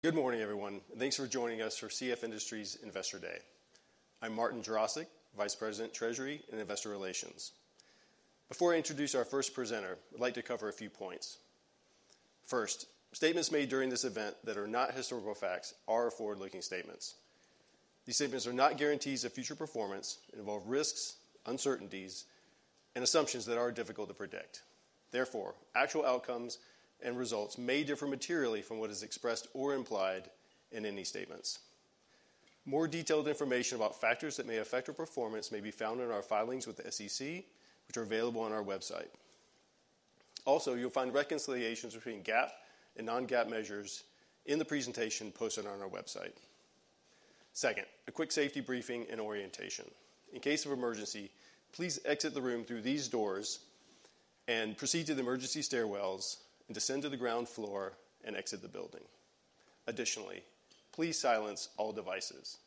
Good morning, everyone, and thanks for joining us for CF Industries Investor Day. I'm Martin Jarosick, Vice President, Treasury and Investor Relations. Before I introduce our first presenter, I'd like to cover a few points. First, statements made during this event that are not historical facts are forward-looking statements. These statements are not guarantees of future performance, involve risks, uncertainties, and assumptions that are difficult to predict. Therefore, actual outcomes and results may differ materially from what is expressed or implied in any statements. More detailed information about factors that may affect your performance may be found in our filings with the SEC, which are available on our website. Also, you'll find reconciliations between GAAP and non-GAAP measures in the presentation posted on our website. Second, a quick safety briefing and orientation. In case of emergency, please exit the room through these doors and proceed to the emergency stairwells and descend to the ground floor and exit the building. Additionally, please silence all devices.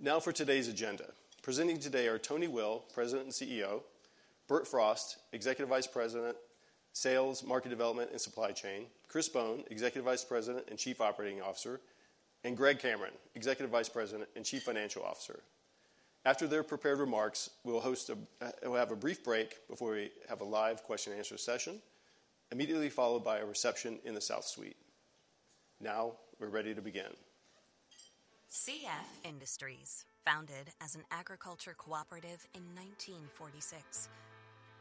Now for today's agenda. Presenting today are Tony Will, President and CEO; Bert Frost, Executive Vice President, Sales, Market Development, and Supply Chain; Chris Bohn, Executive Vice President and Chief Operating Officer; and Greg Cameron, Executive Vice President and Chief Financial Officer. After their prepared remarks, we'll have a brief break before we have a live question-and-answer session, immediately followed by a reception in the South Suite. Now we're ready to begin. CF Industries, founded as an agriculture cooperative in 1946.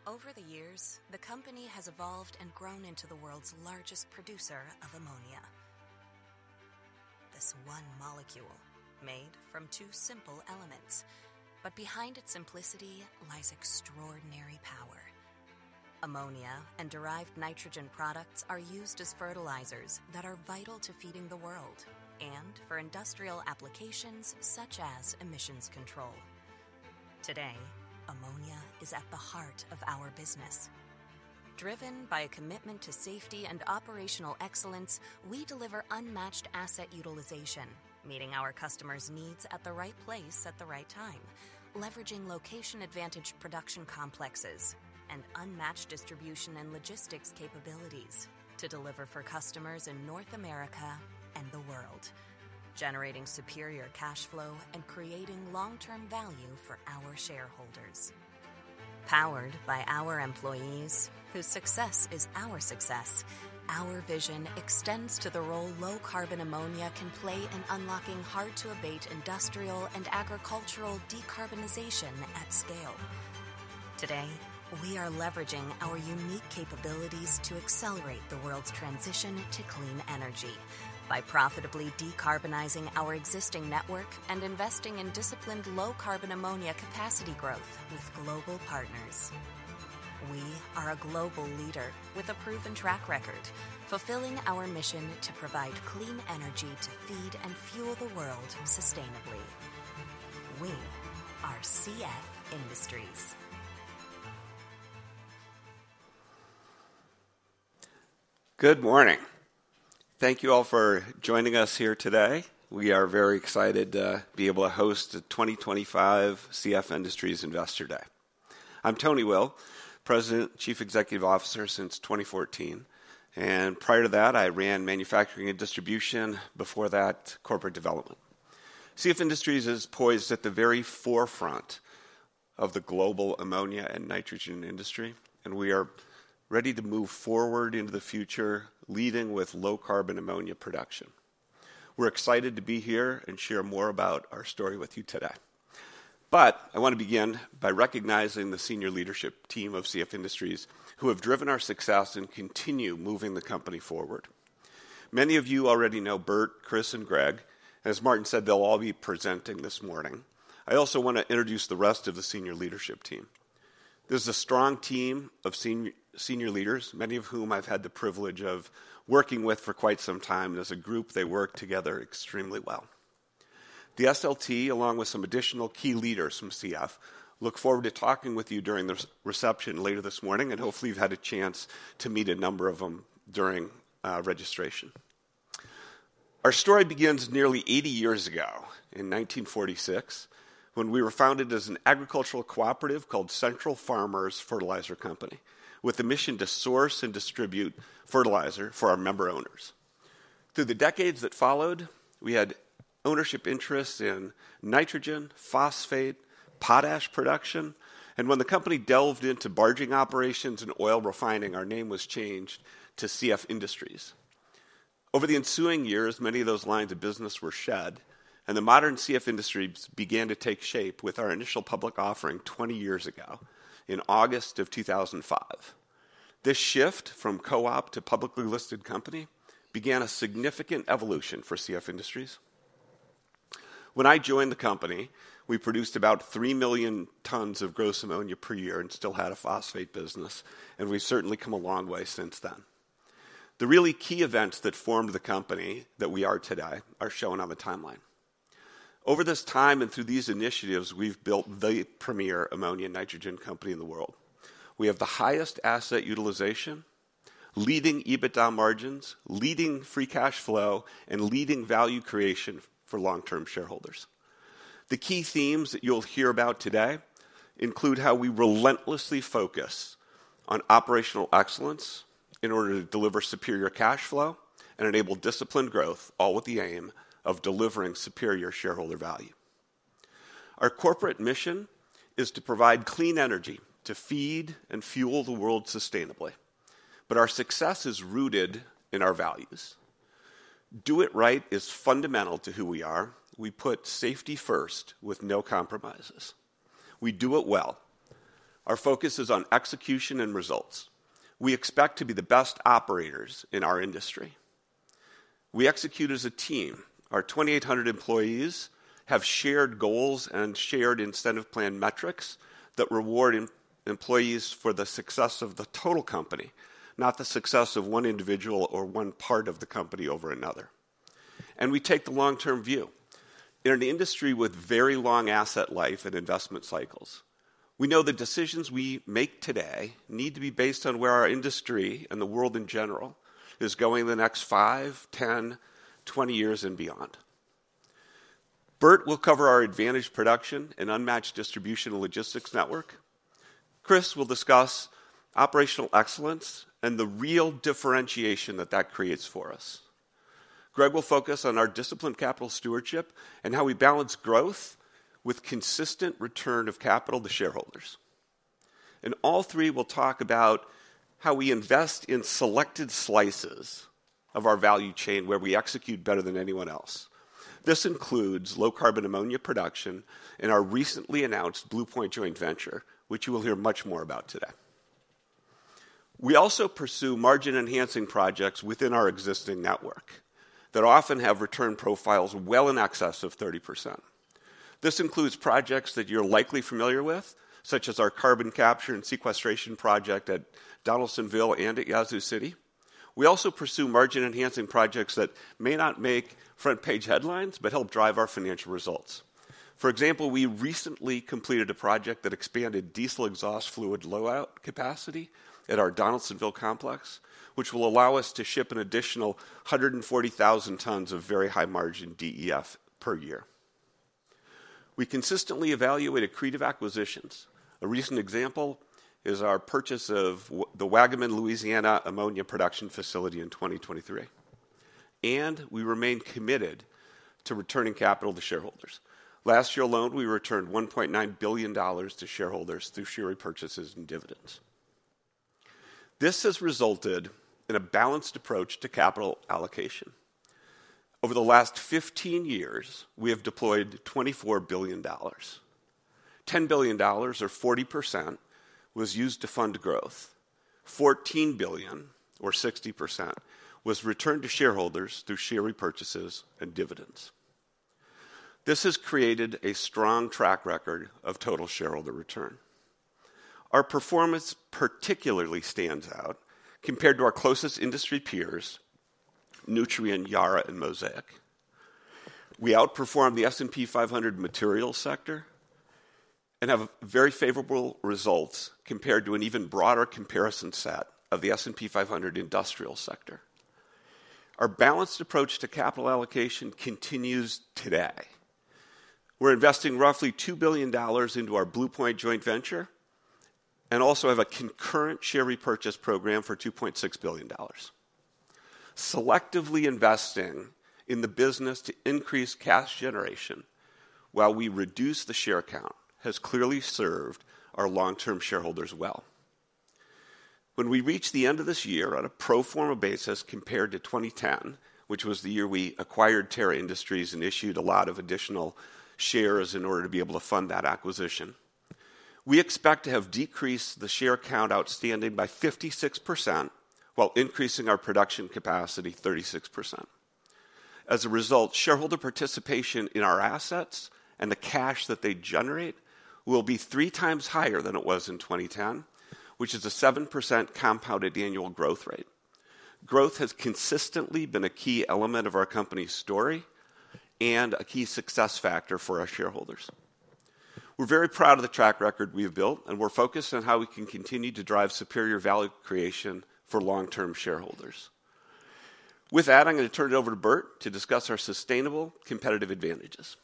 Over the years, the company has evolved and grown into the world's largest producer of ammonia. This one molecule is made from two simple elements, but behind its simplicity lies extraordinary power. Ammonia and derived nitrogen products are used as fertilizers that are vital to feeding the world and for industrial applications such as emissions control. Today, ammonia is at the heart of our business. Driven by a commitment to safety and operational excellence, we deliver unmatched asset utilization, meeting our customers' needs at the right place at the right time, leveraging location-advantaged production complexes and unmatched distribution and logistics capabilities to deliver for customers in North America and the world, generating superior cash flow and creating long-term value for our shareholders. Powered by our employees, whose success is our success, our vision extends to the role low-carbon ammonia can play in unlocking hard-to-abate industrial and agricultural decarbonization at scale. Today, we are leveraging our unique capabilities to accelerate the world's transition to clean energy by profitably decarbonizing our existing network and investing in disciplined low-carbon ammonia capacity growth with global partners. We are a global leader with a proven track record, fulfilling our mission to provide clean energy to feed and fuel the world sustainably. We are CF Industries. Good morning. Thank you all for joining us here today. We are very excited to be able to host the 2025 CF Industries Investor Day. I'm Tony Will, President, Chief Executive Officer since 2014, and prior to that, I ran manufacturing and distribution. Before that, corporate development. CF Industries is poised at the very forefront of the global ammonia and nitrogen industry, and we are ready to move forward into the future, leading with low-carbon ammonia production. We're excited to be here and share more about our story with you today. I want to begin by recognizing the senior leadership team of CF Industries who have driven our success and continue moving the company forward. Many of you already know Bert, Chris, and Greg, and as Martin said, they'll all be presenting this morning. I also want to introduce the rest of the senior leadership team. This is a strong team of senior leaders, many of whom I've had the privilege of working with for quite some time, and as a group, they work together extremely well. The SLT, along with some additional key leaders from CF, look forward to talking with you during the reception later this morning, and hopefully you've had a chance to meet a number of them during registration. Our story begins nearly 80 years ago in 1946, when we were founded as an agricultural cooperative called Central Farmers Fertilizer Company, with the mission to source and distribute fertilizer for our member owners. Through the decades that followed, we had ownership interests in nitrogen, phosphate, potash production, and when the company delved into barging operations and oil refining, our name was changed to CF Industries. Over the ensuing years, many of those lines of business were shed, and the modern CF Industries began to take shape with our initial public offering 20 years ago in August of 2005. This shift from co-op to publicly listed company began a significant evolution for CF Industries. When I joined the company, we produced about 3 million tons of gross ammonia per year and still had a phosphate business, and we've certainly come a long way since then. The really key events that formed the company that we are today are shown on the timeline. Over this time and through these initiatives, we've built the premier ammonia and nitrogen company in the world. We have the highest asset utilization, leading EBITDA margins, leading free cash flow, and leading value creation for long-term shareholders. The key themes that you'll hear about today include how we relentlessly focus on operational excellence in order to deliver superior cash flow and enable disciplined growth, all with the aim of delivering superior shareholder value. Our corporate mission is to provide clean energy to feed and fuel the world sustainably, but our success is rooted in our values. Do it right is fundamental to who we are. We put safety first with no compromises. We do it well. Our focus is on execution and results. We expect to be the best operators in our industry. We execute as a team. Our 2,800 employees have shared goals and shared incentive plan metrics that reward employees for the success of the total company, not the success of one individual or one part of the company over another. We take the long-term view. In an industry with very long asset life and investment cycles, we know the decisions we make today need to be based on where our industry and the world in general is going the next 5, 10, 20 years and beyond. Bert will cover our advantaged production and unmatched distribution and logistics network. Chris will discuss operational excellence and the real differentiation that that creates for us. Greg will focus on our disciplined capital stewardship and how we balance growth with consistent return of capital to shareholders. All three will talk about how we invest in selected slices of our value chain where we execute better than anyone else. This includes low-carbon ammonia production and our recently announced Blue Point Joint Venture, which you will hear much more about today. We also pursue margin-enhancing projects within our existing network that often have return profiles well in excess of 30%. This includes projects that you're likely familiar with, such as our carbon capture and sequestration project at Donaldsonville and at Yazoo City. We also pursue margin-enhancing projects that may not make front-page headlines but help drive our financial results. For example, we recently completed a project that expanded diesel exhaust fluid load-out capacity at our Donaldsonville Complex, which will allow us to ship an additional 140,000 tons of very high-margin DEF per year. We consistently evaluate accretive acquisitions. A recent example is our purchase of the Waggaman, Louisiana ammonia production facility in 2023. We remain committed to returning capital to shareholders. Last year alone, we returned $1.9 billion to shareholders through share repurchases and dividends. This has resulted in a balanced approach to capital allocation. Over the last 15 years, we have deployed $24 billion. $10 billion, or 40%, was used to fund growth. $14 billion, or 60%, was returned to shareholders through share repurchases and dividends. This has created a strong track record of total shareholder return. Our performance particularly stands out compared to our closest industry peers, Nutrien, Yara, and Mosaic. We outperform the S&P 500 material sector and have very favorable results compared to an even broader comparison set of the S&P 500 industrial sector. Our balanced approach to capital allocation continues today. We're investing roughly $2 billion into our Blue Point Joint Venture and also have a concurrent share repurchase program for $2.6 billion. Selectively investing in the business to increase cash generation while we reduce the share count has clearly served our long-term shareholders well. When we reach the end of this year on a pro forma basis compared to 2010, which was the year we acquired Terra Industries and issued a lot of additional shares in order to be able to fund that acquisition, we expect to have decreased the share count outstanding by 56% while increasing our production capacity 36%. As a result, shareholder participation in our assets and the cash that they generate will be three times higher than it was in 2010, which is a 7% compounded annual growth rate. Growth has consistently been a key element of our company's story and a key success factor for our shareholders. We're very proud of the track record we've built, and we're focused on how we can continue to drive superior value creation for long-term shareholders. With that, I'm going to turn it over to Bert to discuss our sustainable competitive advantages.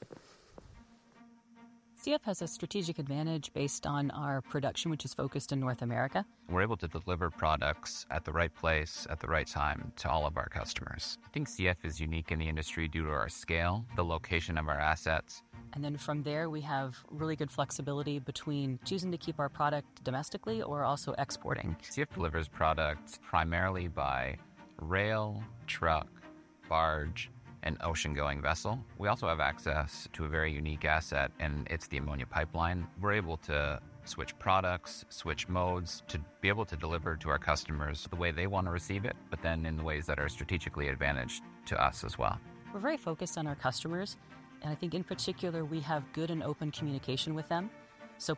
CF has a strategic advantage based on our production, which is focused in North America. We're able to deliver products at the right place, at the right time to all of our customers. I think CF is unique in the industry due to our scale, the location of our assets. From there, we have really good flexibility between choosing to keep our product domestically or also exporting. CF delivers products primarily by rail, truck, barge, and ocean-going vessel. We also have access to a very unique asset, and it's the ammonia pipeline. We're able to switch products, switch modes to be able to deliver to our customers the way they want to receive it, but then in ways that are strategically advantaged to us as well. We're very focused on our customers, and I think in particular we have good and open communication with them.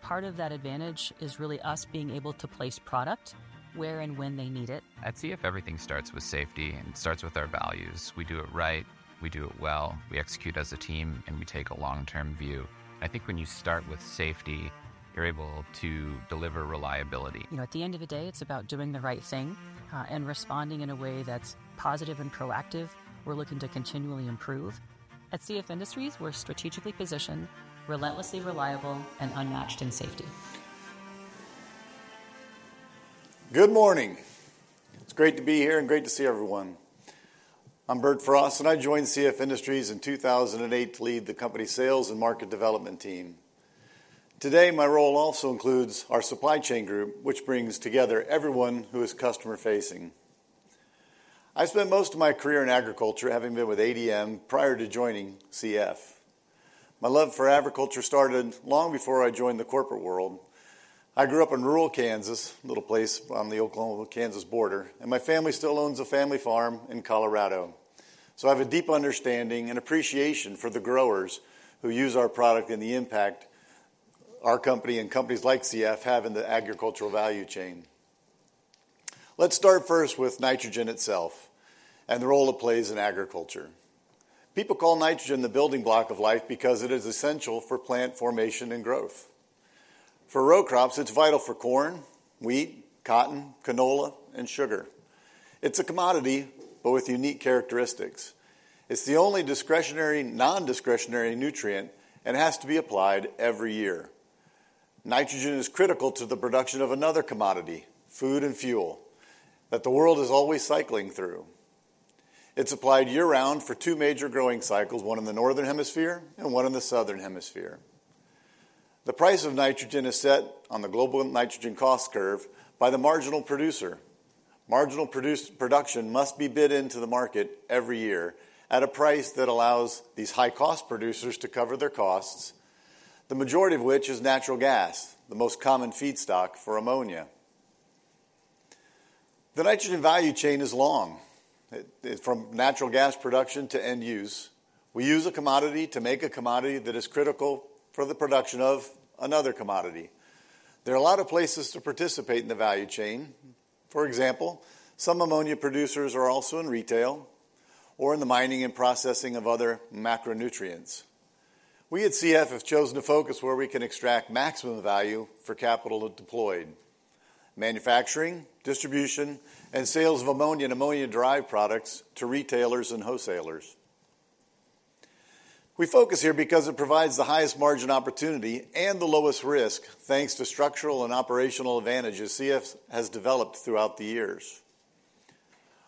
Part of that advantage is really us being able to place product where and when they need it. At CF, everything starts with safety and starts with our values. We do it right, we do it well, we execute as a team, and we take a long-term view. I think when you start with safety, you're able to deliver reliability. You know, at the end of the day, it's about doing the right thing and responding in a way that's positive and proactive. We're looking to continually improve. At CF Industries, we're strategically positioned, relentlessly reliable, and unmatched in safety. Good morning. It's great to be here and great to see everyone. I'm Bert Frost, and I joined CF Industries in 2008 to lead the company's sales and market development team. Today, my role also includes our supply chain group, which brings together everyone who is customer-facing. I spent most of my career in agriculture, having been with ADM prior to joining CF. My love for agriculture started long before I joined the corporate world. I grew up in rural Kansas, a little place on the Oklahoma-Kansas border, and my family still owns a family farm in Colorado. So I have a deep understanding and appreciation for the growers who use our product and the impact our company and companies like CF have in the agricultural value chain. Let's start first with nitrogen itself and the role it plays in agriculture. People call nitrogen the building block of life because it is essential for plant formation and growth. For row crops, it's vital for corn, wheat, cotton, canola, and sugar. It's a commodity, but with unique characteristics. It's the only discretionary non-discretionary nutrient and has to be applied every year. Nitrogen is critical to the production of another commodity, food and fuel, that the world is always cycling through. It's applied year-round for two major growing cycles, one in the northern hemisphere and one in the southern hemisphere. The price of nitrogen is set on the global nitrogen cost curve by the marginal producer. Marginal production must be bid into the market every year at a price that allows these high-cost producers to cover their costs, the majority of which is natural gas, the most common feedstock for ammonia. The nitrogen value chain is long. From natural gas production to end use, we use a commodity to make a commodity that is critical for the production of another commodity. There are a lot of places to participate in the value chain. For example, some ammonia producers are also in retail or in the mining and processing of other macronutrients. We at CF have chosen to focus where we can extract maximum value for capital deployed: manufacturing, distribution, and sales of ammonia and ammonia-derived products to retailers and wholesalers. We focus here because it provides the highest margin opportunity and the lowest risk, thanks to structural and operational advantages CF has developed throughout the years.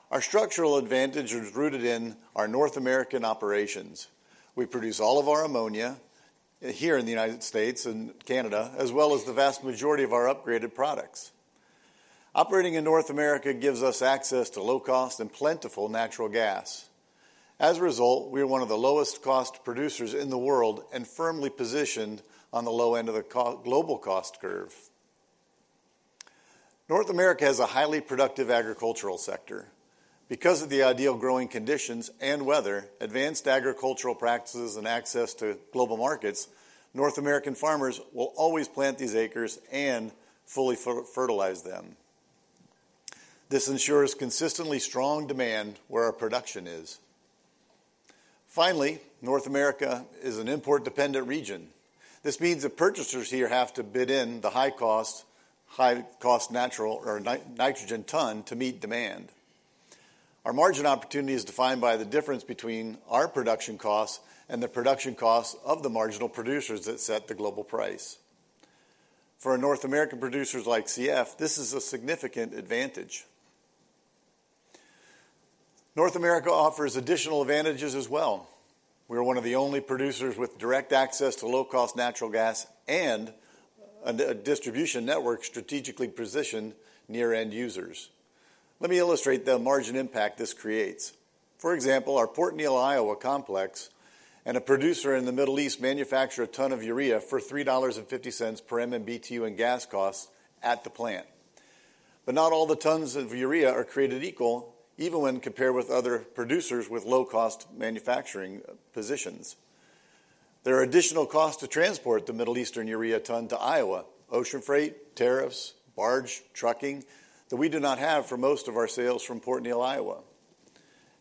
Our structural advantage is rooted in our North American operations. We produce all of our ammonia here in the United States and Canada, as well as the vast majority of our upgraded products. Operating in North America gives us access to low-cost and plentiful natural gas. As a result, we are one of the lowest-cost producers in the world and firmly positioned on the low end of the global cost curve. North America has a highly productive agricultural sector. Because of the ideal growing conditions and weather, advanced agricultural practices, and access to global markets, North American farmers will always plant these acres and fully fertilize them. This ensures consistently strong demand where our production is. Finally, North America is an import-dependent region. This means that purchasers here have to bid in the high-cost natural or nitrogen ton to meet demand. Our margin opportunity is defined by the difference between our production costs and the production costs of the marginal producers that set the global price. For North American producers like CF, this is a significant advantage. North America offers additional advantages as well. We are one of the only producers with direct access to low-cost natural gas and a distribution network strategically positioned near end users. Let me illustrate the margin impact this creates. For example, our Port Neal, Iowa complex and a producer in the Middle East manufacture a ton of urea for $3.50 per MMBTu in gas costs at the plant. Not all the tons of urea are created equal, even when compared with other producers with low-cost manufacturing positions. There are additional costs to transport the Middle Eastern urea ton to Iowa: ocean freight, tariffs, barge, trucking that we do not have for most of our sales from Port Neal, Iowa.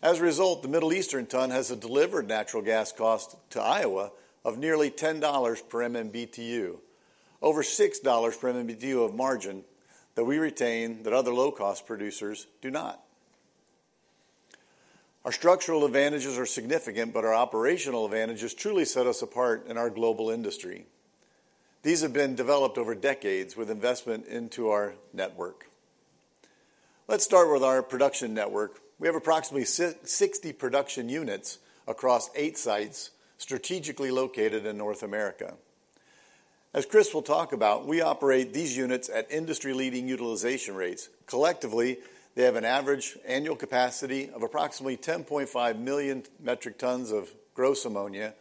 As a result, the Middle Eastern ton has a delivered natural gas cost to Iowa of nearly $10 per MMBTu, over $6 per MMBTu of margin that we retain that other low-cost producers do not. Our structural advantages are significant, but our operational advantages truly set us apart in our global industry. These have been developed over decades with investment into our network. Let's start with our production network. We have approximately 60 production units across eight sites strategically located in North America. As Chris will talk about, we operate these units at industry-leading utilization rates. Collectively, they have an average annual capacity of approximately 10.5 million metric tons of gross ammonia.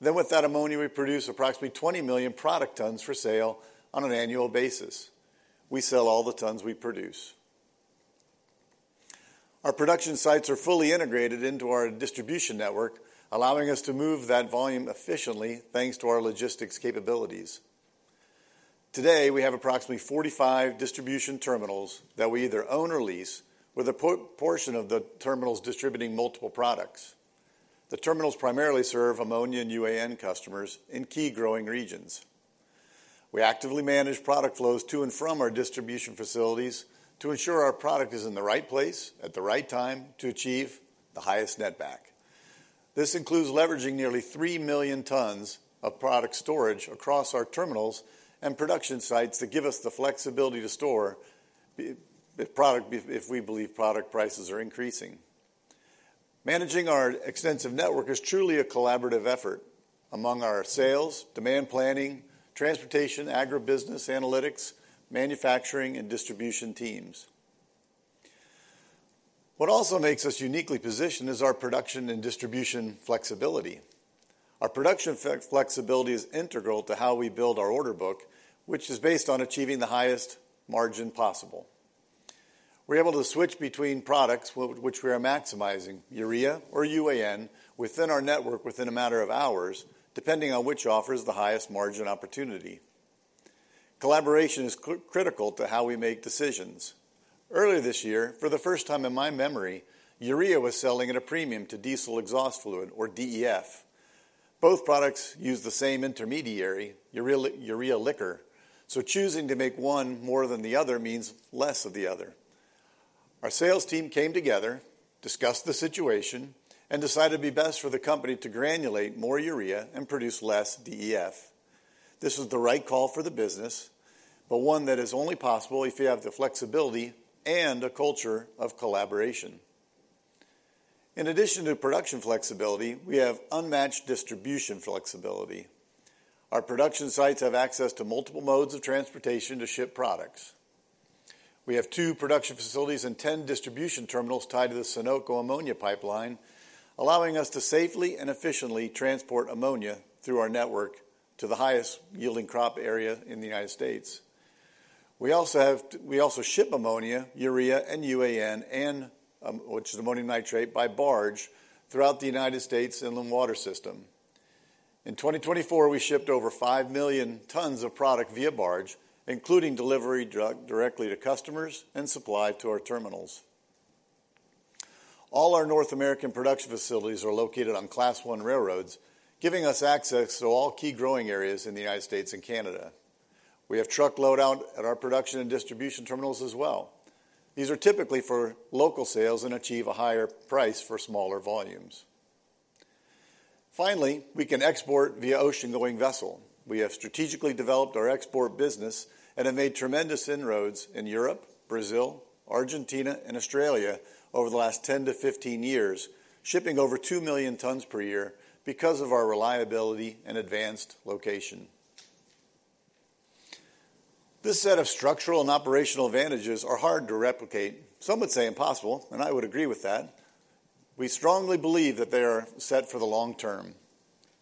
Then, with that ammonia, we produce approximately 20 million product tons for sale on an annual basis. We sell all the tons we produce. Our production sites are fully integrated into our distribution network, allowing us to move that volume efficiently, thanks to our logistics capabilities. Today, we have approximately 45 distribution terminals that we either own or lease, with a portion of the terminals distributing multiple products. The terminals primarily serve ammonia and UAN customers in key growing regions. We actively manage product flows to and from our distribution facilities to ensure our product is in the right place at the right time to achieve the highest net back. This includes leveraging nearly 3 million tons of product storage across our terminals and production sites that give us the flexibility to store product if we believe product prices are increasing. Managing our extensive network is truly a collaborative effort among our sales, demand planning, transportation, agribusiness, analytics, manufacturing, and distribution teams. What also makes us uniquely positioned is our production and distribution flexibility. Our production flexibility is integral to how we build our order book, which is based on achieving the highest margin possible. We're able to switch between products, which we are maximizing: urea or UAN, within our network within a matter of hours, depending on which offers the highest margin opportunity. Collaboration is critical to how we make decisions. Earlier this year, for the first time in my memory, urea was selling at a premium to diesel exhaust fluid, or DEF. Both products use the same intermediary, urea liquor, so choosing to make one more than the other means less of the other. Our sales team came together, discussed the situation, and decided it would be best for the company to granulate more urea and produce less DEF. This was the right call for the business, but one that is only possible if you have the flexibility and a culture of collaboration. In addition to production flexibility, we have unmatched distribution flexibility. Our production sites have access to multiple modes of transportation to ship products. We have two production facilities and 10 distribution terminals tied to the Sunoco ammonia pipeline, allowing us to safely and efficiently transport ammonia through our network to the highest yielding crop area in the United States. We also ship ammonia, urea, and UAN, which is ammonium nitrate, by barge throughout the United States inland water system. In 2024, we shipped over 5 million tons of product via barge, including delivery directly to customers and supply to our terminals. All our North American production facilities are located on Class I railroads, giving us access to all key growing areas in the United States and Canada. We have truck loadout at our production and distribution terminals as well. These are typically for local sales and achieve a higher price for smaller volumes. Finally, we can export via ocean-going vessel. We have strategically developed our export business and have made tremendous inroads in Europe, Brazil, Argentina, and Australia over the last 10 years-15 years, shipping over 2 million tons per year because of our reliability and advanced location. This set of structural and operational advantages is hard to replicate. Some would say impossible, and I would agree with that. We strongly believe that they are set for the long term.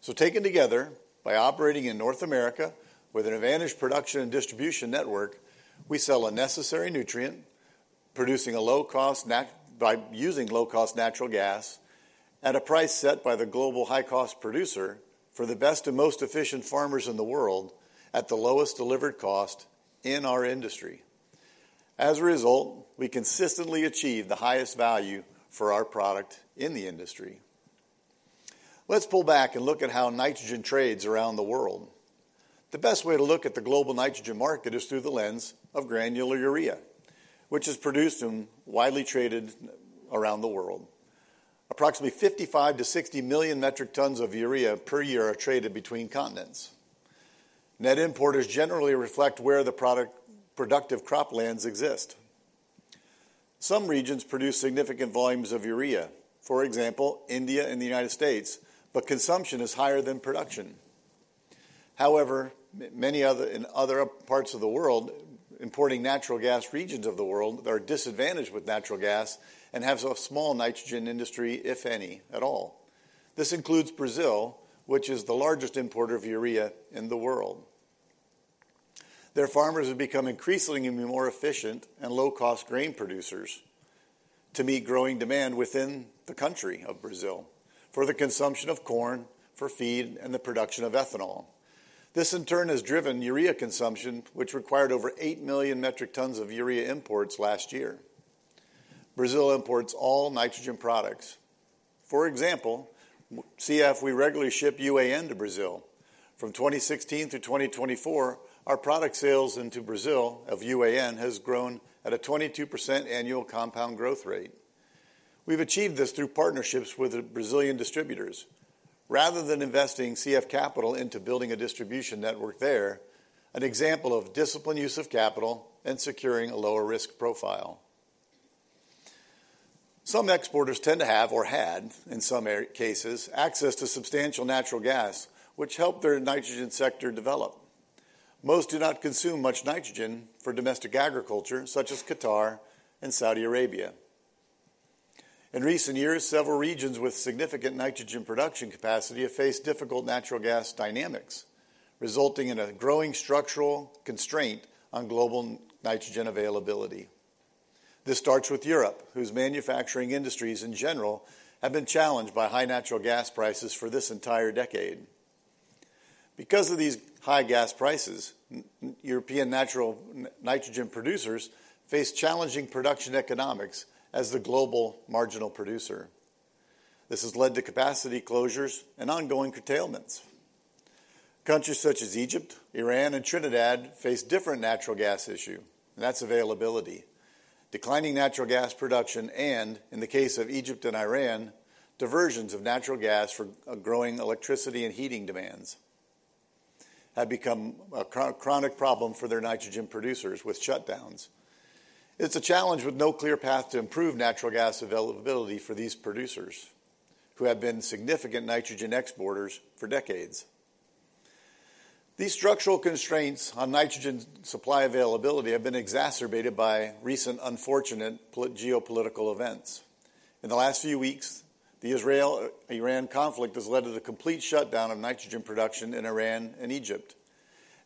Taken together, by operating in North America with an advantaged production and distribution network, we sell a necessary nutrient, producing a low-cost by using low-cost natural gas at a price set by the global high-cost producer for the best and most efficient farmers in the world at the lowest delivered cost in our industry. As a result, we consistently achieve the highest value for our product in the industry. Let's pull back and look at how nitrogen trades around the world. The best way to look at the global nitrogen market is through the lens of granular urea, which is produced and widely traded around the world. Approximately 55 million-60 million metric tons of urea per year are traded between continents. Net import is generally reflected where the productive croplands exist. Some regions produce significant volumes of urea, for example, India and the United States, but consumption is higher than production. However, many other parts of the world, importing natural gas regions of the world, are disadvantaged with natural gas and have a small nitrogen industry, if any, at all. This includes Brazil, which is the largest importer of urea in the world. Their farmers have become increasingly more efficient and low-cost grain producers to meet growing demand within the country of Brazil for the consumption of corn for feed and the production of ethanol. This, in turn, has driven urea consumption, which required over 8 million metric tons of urea imports last year. Brazil imports all nitrogen products. For example, CF, we regularly ship UAN to Brazil. From 2016 to 2024, our product sales into Brazil of UAN have grown at a 22% annual compound growth rate. We've achieved this through partnerships with Brazilian distributors. Rather than investing CF capital into building a distribution network there, an example of disciplined use of capital and securing a lower risk profile. Some exporters tend to have, or had in some cases, access to substantial natural gas, which helped their nitrogen sector develop. Most do not consume much nitrogen for domestic agriculture, such as Qatar and Saudi Arabia. In recent years, several regions with significant nitrogen production capacity have faced difficult natural gas dynamics, resulting in a growing structural constraint on global nitrogen availability. This starts with Europe, whose manufacturing industries in general have been challenged by high natural gas prices for this entire decade. Because of these high gas prices, European natural nitrogen producers face challenging production economics as the global marginal producer. This has led to capacity closures and ongoing curtailments. Countries such as Egypt, Iran, and Trinidad face different natural gas issues, and that's availability. Declining natural gas production and, in the case of Egypt and Iran, diversions of natural gas for growing electricity and heating demands have become a chronic problem for their nitrogen producers with shutdowns. It's a challenge with no clear path to improve natural gas availability for these producers, who have been significant nitrogen exporters for decades. These structural constraints on nitrogen supply availability have been exacerbated by recent unfortunate geopolitical events. In the last few weeks, the Israel-Iran conflict has led to the complete shutdown of nitrogen production in Iran and Egypt.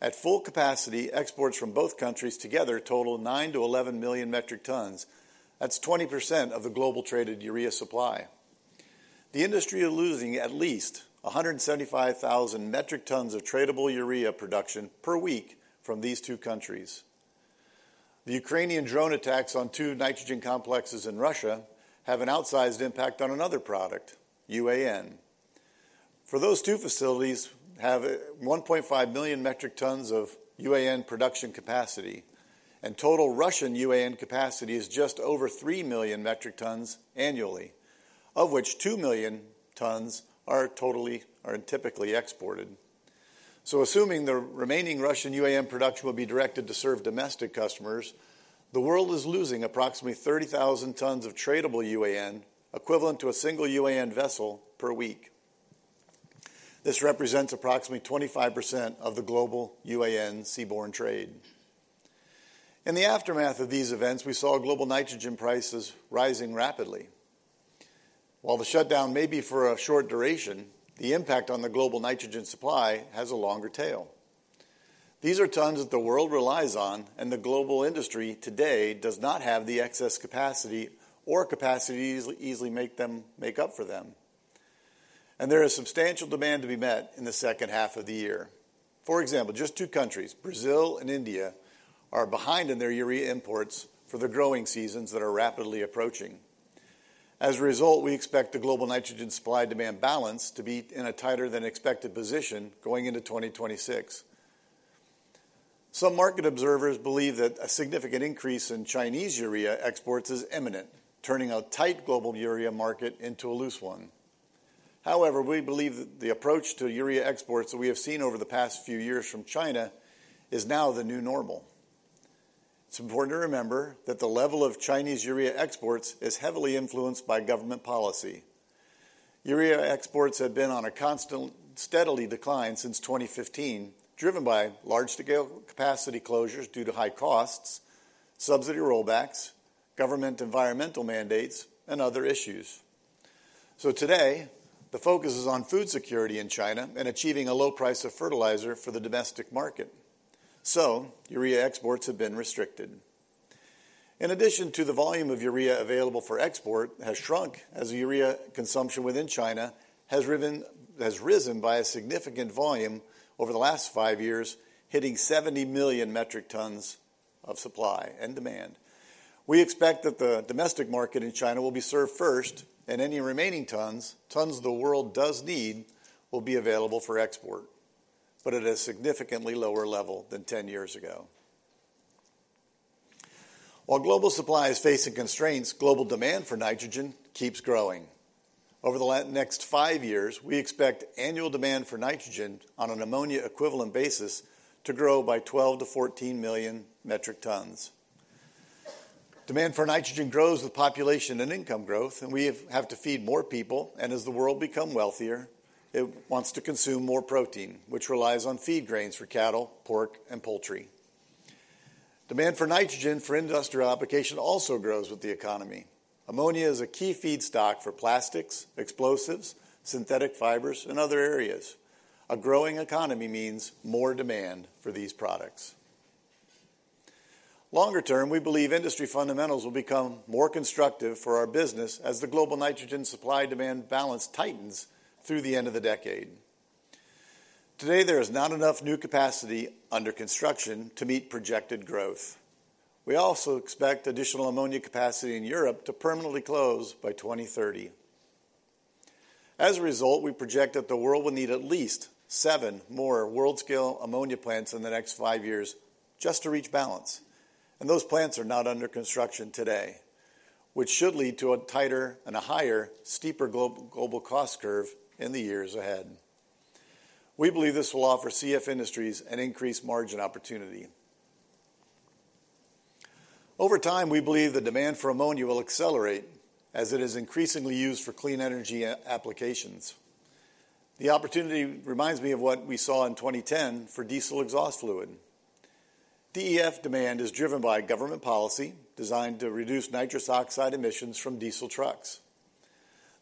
At full capacity, exports from both countries together total 9 million-11 million metric tons. That's 20% of the global traded urea supply. The industry is losing at least 175,000 metric tons of tradable urea production per week from these two countries. The Ukrainian drone attacks on two nitrogen complexes in Russia have an outsized impact on another product, UAN. For those two facilities, we have 1.5 million metric tons of UAN production capacity, and total Russian UAN capacity is just over 3 million metric tons annually, of which 2 million tons are typically exported. Assuming the remaining Russian UAN production will be directed to serve domestic customers, the world is losing approximately 30,000 tons of tradable UAN, equivalent to a single UAN vessel per week. This represents approximately 25% of the global UAN seaborne trade. In the aftermath of these events, we saw global nitrogen prices rising rapidly. While the shutdown may be for a short duration, the impact on the global nitrogen supply has a longer tail. These are tons that the world relies on, and the global industry today does not have the excess capacity or capacity to easily make up for them. There is substantial demand to be met in the second half of the year. For example, just two countries, Brazil and India, are behind in their urea imports for the growing seasons that are rapidly approaching. As a result, we expect the global nitrogen supply-demand balance to be in a tighter-than-expected position going into 2026. Some market observers believe that a significant increase in Chinese urea exports is imminent, turning a tight global urea market into a loose one. However, we believe that the approach to urea exports that we have seen over the past few years from China is now the new normal. It's important to remember that the level of Chinese urea exports is heavily influenced by government policy. Urea exports have been on a constant, steadily declining trend since 2015, driven by large-scale capacity closures due to high costs, subsidy rollbacks, government environmental mandates, and other issues. Today, the focus is on food security in China and achieving a low price of fertilizer for the domestic market. Urea exports have been restricted. In addition, the volume of urea available for export has shrunk as urea consumption within China has risen by a significant volume over the last five years, hitting 70 million metric tons of supply and demand. We expect that the domestic market in China will be served first, and any remaining tons, tons the world does need, will be available for export, but at a significantly lower level than 10 years ago. While global supply is facing constraints, global demand for nitrogen keeps growing. Over the next five years, we expect annual demand for nitrogen on an ammonia-equivalent basis to grow by 12 million-14 million metric tons. Demand for nitrogen grows with population and income growth, and we have to feed more people. As the world becomes wealthier, it wants to consume more protein, which relies on feed grains for cattle, pork, and poultry. Demand for nitrogen for industrial application also grows with the economy. Ammonia is a key feedstock for plastics, explosives, synthetic fibers, and other areas. A growing economy means more demand for these products. Longer term, we believe industry fundamentals will become more constructive for our business as the global nitrogen supply-demand balance tightens through the end of the decade. Today, there is not enough new capacity under construction to meet projected growth. We also expect additional ammonia capacity in Europe to permanently close by 2030. As a result, we project that the world will need at least seven more world-scale ammonia plants in the next five years just to reach balance. Those plants are not under construction today, which should lead to a tighter and a higher, steeper global cost curve in the years ahead. We believe this will offer CF Industries an increased margin opportunity. Over time, we believe the demand for ammonia will accelerate as it is increasingly used for clean energy applications. The opportunity reminds me of what we saw in 2010 for diesel exhaust fluid. DEF demand is driven by government policy designed to reduce nitrous oxide emissions from diesel trucks.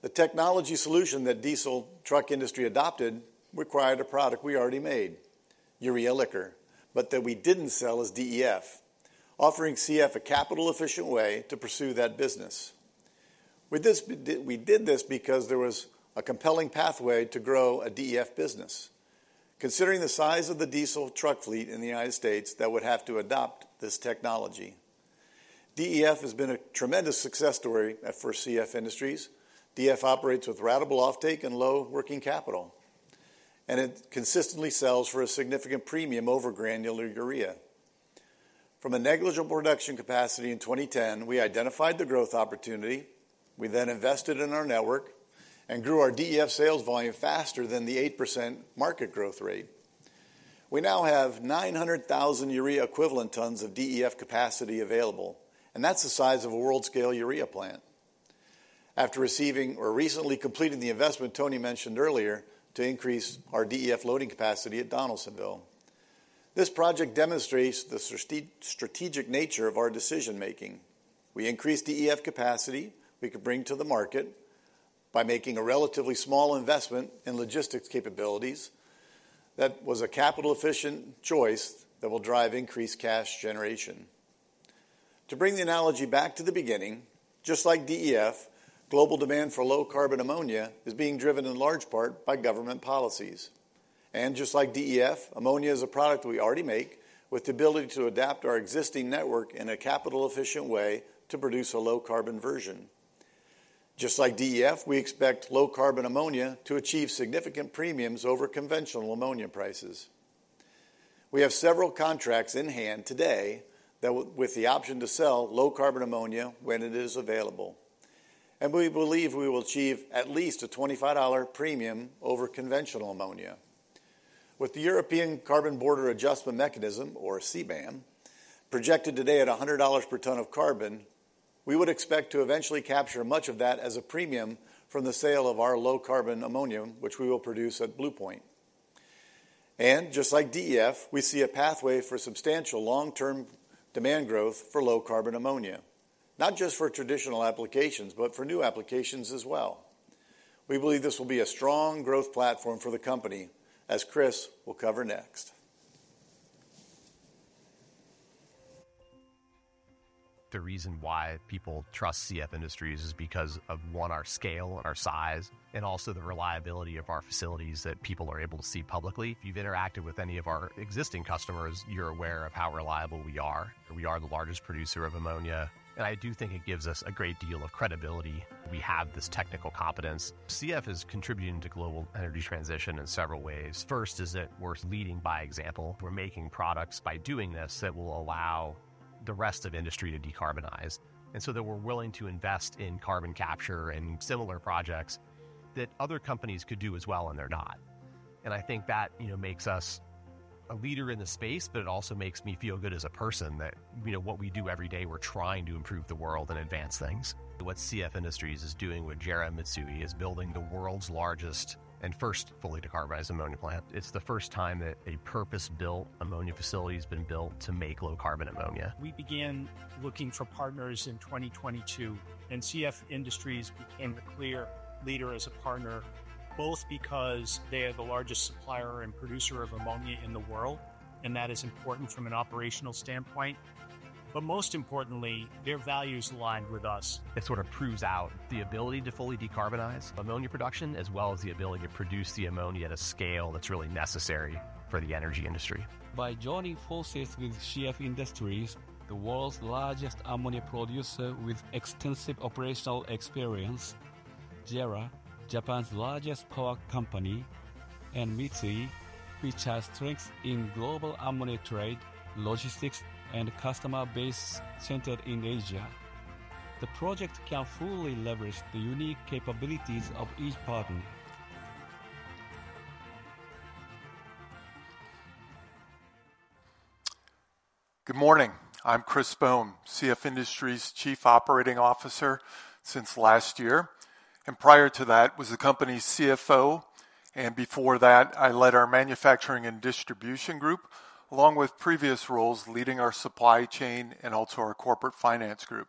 The technology solution that the diesel truck industry adopted required a product we already made, urea liquor, but that we did not sell as DEF, offering CF a capital-efficient way to pursue that business. We did this because there was a compelling pathway to grow a DEF business, considering the size of the diesel truck fleet in the United States that would have to adopt this technology. DEF has been a tremendous success story for CF Industries. DEF operates with radical offtake and low working capital, and it consistently sells for a significant premium over granular urea. From a negligible production capacity in 2010, we identified the growth opportunity. We then invested in our network and grew our DEF sales volume faster than the 8% market growth rate. We now have 900,000 urea-equivalent tons of DEF capacity available, and that's the size of a world-scale urea plant. After receiving or recently completing the investment Tony mentioned earlier to increase our DEF loading capacity at Donaldsonville, this project demonstrates the strategic nature of our decision-making. We increased DEF capacity we could bring to the market by making a relatively small investment in logistics capabilities. That was a capital-efficient choice that will drive increased cash generation. To bring the analogy back to the beginning, just like DEF, global demand for low-carbon ammonia is being driven in large part by government policies. Just like DEF, ammonia is a product we already make with the ability to adapt our existing network in a capital-efficient way to produce a low-carbon version. Just like DEF, we expect low-carbon ammonia to achieve significant premiums over conventional ammonia prices. We have several contracts in hand today with the option to sell low-carbon ammonia when it is available. We believe we will achieve at least a $25 premium over conventional ammonia. With the European Carbon Border Adjustment Mechanism, or CBAM, projected today at $100 per ton of carbon, we would expect to eventually capture much of that as a premium from the sale of our low-carbon ammonia, which we will produce at Blue Point. Just like DEF, we see a pathway for substantial long-term demand growth for low-carbon ammonia, not just for traditional applications, but for new applications as well. We believe this will be a strong growth platform for the company, as Chris will cover next. The reason why people trust CF Industries is because of, one, our scale and our size, and also the reliability of our facilities that people are able to see publicly. If you've interacted with any of our existing customers, you're aware of how reliable we are. We are the largest producer of ammonia. I do think it gives us a great deal of credibility. We have this technical competence. CF is contributing to global energy transition in several ways. First is that we're leading by example. We're making products by doing this that will allow the rest of the industry to decarbonize. We are willing to invest in carbon capture and similar projects that other companies could do as well, and they're not. I think that makes us a leader in the space, but it also makes me feel good as a person that what we do every day, we're trying to improve the world and advance things. What CF Industries is doing with JERA Mitsui is building the world's largest and first fully decarbonized ammonia plant. It's the first time that a purpose-built ammonia facility has been built to make low-carbon ammonia. We began looking for partners in 2022, and CF Industries became a clear leader as a partner, both because they are the largest supplier and producer of ammonia in the world, and that is important from an operational standpoint. Most importantly, their values align with us. It sort of proves out the ability to fully decarbonize ammonia production, as well as the ability to produce the ammonia at a scale that's really necessary for the energy industry. By joining forces with CF Industries, the world's largest ammonia producer with extensive operational experience, JERA, Japan's largest power company, and Mitsui, which has strengths in global ammonia trade, logistics, and customer base centered in Asia, the project can fully leverage the unique capabilities of each partner. Good morning. I'm Chris Bohn, CF Industries' Chief Operating Officer since last year. Prior to that, I was the company's CFO. Before that, I led our manufacturing and distribution group, along with previous roles leading our supply chain and also our corporate finance group.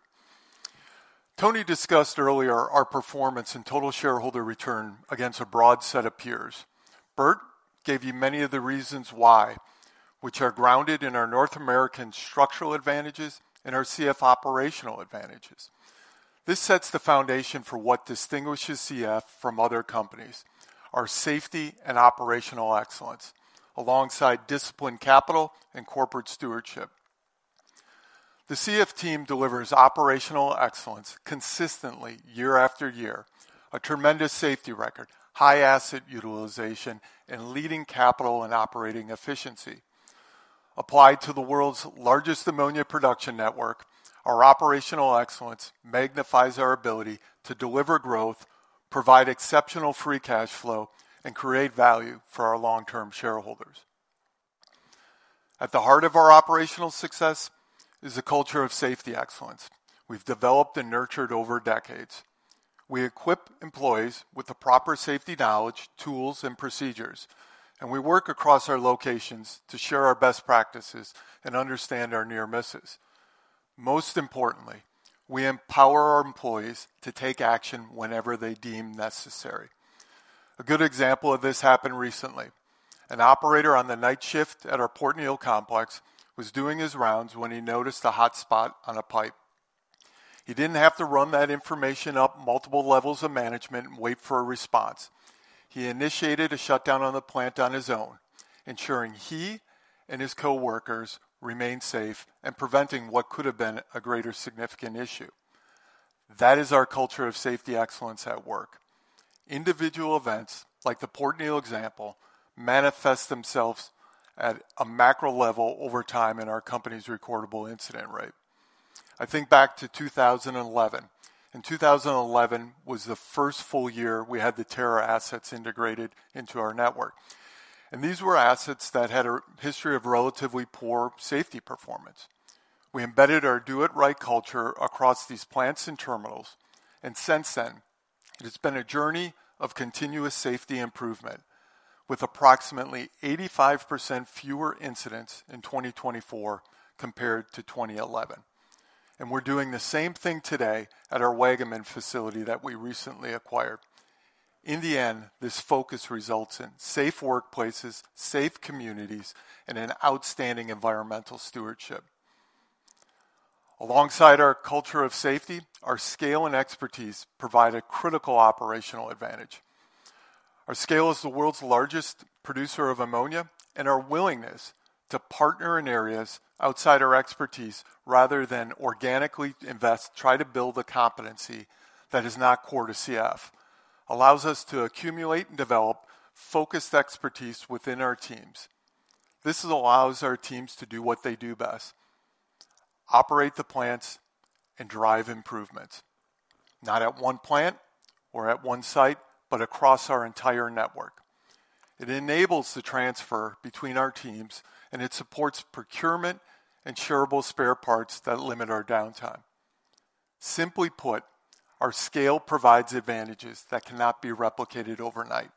Tony discussed earlier our performance and total shareholder return against a broad set of peers. Bert gave you many of the reasons why, which are grounded in our North American structural advantages and our CF operational advantages. This sets the foundation for what distinguishes CF from other companies: our safety and operational excellence, alongside disciplined capital and corporate stewardship. The CF team delivers operational excellence consistently year after year, a tremendous safety record, high asset utilization, and leading capital and operating efficiency. Applied to the world's largest ammonia production network, our operational excellence magnifies our ability to deliver growth, provide exceptional free cash flow, and create value for our long-term shareholders. At the heart of our operational success is a culture of safety excellence we have developed and nurtured over decades. We equip employees with the proper safety knowledge, tools, and procedures, and we work across our locations to share our best practices and understand our near misses. Most importantly, we empower our employees to take action whenever they deem necessary. A good example of this happened recently. An operator on the night shift at our Port Neal complex was doing his rounds when he noticed a hot spot on a pipe. He did not have to run that information up multiple levels of management and wait for a response. He initiated a shutdown on the plant on his own, ensuring he and his coworkers remained safe and preventing what could have been a greater significant issue. That is our culture of safety excellence at work. Individual events, like the Port Neal example, manifest themselves at a macro level over time in our company's recordable incident rate. I think back to 2011. 2011 was the first full year we had the Terra assets integrated into our network. These were assets that had a history of relatively poor safety performance. We embedded our do-it-right culture across these plants and terminals. Since then, it has been a journey of continuous safety improvement, with approximately 85% fewer incidents in 2024 compared to 2011. We're doing the same thing today at our Waggaman facility that we recently acquired. In the end, this focus results in safe workplaces, safe communities, and outstanding environmental stewardship. Alongside our culture of safety, our scale and expertise provide a critical operational advantage. Our scale is the world's largest producer of ammonia, and our willingness to partner in areas outside our expertise, rather than organically invest, try to build the competency that is not core to CF, allows us to accumulate and develop focused expertise within our teams. This allows our teams to do what they do best: operate the plants and drive improvements, not at one plant or at one site, but across our entire network. It enables the transfer between our teams, and it supports procurement and shareable spare parts that limit our downtime. Simply put, our scale provides advantages that cannot be replicated overnight,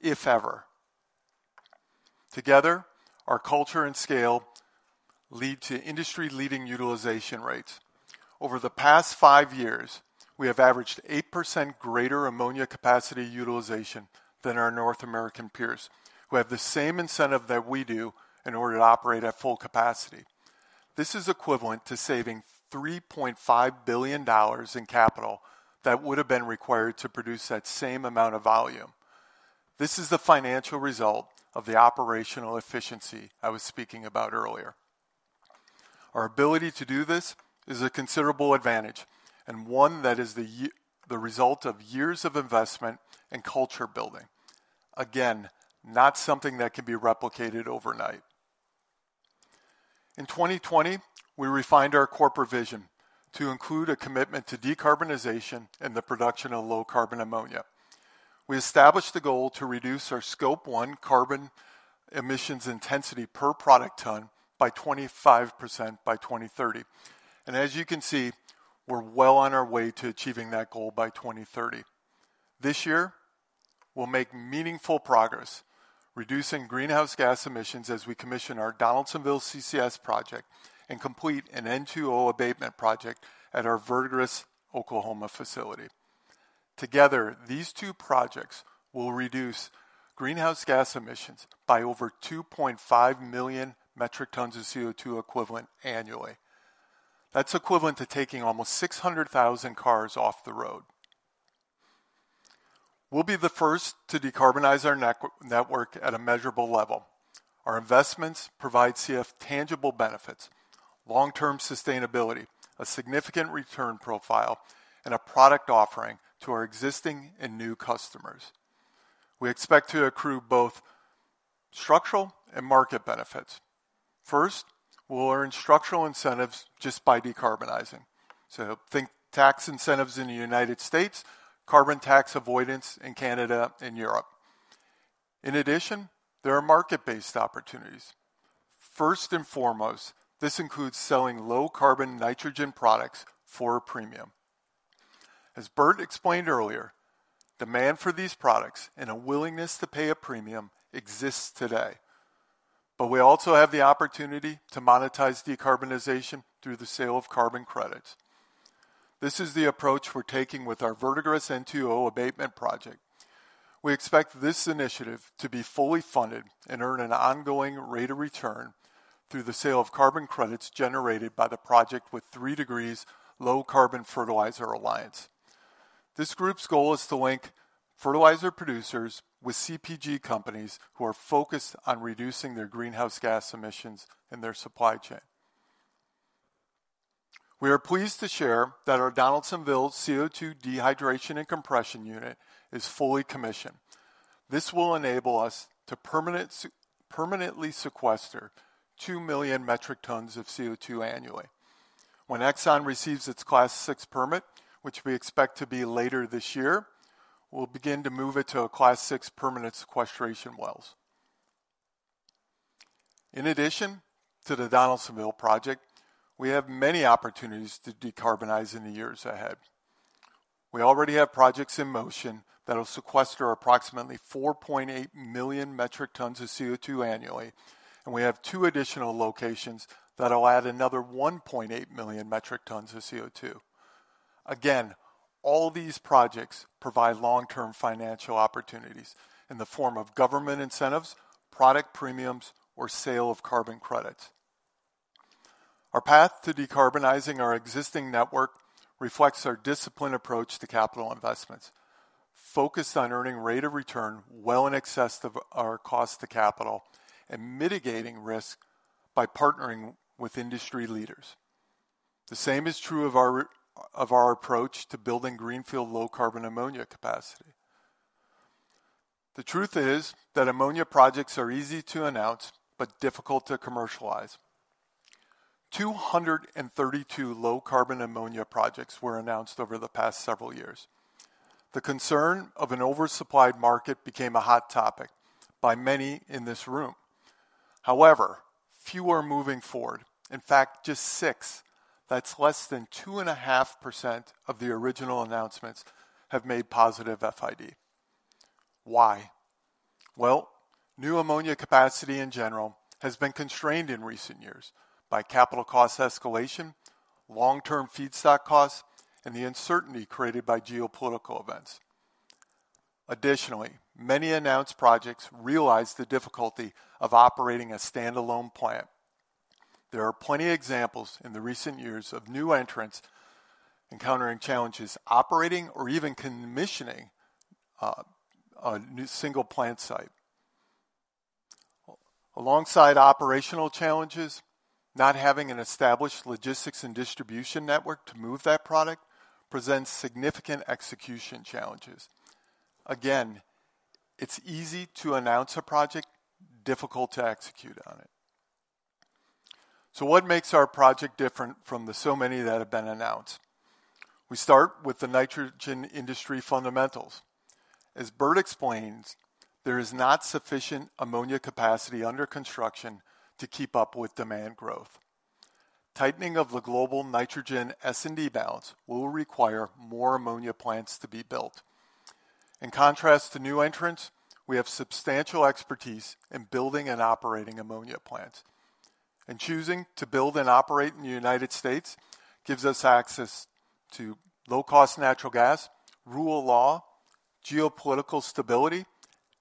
if ever. Together, our culture and scale lead to industry-leading utilization rates. Over the past five years, we have averaged 8% greater ammonia capacity utilization than our North American peers, who have the same incentive that we do in order to operate at full capacity. This is equivalent to saving $3.5 billion in capital that would have been required to produce that same amount of volume. This is the financial result of the operational efficiency I was speaking about earlier. Our ability to do this is a considerable advantage, and one that is the result of years of investment and culture building. Again, not something that can be replicated overnight. In 2020, we refined our corporate vision to include a commitment to decarbonization and the production of low-carbon ammonia. We established the goal to reduce our Scope 1 carbon emissions intensity per product ton by 25% by 2030. As you can see, we're well on our way to achieving that goal by 2030. This year, we'll make meaningful progress, reducing greenhouse gas emissions as we commission our Donaldsonville CCS project and complete an N2O abatement project at our Verdigris, Oklahoma, facility. Together, these two projects will reduce greenhouse gas emissions by over 2.5 million metric tons of CO2 equivalent annually. That's equivalent to taking almost 600,000 cars off the road. We'll be the first to decarbonize our network at a measurable level. Our investments provide CF tangible benefits: long-term sustainability, a significant return profile, and a product offering to our existing and new customers. We expect to accrue both structural and market benefits. First, we'll earn structural incentives just by decarbonizing. Think tax incentives in the United States, carbon tax avoidance in Canada, and Europe. In addition, there are market-based opportunities. First and foremost, this includes selling low-carbon nitrogen products for a premium. As Bert explained earlier, demand for these products and a willingness to pay a premium exists today. We also have the opportunity to monetize decarbonization through the sale of carbon credits. This is the approach we're taking with our Verdigris N2O abatement project. We expect this initiative to be fully funded and earn an ongoing rate of return through the sale of carbon credits generated by the project with 3Degrees Low Carbon Fertilizer Alliance. This group's goal is to link fertilizer producers with CPG companies who are focused on reducing their greenhouse gas emissions in their supply chain. We are pleased to share that our Donaldsonville CO2 Dehydration and Compression Unit is fully commissioned. This will enable us to permanently sequester 2 million metric tons of CO2 annually. When Exxon receives its Class 6 permit, which we expect to be later this year, we'll begin to move it to a Class 6 permanent sequestration wells. In addition to the Donaldsonville project, we have many opportunities to decarbonize in the years ahead. We already have projects in motion that will sequester approximately 4.8 million metric tons of CO2 annually, and we have two additional locations that will add another 1.8 million metric tons of CO2. Again, all these projects provide long-term financial opportunities in the form of government incentives, product premiums, or sale of carbon credits. Our path to decarbonizing our existing network reflects our disciplined approach to capital investments, focused on earning rate of return well in excess of our cost of capital and mitigating risk by partnering with industry leaders. The same is true of our approach to building Greenfield low-carbon ammonia capacity. The truth is that ammonia projects are easy to announce, but difficult to commercialize. 232 low-carbon ammonia projects were announced over the past several years. The concern of an oversupplied market became a hot topic by many in this room. However, few are moving forward. In fact, just six, that's less than 2.5% of the original announcements, have made positive FID. Why? New ammonia capacity in general has been constrained in recent years by capital cost escalation, long-term feedstock costs, and the uncertainty created by geopolitical events. Additionally, many announced projects realize the difficulty of operating a standalone plant. There are plenty of examples in the recent years of new entrants encountering challenges operating or even commissioning a single plant site. Alongside operational challenges, not having an established logistics and distribution network to move that product presents significant execution challenges. Again, it's easy to announce a project, difficult to execute on it. What makes our project different from the so many that have been announced? We start with the nitrogen industry fundamentals. As Bert explains, there is not sufficient ammonia capacity under construction to keep up with demand growth. Tightening of the global nitrogen S&D balance will require more ammonia plants to be built. In contrast to new entrants, we have substantial expertise in building and operating ammonia plants. Choosing to build and operate in the United States gives us access to low-cost natural gas, rule of law, geopolitical stability,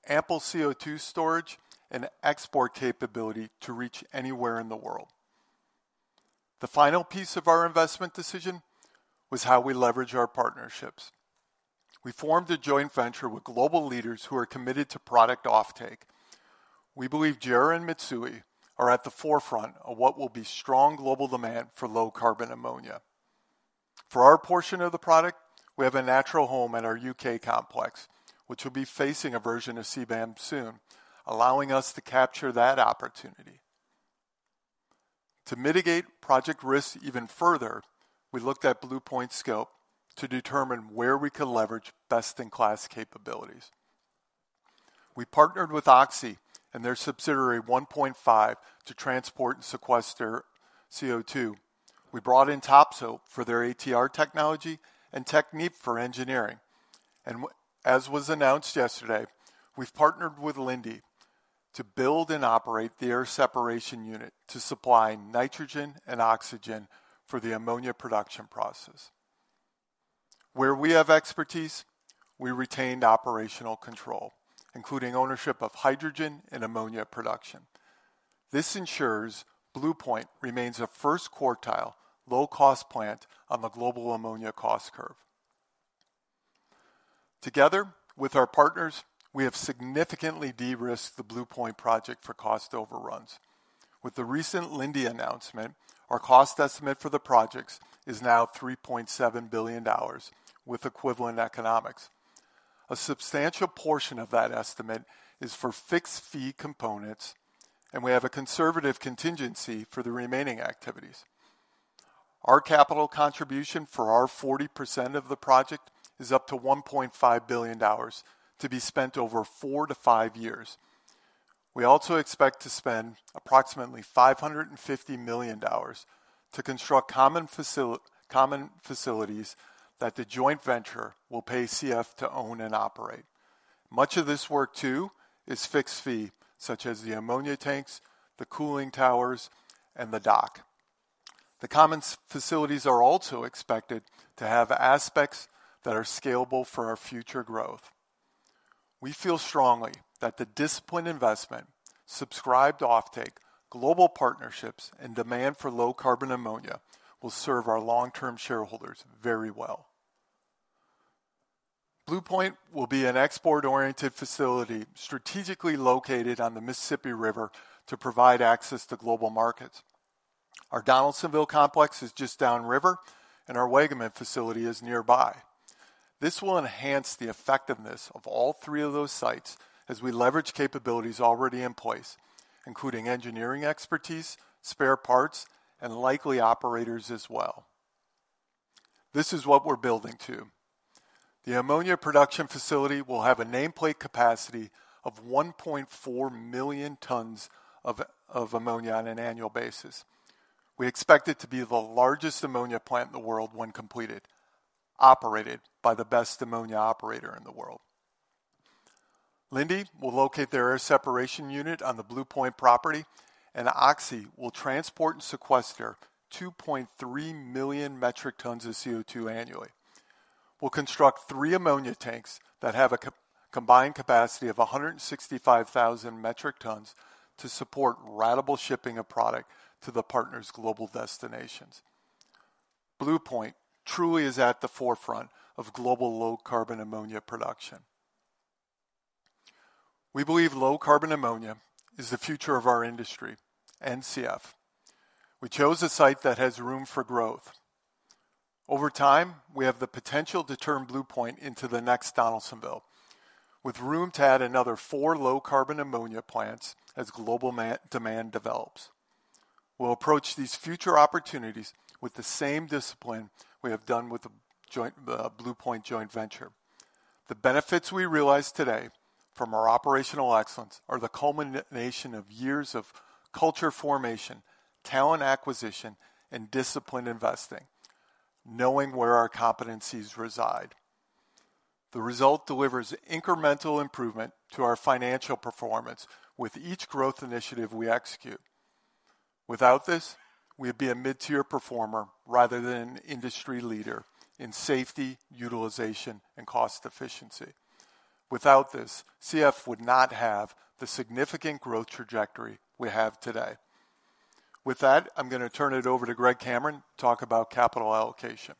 ample CO2 storage, and export capability to reach anywhere in the world. The final piece of our investment decision was how we leverage our partnerships. We formed a joint venture with global leaders who are committed to product offtake. We believe JERA and Mitsui are at the forefront of what will be strong global demand for low-carbon ammonia. For our portion of the product, we have a natural home at our U.K. complex, which will be facing a version of CBAM soon, allowing us to capture that opportunity. To mitigate project risks even further, we looked at Blue Point scope to determine where we could leverage best-in-class capabilities. We partnered with Oxy and their subsidiary 1PointFive to transport and sequester CO2. We brought in Topsoe for their ATR technology and Technip for engineering. As was announced yesterday, we have partnered with Linde to build and operate the air separation unit to supply nitrogen and oxygen for the ammonia production process. Where we have expertise, we retained operational control, including ownership of hydrogen and ammonia production. This ensures Blue Point remains a first quartile low-cost plant on the global ammonia cost curve. Together with our partners, we have significantly de-risked the Blue Point project for cost overruns. With the recent Linde announcement, our cost estimate for the projects is now $3.7 billion, with equivalent economics. A substantial portion of that estimate is for fixed fee components, and we have a conservative contingency for the remaining activities. Our capital contribution for our 40% of the project is up to $1.5 billion to be spent over four to five years. We also expect to spend approximately $550 million to construct common facilities that the joint venture will pay CF to own and operate. Much of this work too is fixed fee, such as the ammonia tanks, the cooling towers, and the dock. The common facilities are also expected to have aspects that are scalable for our future growth. We feel strongly that the disciplined investment, subscribed offtake, global partnerships, and demand for low-carbon ammonia will serve our long-term shareholders very well. Blue Point will be an export-oriented facility strategically located on the Mississippi River to provide access to global markets. Our Donaldsonville Complex is just downriver, and our Waggaman facility is nearby. This will enhance the effectiveness of all three of those sites as we leverage capabilities already in place, including engineering expertise, spare parts, and likely operators as well. This is what we're building too. The ammonia production facility will have a nameplate capacity of 1.4 million tons of ammonia on an annual basis. We expect it to be the largest ammonia plant in the world when completed, operated by the best ammonia operator in the world. Linde will locate their air separation unit on the Blue Point property, and Oxy will transport and sequester 2.3 million metric tons of CO2 annually. We'll construct three ammonia tanks that have a combined capacity of 165,000 metric tons to support radical shipping of product to the partners' global destinations. Blue Point truly is at the forefront of global low-carbon ammonia production. We believe low carbon ammonia is the future of our industry, and CF. We chose a site that has room for growth. Over time, we have the potential to turn Blue Point into the next Donaldsonville, with room to add another four low carbon ammonia plants as global demand develops. We'll approach these future opportunities with the same discipline we have done with the Blue Point joint venture. The benefits we realize today from our operational excellence are the culmination of years of culture formation, talent acquisition, and disciplined investing, knowing where our competencies reside. The result delivers incremental improvement to our financial performance with each growth initiative we execute. Without this, we would be a mid-tier performer rather than an industry leader in safety, utilization, and cost efficiency. Without this, CF would not have the significant growth trajectory we have today. With that, I'm going to turn it over to Greg Cameron to talk about capital allocation.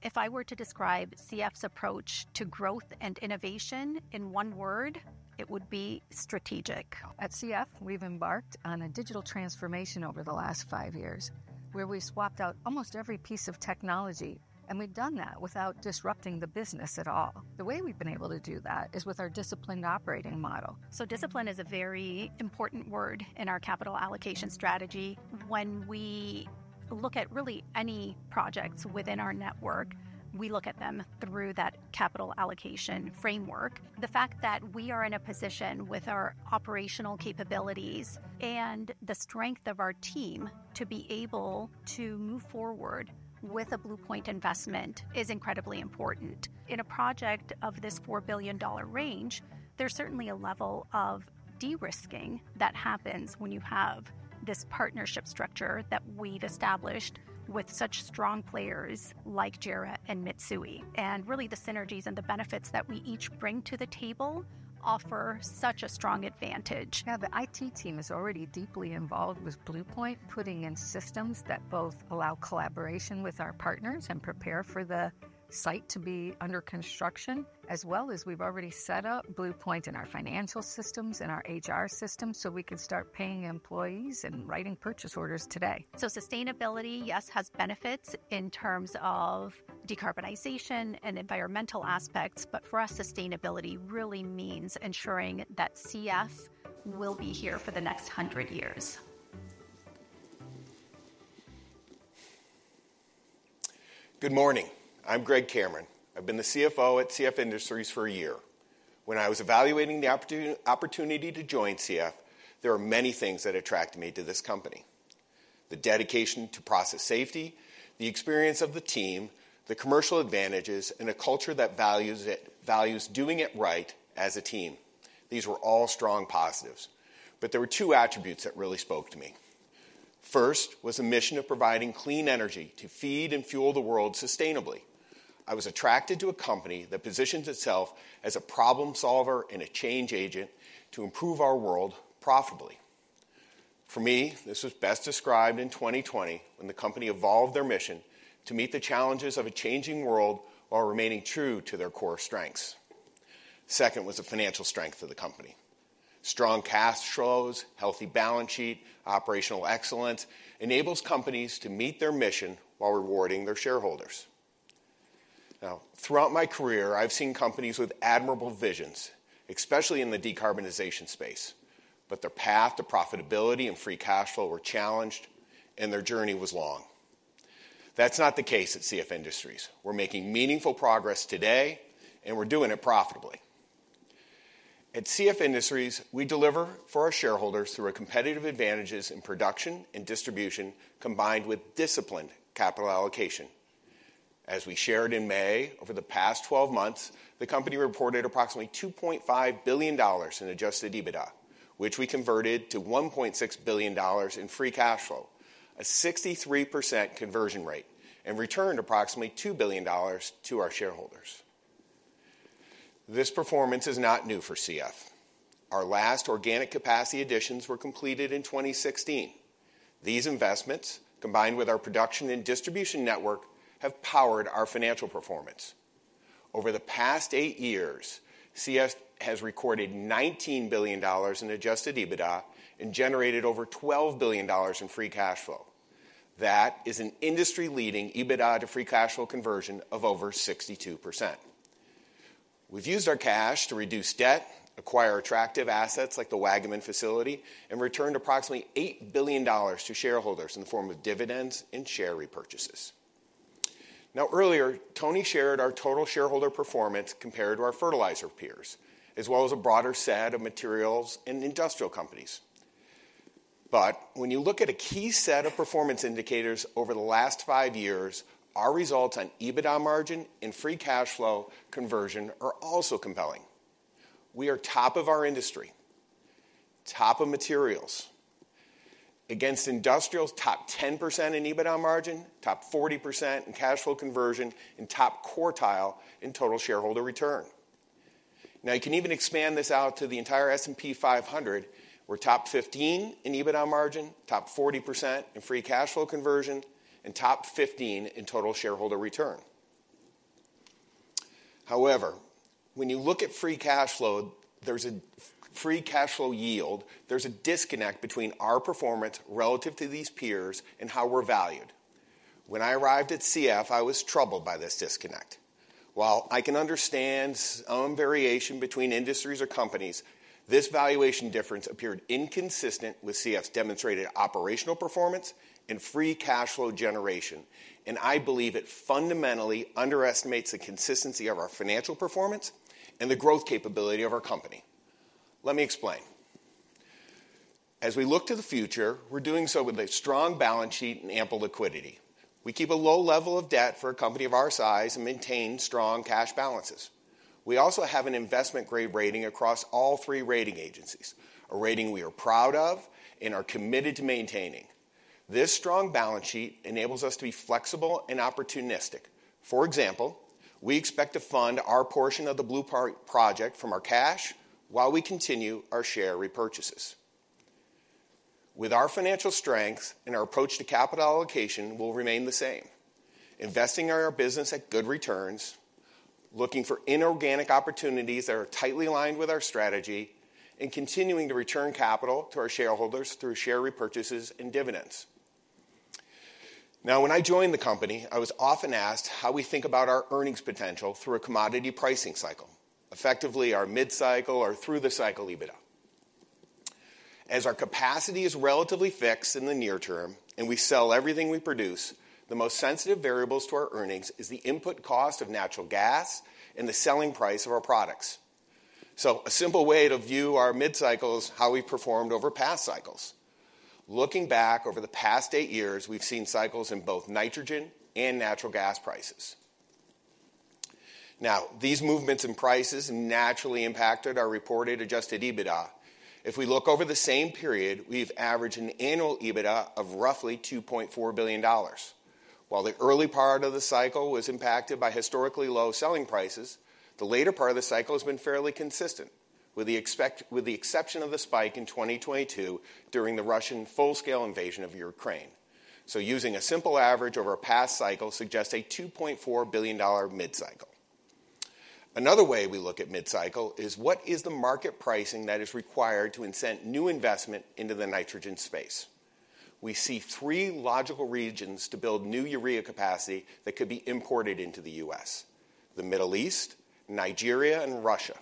If I were to describe CF's approach to growth and innovation in one word, it would be strategic. At CF, we've embarked on a digital transformation over the last five years, where we swapped out almost every piece of technology, and we've done that without disrupting the business at all. The way we've been able to do that is with our disciplined operating model. Discipline is a very important word in our capital allocation strategy. When we look at really any projects within our network, we look at them through that capital allocation framework. The fact that we are in a position with our operational capabilities and the strength of our team to be able to move forward with a Blue Point investment is incredibly important. In a project of this $4 billion range, there's certainly a level of de-risking that happens when you have this partnership structure that we've established with such strong players like JERA and Mitsui. The synergies and the benefits that we each bring to the table offer such a strong advantage. Yeah, the IT team is already deeply involved with Blue Point, putting in systems that both allow collaboration with our partners and prepare for the site to be under construction, as well as we've already set up Blue Point in our financial systems and our HR system so we can start paying employees and writing purchase orders today. Sustainability, yes, has benefits in terms of decarbonization and environmental aspects, but for us, sustainability really means ensuring that CF will be here for the next 100 years. Good morning. I'm Greg Cameron. I've been the CFO at CF Industries for a year. When I was evaluating the opportunity to join CF, there were many things that attracted me to this company: the dedication to process safety, the experience of the team, the commercial advantages, and a culture that values doing it right as a team. These were all strong positives. There were two attributes that really spoke to me. First was the mission of providing clean energy to feed and fuel the world sustainably. I was attracted to a company that positions itself as a problem solver and a change agent to improve our world profitably. For me, this was best described in 2020 when the company evolved their mission to meet the challenges of a changing world while remaining true to their core strengths. Second was the financial strength of the company. Strong cash flows, healthy balance sheet, operational excellence enables companies to meet their mission while rewarding their shareholders. Now, throughout my career, I've seen companies with admirable visions, especially in the decarbonization space, but their path to profitability and free cash flow were challenged, and their journey was long. That's not the case at CF Industries. We're making meaningful progress today, and we're doing it profitably. At CF Industries, we deliver for our shareholders through our competitive advantages in production and distribution combined with disciplined capital allocation. As we shared in May, over the past 12 months, the company reported approximately $2.5 billion in Adjusted EBITDA, which we converted to $1.6 billion in free cash flow, a 63% conversion rate, and returned approximately $2 billion to our shareholders. This performance is not new for CF. Our last organic capacity additions were completed in 2016. These investments, combined with our production and distribution network, have powered our financial performance. Over the past eight years, CF has recorded $19 billion in Adjusted EBITDA and generated over $12 billion in free cash flow. That is an industry-leading EBITDA to free cash flow conversion of over 62%. We've used our cash to reduce debt, acquire attractive assets like the Waggaman facility, and returned approximately $8 billion to shareholders in the form of dividends and share repurchases. Earlier, Tony shared our total shareholder performance compared to our fertilizer peers, as well as a broader set of materials and industrial companies. When you look at a key set of performance indicators over the last five years, our results on EBITDA margin and free cash flow conversion are also compelling. We are top of our industry, top of materials, against industrials top 10% in EBITDA margin, top 40% in cash flow conversion, and top quartile in total shareholder return. Now, you can even expand this out to the entire S&P 500, where top 15 in EBITDA margin, top 40% in free cash flow conversion, and top 15 in total shareholder return. However, when you look at free cash flow, there's a free cash flow yield; there's a disconnect between our performance relative to these peers and how we're valued. When I arrived at CF Industries, I was troubled by this disconnect. While I can understand some variation between industries or companies, this valuation difference appeared inconsistent with CF Industries' demonstrated operational performance and free cash flow generation, and I believe it fundamentally underestimates the consistency of our financial performance and the growth capability of our company. Let me explain. As we look to the future, we're doing so with a strong balance sheet and ample liquidity. We keep a low level of debt for a company of our size and maintain strong cash balances. We also have an investment-grade rating across all three rating agencies, a rating we are proud of and are committed to maintaining. This strong balance sheet enables us to be flexible and opportunistic. For example, we expect to fund our portion of the Blue Point project from our cash while we continue our share repurchases. With our financial strengths and our approach to capital allocation, we'll remain the same. Investing in our business at good returns, looking for inorganic opportunities that are tightly aligned with our strategy, and continuing to return capital to our shareholders through share repurchases and dividends. Now, when I joined the company, I was often asked how we think about our earnings potential through a commodity pricing cycle, effectively our mid-cycle or through-the-cycle EBITDA. As our capacity is relatively fixed in the near term and we sell everything we produce, the most sensitive variables to our earnings is the input cost of natural gas and the selling price of our products. A simple way to view our mid-cycle is how we performed over past cycles. Looking back over the past eight years, we've seen cycles in both nitrogen and natural gas prices. These movements in prices naturally impacted our reported Adjusted EBITDA. If we look over the same period, we've averaged an annual EBITDA of roughly $2.4 billion. While the early part of the cycle was impacted by historically low selling prices, the later part of the cycle has been fairly consistent, with the exception of the spike in 2022 during the Russian full-scale invasion of Ukraine. Using a simple average over a past cycle suggests a $2.4 billion mid-cycle. Another way we look at mid-cycle is what is the market pricing that is required to incent new investment into the nitrogen space. We see three logical regions to build new urea capacity that could be imported into the U.S.: the Middle East, Nigeria, and Russia.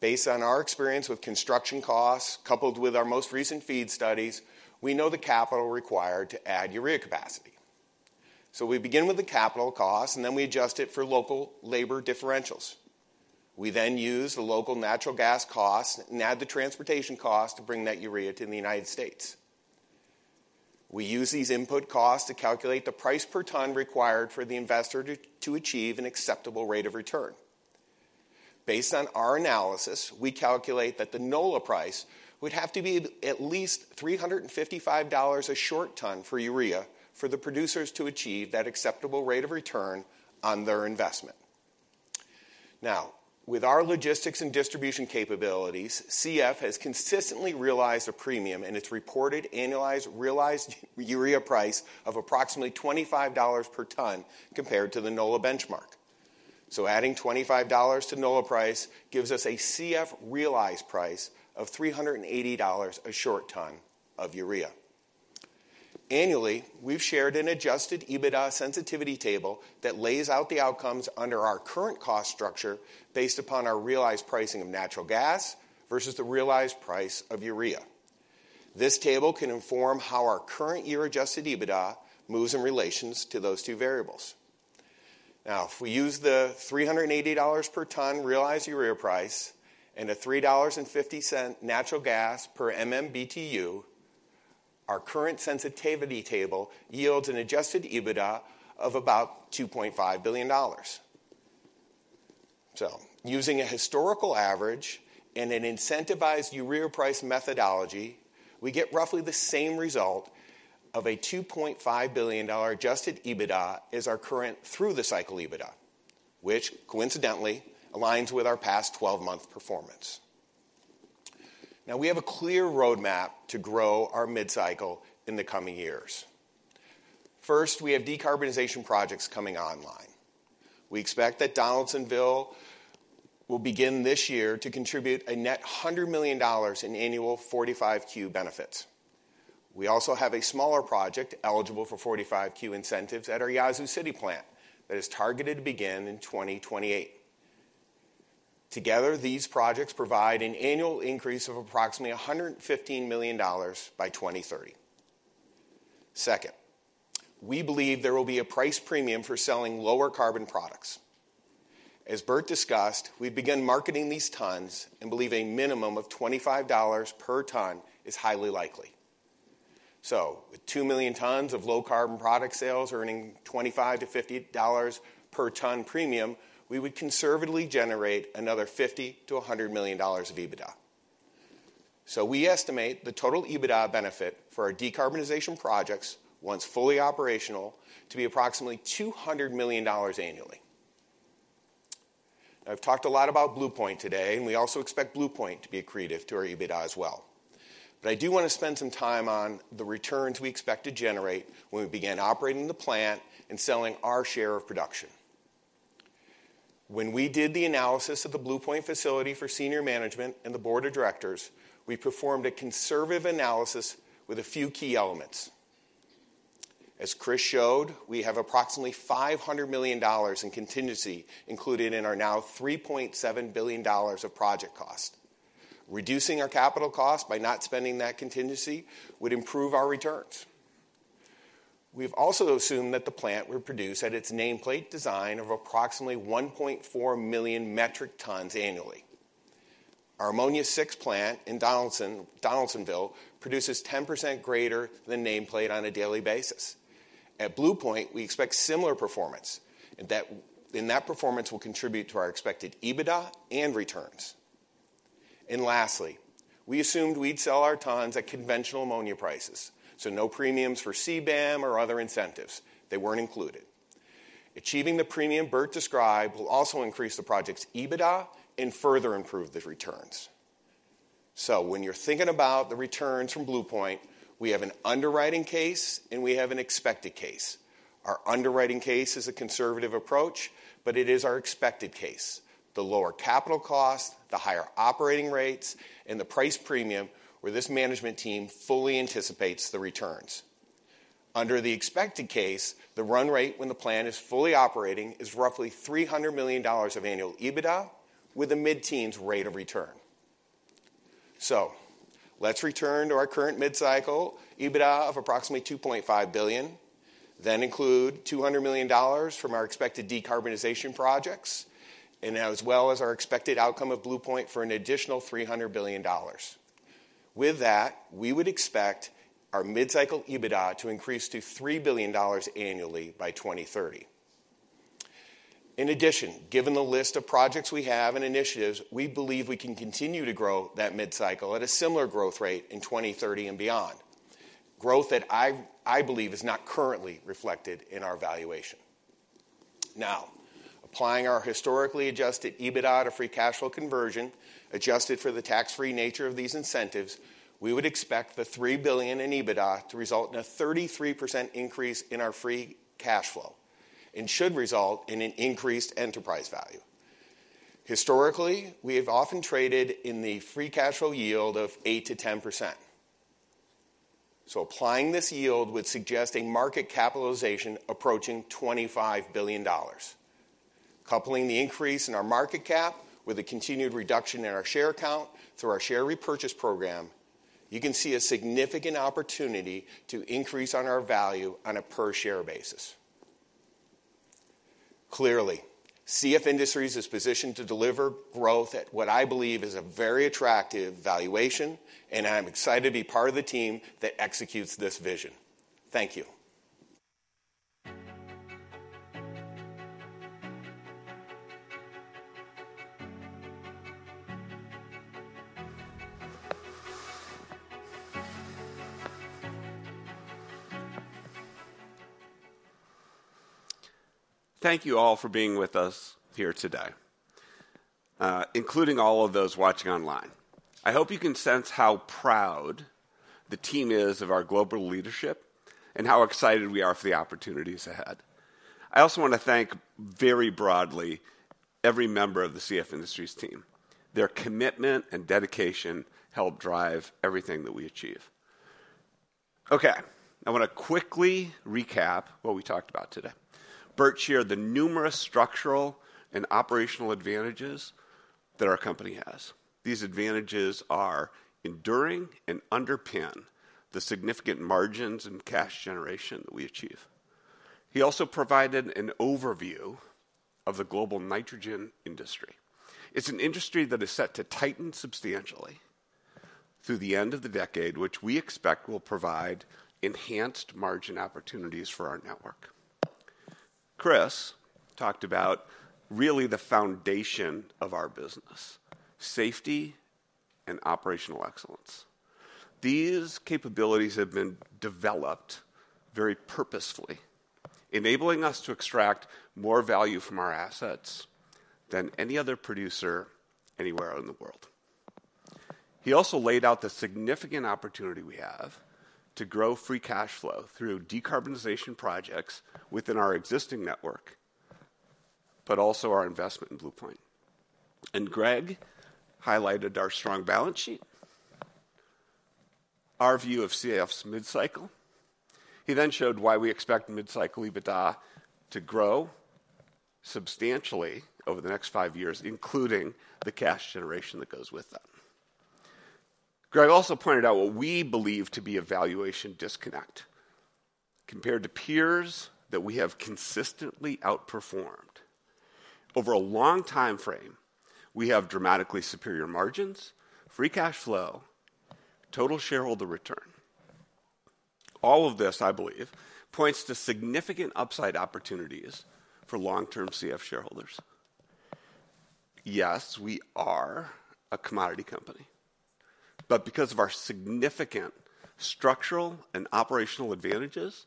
Based on our experience with construction costs, coupled with our most recent feed studies, we know the capital required to add urea capacity. We begin with the capital cost, and then we adjust it for local labor differentials. We then use the local natural gas cost and add the transportation cost to bring that urea to the United States. We use these input costs to calculate the price per ton required for the investor to achieve an acceptable rate of return. Based on our analysis, we calculate that the NOLA price would have to be at least $355 a short ton for urea for the producers to achieve that acceptable rate of return on their investment. Now, with our logistics and distribution capabilities, CF has consistently realized a premium in its reported annualized realized urea price of approximately $25 per ton compared to the NOLA benchmark. Adding $25 to NOLA price gives us a CF realized price of $380 a short ton of urea. Annually, we've shared an Adjusted EBITDA sensitivity table that lays out the outcomes under our current cost structure based upon our realized pricing of natural gas versus the realized price of urea. This table can inform how our current year Adjusted EBITDA moves in relation to those two variables. Now, if we use the $380 per ton realized urea price and the $3.50 natural gas per MMBTu, our current sensitivity table yields an Adjusted EBITDA of about $2.5 billion. Using a historical average and an incentivized urea price methodology, we get roughly the same result of a $2.5 billion Adjusted EBITDA as our current through-the-cycle EBITDA, which coincidentally aligns with our past 12-month performance. Now, we have a clear roadmap to grow our mid-cycle in the coming years. First, we have decarbonization projects coming online. We expect that Donaldsonville will begin this year to contribute a net $100 million in annual 45Q benefits. We also have a smaller project eligible for 45Q incentives at our Yazoo City plant that is targeted to begin in 2028. Together, these projects provide an annual increase of approximately $115 million by 2030. Second, we believe there will be a price premium for selling lower carbon products. As Bert discussed, we begin marketing these tons and believe a minimum of $25 per ton is highly likely. With 2 million tons of low carbon product sales earning $25-$50 per ton premium, we would conservatively generate another $50 million-$100 million of EBITDA. We estimate the total EBITDA benefit for our decarbonization projects, once fully operational, to be approximately $200 million annually. Now, I've talked a lot about Blue Point today, and we also expect Blue Point to be accretive to our EBITDA as well. I do want to spend some time on the returns we expect to generate when we begin operating the plant and selling our share of production. When we did the analysis of the Blue Point facility for senior management and the board of directors, we performed a conservative analysis with a few key elements. As Chris showed, we have approximately $500 million in contingency included in our now $3.7 billion of project cost. Reducing our capital cost by not spending that contingency would improve our returns. We've also assumed that the plant would produce at its nameplate design of approximately 1.4 million metric tons annually. Our ammonia 6 plant in Donaldsonville produces 10% greater than nameplate on a daily basis. At Blue Point, we expect similar performance, and that performance will contribute to our expected EBITDA and returns. Lastly, we assumed we'd sell our tons at conventional ammonia prices, so no premiums for CBAM or other incentives. They were not included. Achieving the premium Bert described will also increase the project's EBITDA and further improve the returns. When you're thinking about the returns from Blue Point, we have an underwriting case, and we have an expected case. Our underwriting case is a conservative approach, but it is our expected case: the lower capital cost, the higher operating rates, and the price premium where this management team fully anticipates the returns. Under the expected case, the run rate when the plant is fully operating is roughly $300 million of annual EBITDA with a mid-teens rate of return. Let's return to our current mid-cycle EBITDA of approximately $2.5 billion, then include $200 million from our expected decarbonization projects, as well as our expected outcome of Blue Point for an additional $300 million. With that, we would expect our mid-cycle EBITDA to increase to $3 billion annually by 2030. In addition, given the list of projects we have and initiatives, we believe we can continue to grow that mid-cycle at a similar growth rate in 2030 and beyond, growth that I believe is not currently reflected in our valuation. Now, applying our historically Adjusted EBITDA to free cash flow conversion, adjusted for the tax-free nature of these incentives, we would expect the $3 billion in EBITDA to result in a 33% increase in our free cash flow and should result in an increased enterprise value. Historically, we have often traded in the free cash flow yield of 8%-10%. Applying this yield would suggest a market capitalization approaching $25 billion. Coupling the increase in our market cap with a continued reduction in our share count through our share repurchase program, you can see a significant opportunity to increase on our value on a per-share basis. Clearly, CF Industries is positioned to deliver growth at what I believe is a very attractive valuation, and I'm excited to be part of the team that executes this vision. Thank you. Thank you all for being with us here today, including all of those watching online. I hope you can sense how proud the team is of our global leadership and how excited we are for the opportunities ahead. I also want to thank very broadly every member of the CF Industries team. Their commitment and dedication help drive everything that we achieve. Okay, I want to quickly recap what we talked about today. Bert shared the numerous structural and operational advantages that our company has. These advantages are enduring and underpin the significant margins and cash generation that we achieve. He also provided an overview of the global nitrogen industry. It's an industry that is set to tighten substantially through the end of the decade, which we expect will provide enhanced margin opportunities for our network. Chris talked about really the foundation of our business: safety and operational excellence. These capabilities have been developed very purposefully, enabling us to extract more value from our assets than any other producer anywhere in the world. He also laid out the significant opportunity we have to grow free cash flow through decarbonization projects within our existing network, but also our investment in Blue Point. Greg highlighted our strong balance sheet, our view of CF's mid-cycle. He then showed why we expect mid-cycle EBITDA to grow substantially over the next five years, including the cash generation that goes with that. Greg also pointed out what we believe to be a valuation disconnect compared to peers that we have consistently outperformed. Over a long time frame, we have dramatically superior margins, free cash flow, total shareholder return. All of this, I believe, points to significant upside opportunities for long-term CF shareholders. Yes, we are a commodity company, but because of our significant structural and operational advantages,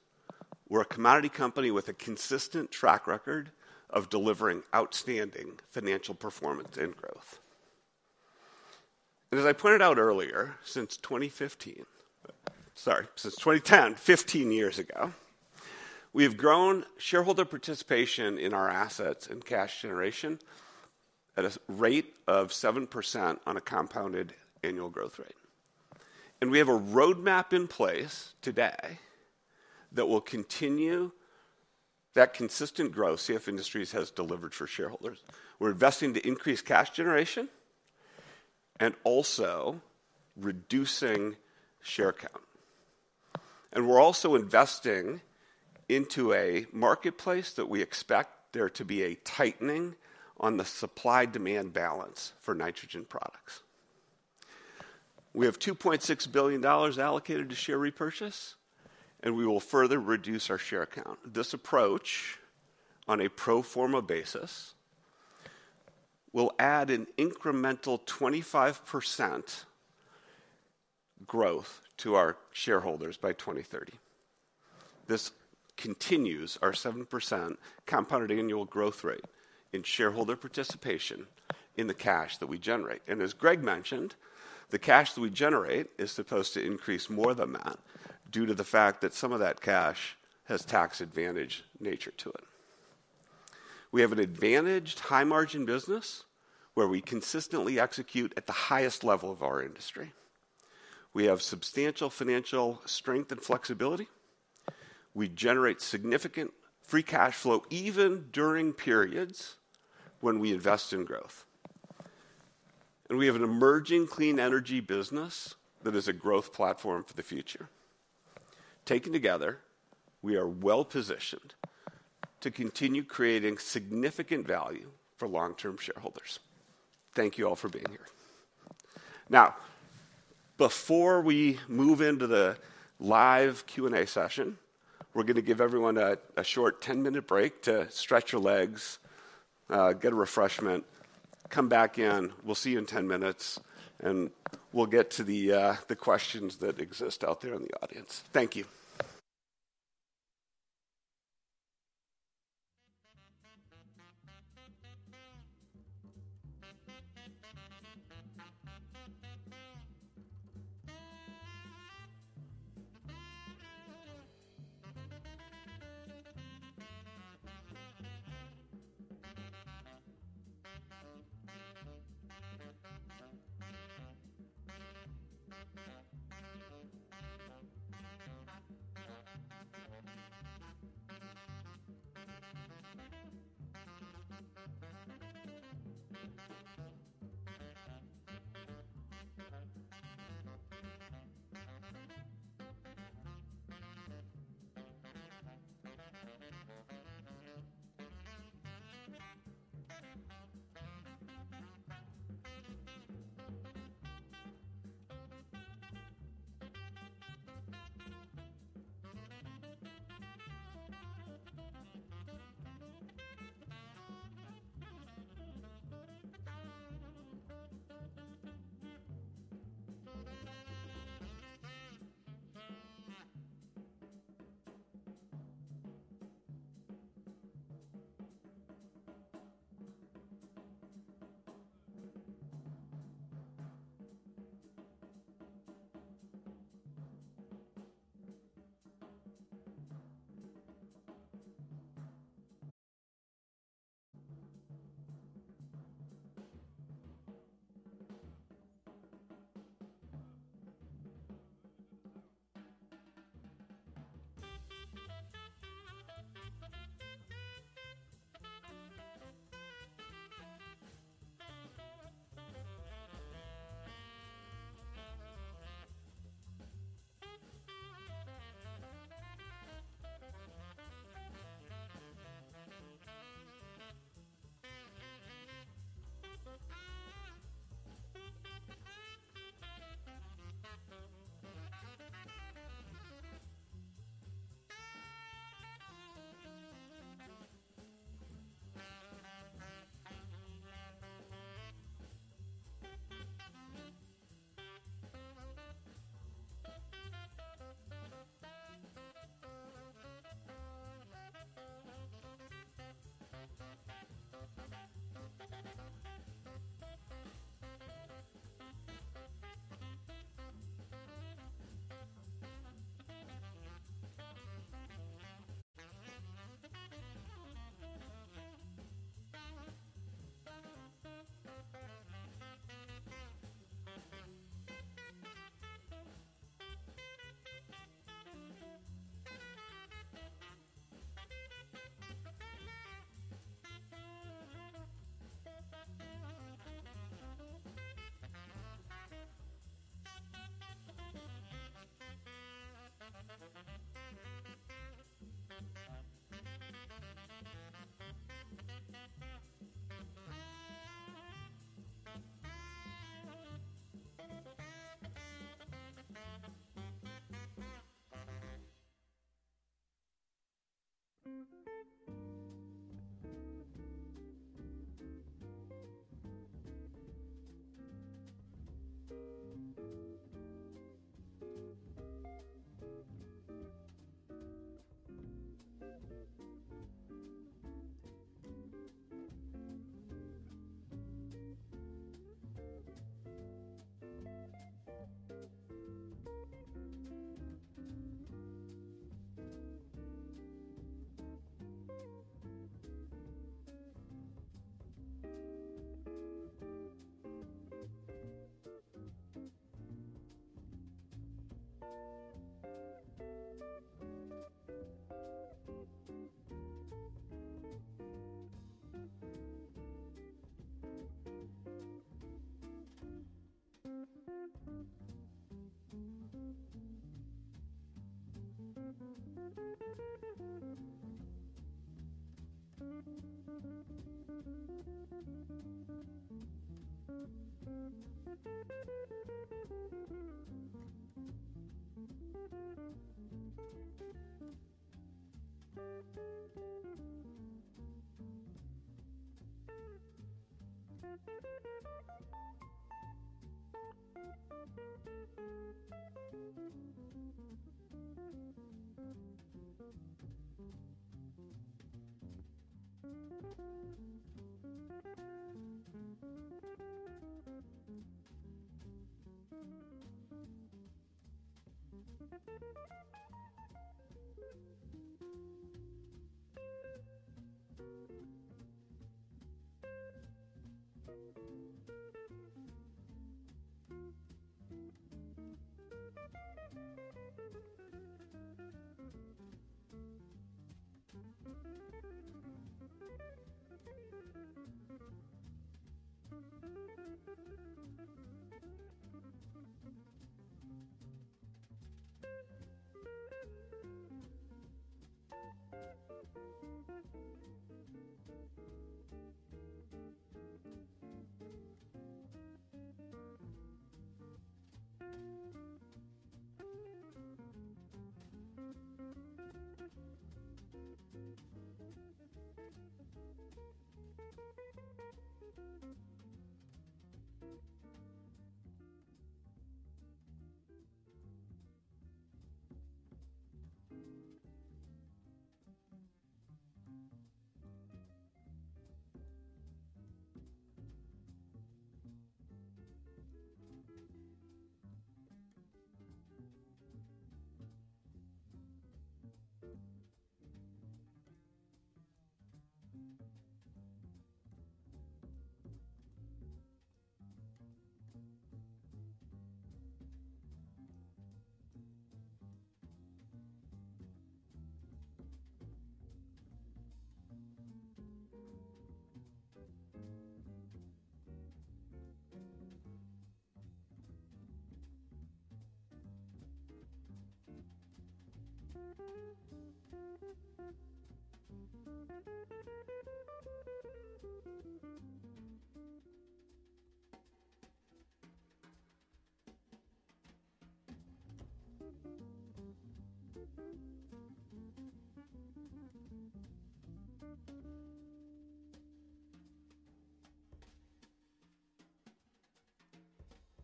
we're a commodity company with a consistent track record of delivering outstanding financial performance and growth. As I pointed out earlier, since 2015, sorry, since 2010, 15 years ago, we have grown shareholder participation in our assets and cash generation at a rate of 7% on a compounded annual growth rate. We have a roadmap in place today that will continue that consistent growth CF Industries has delivered for shareholders. We are investing to increase cash generation and also reducing share count. We are also investing into a marketplace that we expect there to be a tightening on the supply-demand balance for nitrogen products. We have $2.6 billion allocated to share repurchase, and we will further reduce our share count. This approach on a pro forma basis will add an incremental 25% growth to our shareholders by 2030. This continues our 7% compounded annual growth rate in shareholder participation in the cash that we generate. As Greg mentioned, the cash that we generate is supposed to increase more than that due to the fact that some of that cash has tax-advantage nature to it. We have an advantaged high-margin business where we consistently execute at the highest level of our industry. We have substantial financial strength and flexibility. We generate significant free cash flow even during periods when we invest in growth. We have an emerging clean energy business that is a growth platform for the future. Taken together, we are well-positioned to continue creating significant value for long-term shareholders. Thank you all for being here. Now, before we move into the live Q&A session, we are going to give everyone a short 10-minute break to stretch your legs, get a refreshment, come back in. We will see you in 10 minutes, and we will get to the questions that exist out there in the audience.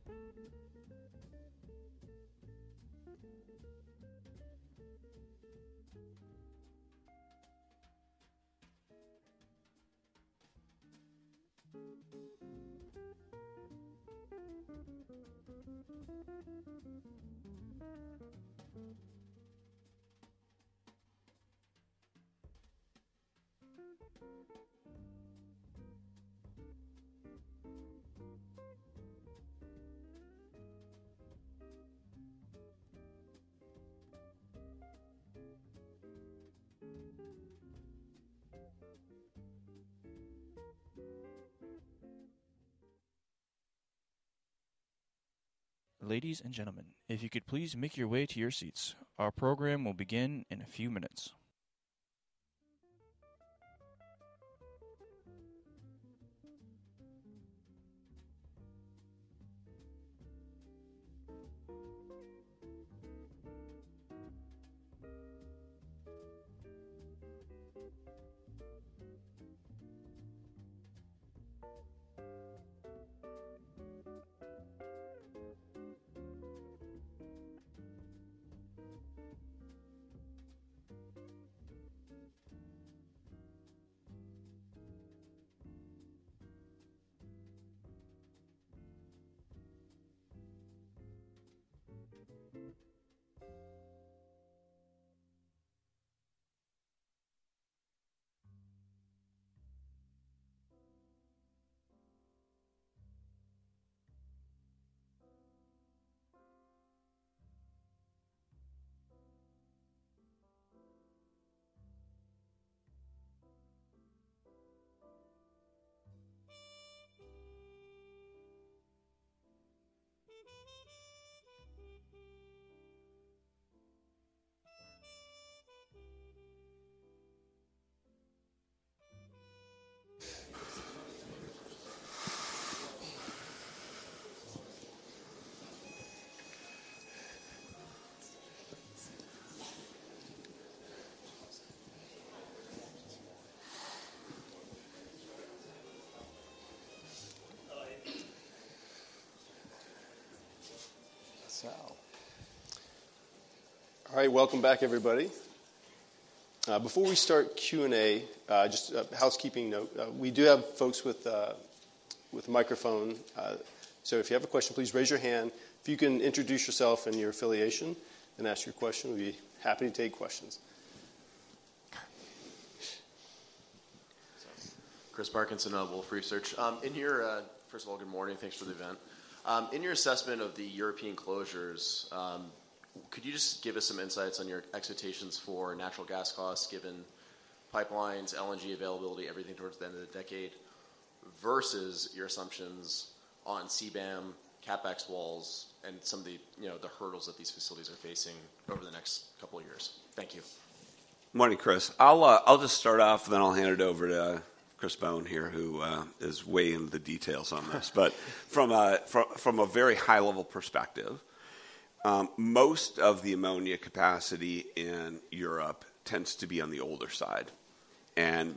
Thank you. Ladies and gentlemen, if you could please make your way to your seats. Our program will begin in a few minutes. All right, welcome back, everybody. Before we start Q&A, just a housekeeping note. We do have folks with a microphone. If you have a question, please raise your hand. If you can introduce yourself and your affiliation and ask your question, we will be happy to take questions. Chris Parkinson, Wolfe Research. First of all, good morning. Thanks for the event. In your assessment of the European closures, could you just give us some insights on your expectations for natural gas costs given pipelines, LNG availability, everything towards the end of the decade, versus your assumptions on CBAM, CapEx walls, and some of the hurdles that these facilities are facing over the next couple of years? Thank you. Morning, Chris. I'll just start off, then I'll hand it over to Chris Bohn here, who is weighing the details on this. From a very high-level perspective, most of the ammonia capacity in Europe tends to be on the older side.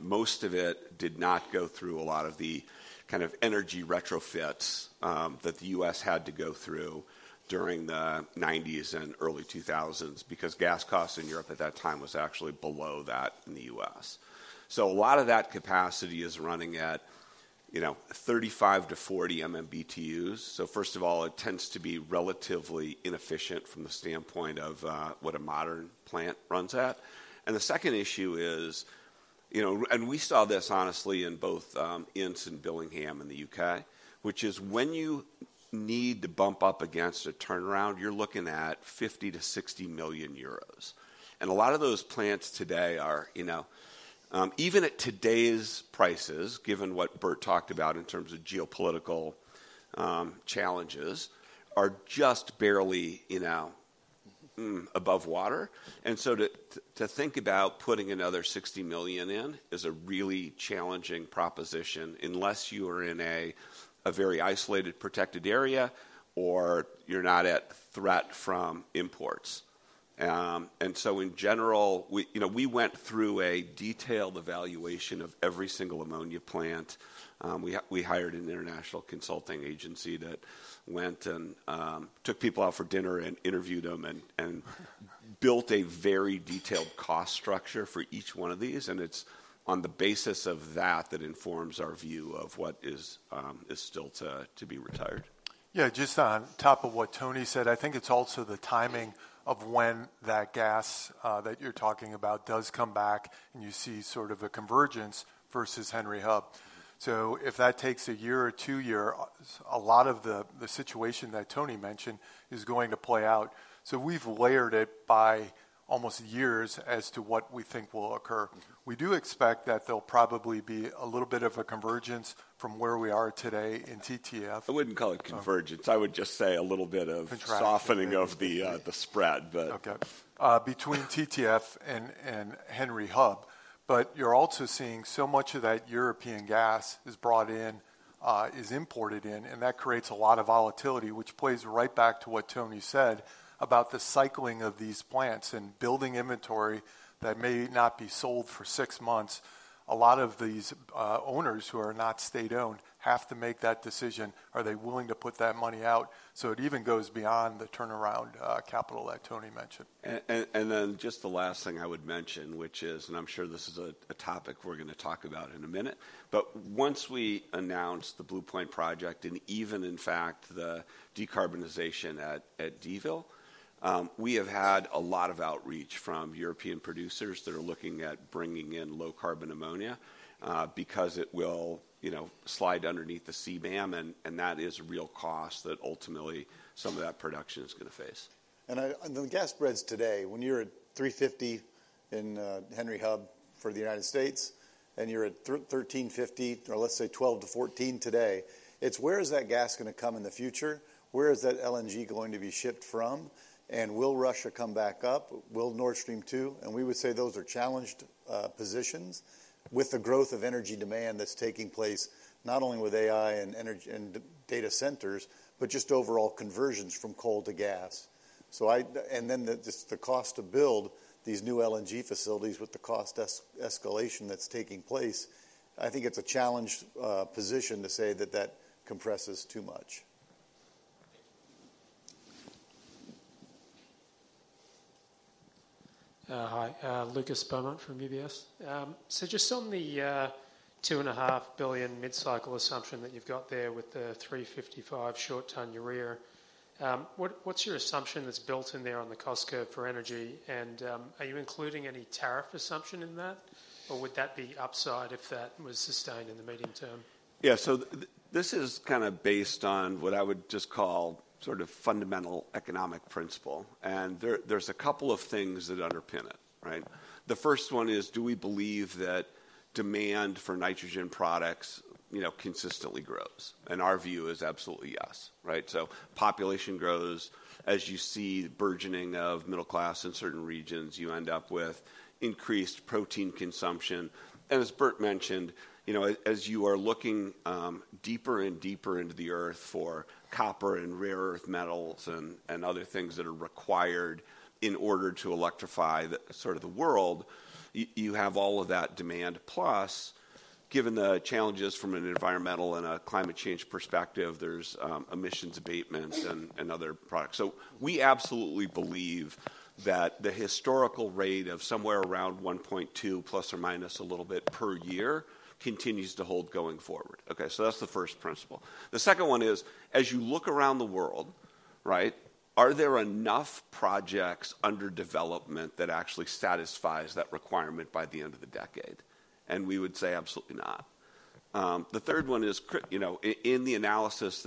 Most of it did not go through a lot of the kind of energy retrofits that the U.S. had to go through during the 1990s and early 2000s because gas costs in Europe at that time were actually below that in the U.S. A lot of that capacity is running at 35 MMBTus-40 MMBTus. First of all, it tends to be relatively inefficient from the standpoint of what a modern plant runs at. The second issue is—honestly, we saw this in both Inns and Billingham in the U.K.—which is when you need to bump up against a turnaround, you're looking at 50 million-60 million euros. A lot of those plants today are—even at today's prices, given what Bert talked about in terms of geopolitical challenges—just barely above water. To think about putting another 60 million in is a really challenging proposition unless you are in a very isolated, protected area or you're not at threat from imports. In general, we went through a detailed evaluation of every single ammonia plant. We hired an international consulting agency that went and took people out for dinner and interviewed them and built a very detailed cost structure for each one of these. It is on the basis of that that informs our view of what is still to be retired. Yeah, just on top of what Tony said, I think it is also the timing of when that gas that you are talking about does come back and you see sort of a convergence versus Henry Hub. If that takes a year or two years, a lot of the situation that Tony mentioned is going to play out. We have layered it by almost years as to what we think will occur. We do expect that there will probably be a little bit of a convergence from where we are today in TTF. I would not call it convergence. I would just say a little bit of softening of the spread, but. Okay. Between TTF and Henry Hub. You're also seeing so much of that European gas is brought in, is imported in, and that creates a lot of volatility, which plays right back to what Tony said about the cycling of these plants and building inventory that may not be sold for six months. A lot of these owners who are not state-owned have to make that decision: are they willing to put that money out? It even goes beyond the turnaround capital that Tony mentioned. The last thing I would mention, which is—and I am sure this is a topic we are going to talk about in a minute—but once we announced the Blue Point project and even, in fact, the decarbonization at D'ville, we have had a lot of outreach from European producers that are looking at bringing in low-carbon ammonia because it will slide underneath the CBAM, and that is a real cost that ultimately some of that production is going to face. The gas spreads today, when you are at $3.50 in Henry Hub for the United States and you are at$13.50, or let us say $12-%14 today, it is where is that gas going to come in the future? Where is that LNG going to be shipped from? Will Russia come back up? Will Nord Stream 2? We would say those are challenged positions with the growth of energy demand that's taking place not only with AI and data centers, but just overall conversions from coal to gas. Just the cost to build these new LNG facilities with the cost escalation that's taking place, I think it's a challenged position to say that that compresses too much. Hi, Lucas Beaumont from UBS. Just on the $2.5 billion mid-cycle assumption that you've got there with the $355 short-ton urea, what's your assumption that's built in there on the cost curve for energy? Are you including any tariff assumption in that, or would that be upside if that was sustained in the medium term? Yeah, this is kind of based on what I would just call sort of fundamental economic principle. There are a couple of things that underpin it, right? The first one is, do we believe that demand for nitrogen products consistently grows? Our view is absolutely yes, right? Population grows. As you see the burgeoning of middle class in certain regions, you end up with increased protein consumption. As Bert mentioned, as you are looking deeper and deeper into the earth for copper and rare earth metals and other things that are required in order to electrify sort of the world, you have all of that demand. Plus, given the challenges from an environmental and a climate change perspective, there are emissions abatements and other products. We absolutely believe that the historical rate of somewhere around 1.2% plus or minus a little bit per year continues to hold going forward. That is the first principle. The second one is, as you look around the world, right, are there enough projects under development that actually satisfy that requirement by the end of the decade? We would say absolutely not. The third one is, in the analysis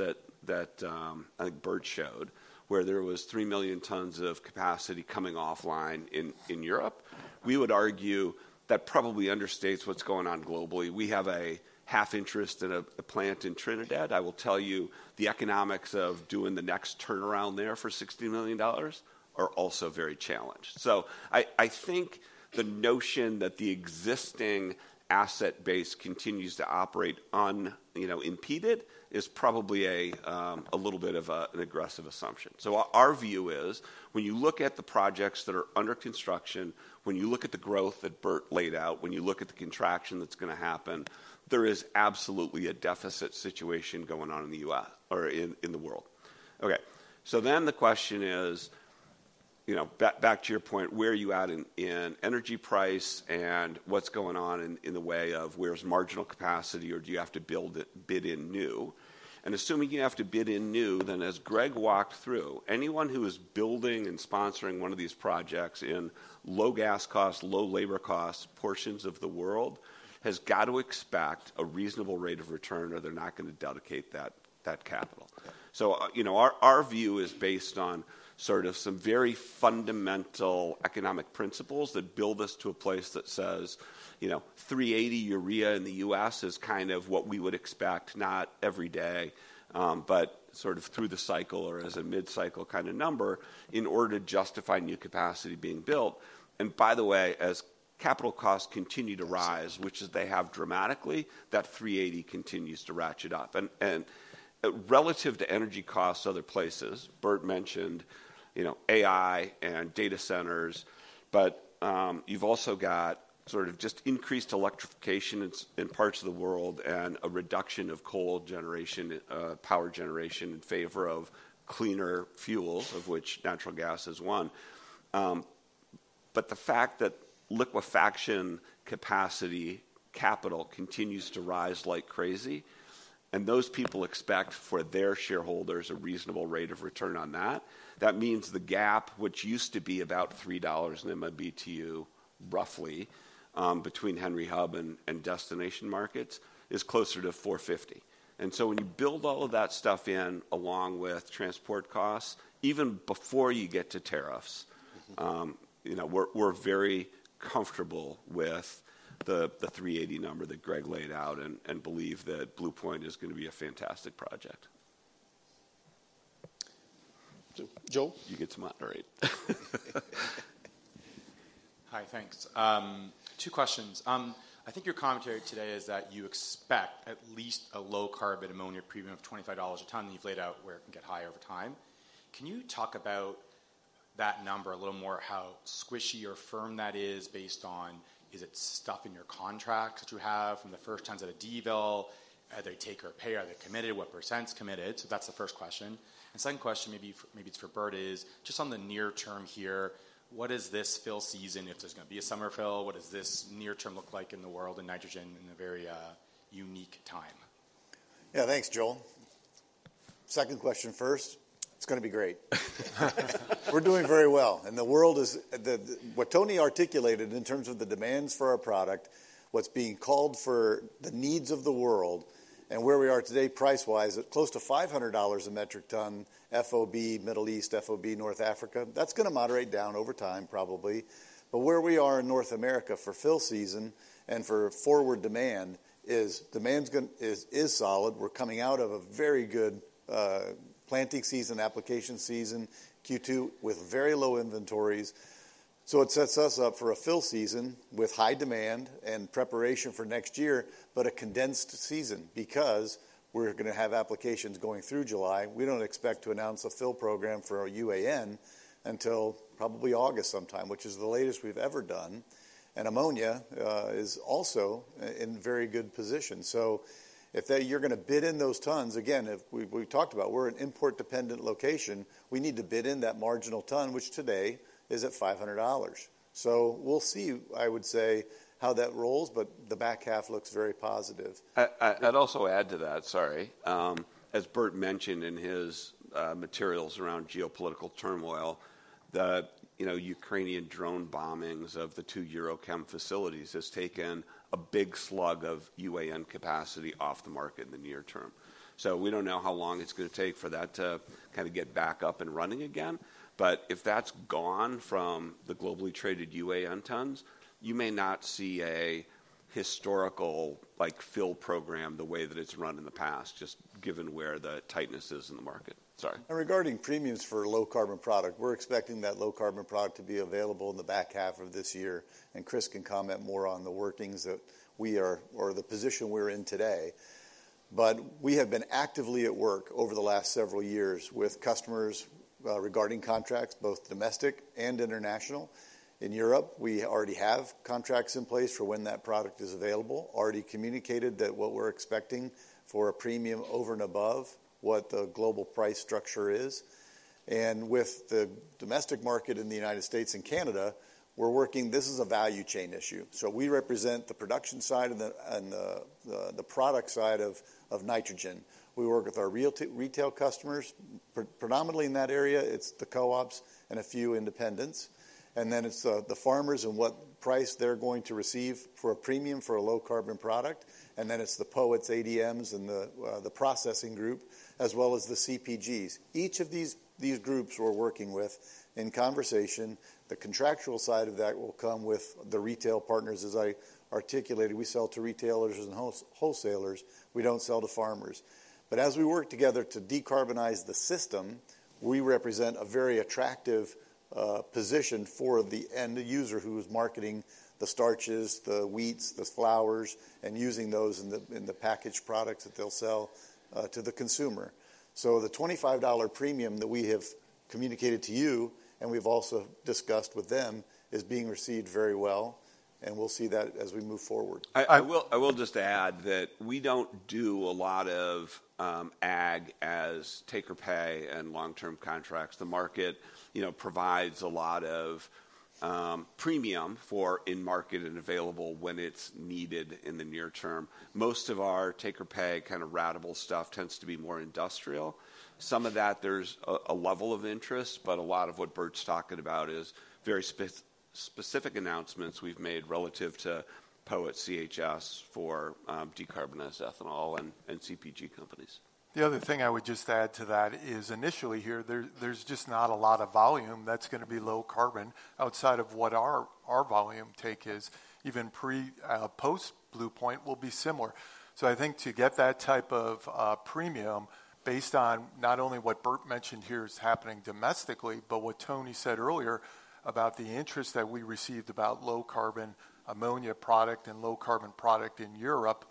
that I think Bert showed, where there was 3 million tons of capacity coming offline in Europe, we would argue that probably understates what's going on globally. We have a half interest in a plant in Trinidad. I will tell you the economics of doing the next turnaround there for $60 million are also very challenged. I think the notion that the existing asset base continues to operate unimpeded is probably a little bit of an aggressive assumption. Our view is, when you look at the projects that are under construction, when you look at the growth that Bert laid out, when you look at the contraction that's going to happen, there is absolutely a deficit situation going on in the U.S. or in the world. Okay, the question is, back to your point, where are you at in energy price and what's going on in the way of where's marginal capacity or do you have to bid in new? Assuming you have to bid in new, then as Greg walked through, anyone who is building and sponsoring one of these projects in low gas costs, low labor costs portions of the world has got to expect a reasonable rate of return or they're not going to dedicate that capital. Our view is based on sort of some very fundamental economic principles that build us to a place that says $380 urea in the U.S. is kind of what we would expect, not every day, but sort of through the cycle or as a mid-cycle kind of number in order to justify new capacity being built. By the way, as capital costs continue to rise, which they have dramatically, that $380 continues to ratchet up. Relative to energy costs other places, Bert mentioned AI and data centers, but you've also got sort of just increased electrification in parts of the world and a reduction of coal generation, power generation in favor of cleaner fuels, of which natural gas is one. The fact that liquefaction capacity capital continues to rise like crazy, and those people expect for their shareholders a reasonable rate of return on that, that means the gap, which used to be about $3 MMBTu roughly between Henry Hub and destination markets, is closer to $4.50. When you build all of that stuff in along with transport costs, even before you get to tariffs, we are very comfortable with the $3.80 number that Greg laid out and believe that Blue Point is going to be a fantastic project. Joel? You get to mine. All right. Hi, thanks. Two questions. I think your commentary today is that you expect at least a low-carbon ammonia premium of $25 a ton that you have laid out where it can get high over time. Can you talk about that number a little more, how squishy or firm that is based on, is it stuff in your contracts that you have from the first tons at a D'ville? Are they take or pay? Are they committed? What percents committed? That's the first question. Second question, maybe it's for Bert, is just on the near term here, what is this fill season? If there's going to be a summer fill, what does this near term look like in the world and nitrogen in a very unique time? Yeah, thanks, Joel. Second question first. It's going to be great. We're doing very well. The world is what Tony articulated in terms of the demands for our product, what's being called for the needs of the world and where we are today price-wise, close to $500 a metric ton FOB Middle East, FOB North Africa. That's going to moderate down over time, probably. Where we are in North America for fill season and for forward demand is demand is solid. We're coming out of a very good planting season, application season, Q2 with very low inventories. It sets us up for a fill season with high demand and preparation for next year, but a condensed season because we're going to have applications going through July. We don't expect to announce a fill program for our UAN until probably August sometime, which is the latest we've ever done. Ammonia is also in very good position. If you're going to bid in those tons, again, we've talked about we're an import-dependent location. We need to bid in that marginal ton, which today is at $500. We'll see, I would say, how that rolls, but the back half looks very positive. I'd also add to that, sorry. As Bert mentioned in his materials around geopolitical turmoil, the Ukrainian drone bombings of the two EuroChem facilities has taken a big slug of UAN capacity off the market in the near term. We do not know how long it's going to take for that to kind of get back up and running again. If that's gone from the globally traded UAN tons, you may not see a historical fill program the way that it's run in the past, just given where the tightness is in the market. Sorry. Regarding premiums for low-carbon product, we're expecting that low-carbon product to be available in the back half of this year. Chris can comment more on the workings that we are or the position we're in today. We have been actively at work over the last several years with customers regarding contracts, both domestic and international. In Europe, we already have contracts in place for when that product is available, already communicated that what we're expecting for a premium over and above what the global price structure is. With the domestic market in the United States and Canada, we're working, this is a value chain issue. We represent the production side and the product side of nitrogen. We work with our retail customers, predominantly in that area. It's the co-ops and a few independents. Then it's the farmers and what price they're going to receive for a premium for a low-carbon product. Then it's the POETs, ADMs, and the processing group, as well as the CPGs. Each of these groups we're working with in conversation, the contractual side of that will come with the retail partners, as I articulated. We sell to retailers and wholesalers. We don't sell to farmers. As we work together to decarbonize the system, we represent a very attractive position for the end user who's marketing the starches, the wheats, the flours, and using those in the packaged products that they'll sell to the consumer. The $25 premium that we have communicated to you and we've also discussed with them is being received very well. We'll see that as we move forward. I will just add that we don't do a lot of ag as take or pay and long-term contracts. The market provides a lot of premium for in-market and available when it's needed in the near term. Most of our take or pay kind of ratable stuff tends to be more industrial. Some of that, there's a level of interest, but a lot of what Bert's talking about is very specific announcements we've made relative to POET, CHS for decarbonized ethanol, and CPG companies. The other thing I would just add to that is initially here, there's just not a lot of volume that's going to be low carbon outside of what our volume take is. Even pre-post Blue Point will be similar. I think to get that type of premium based on not only what Bert mentioned here is happening domestically, but what Tony said earlier about the interest that we received about low carbon ammonia product and low carbon product in Europe,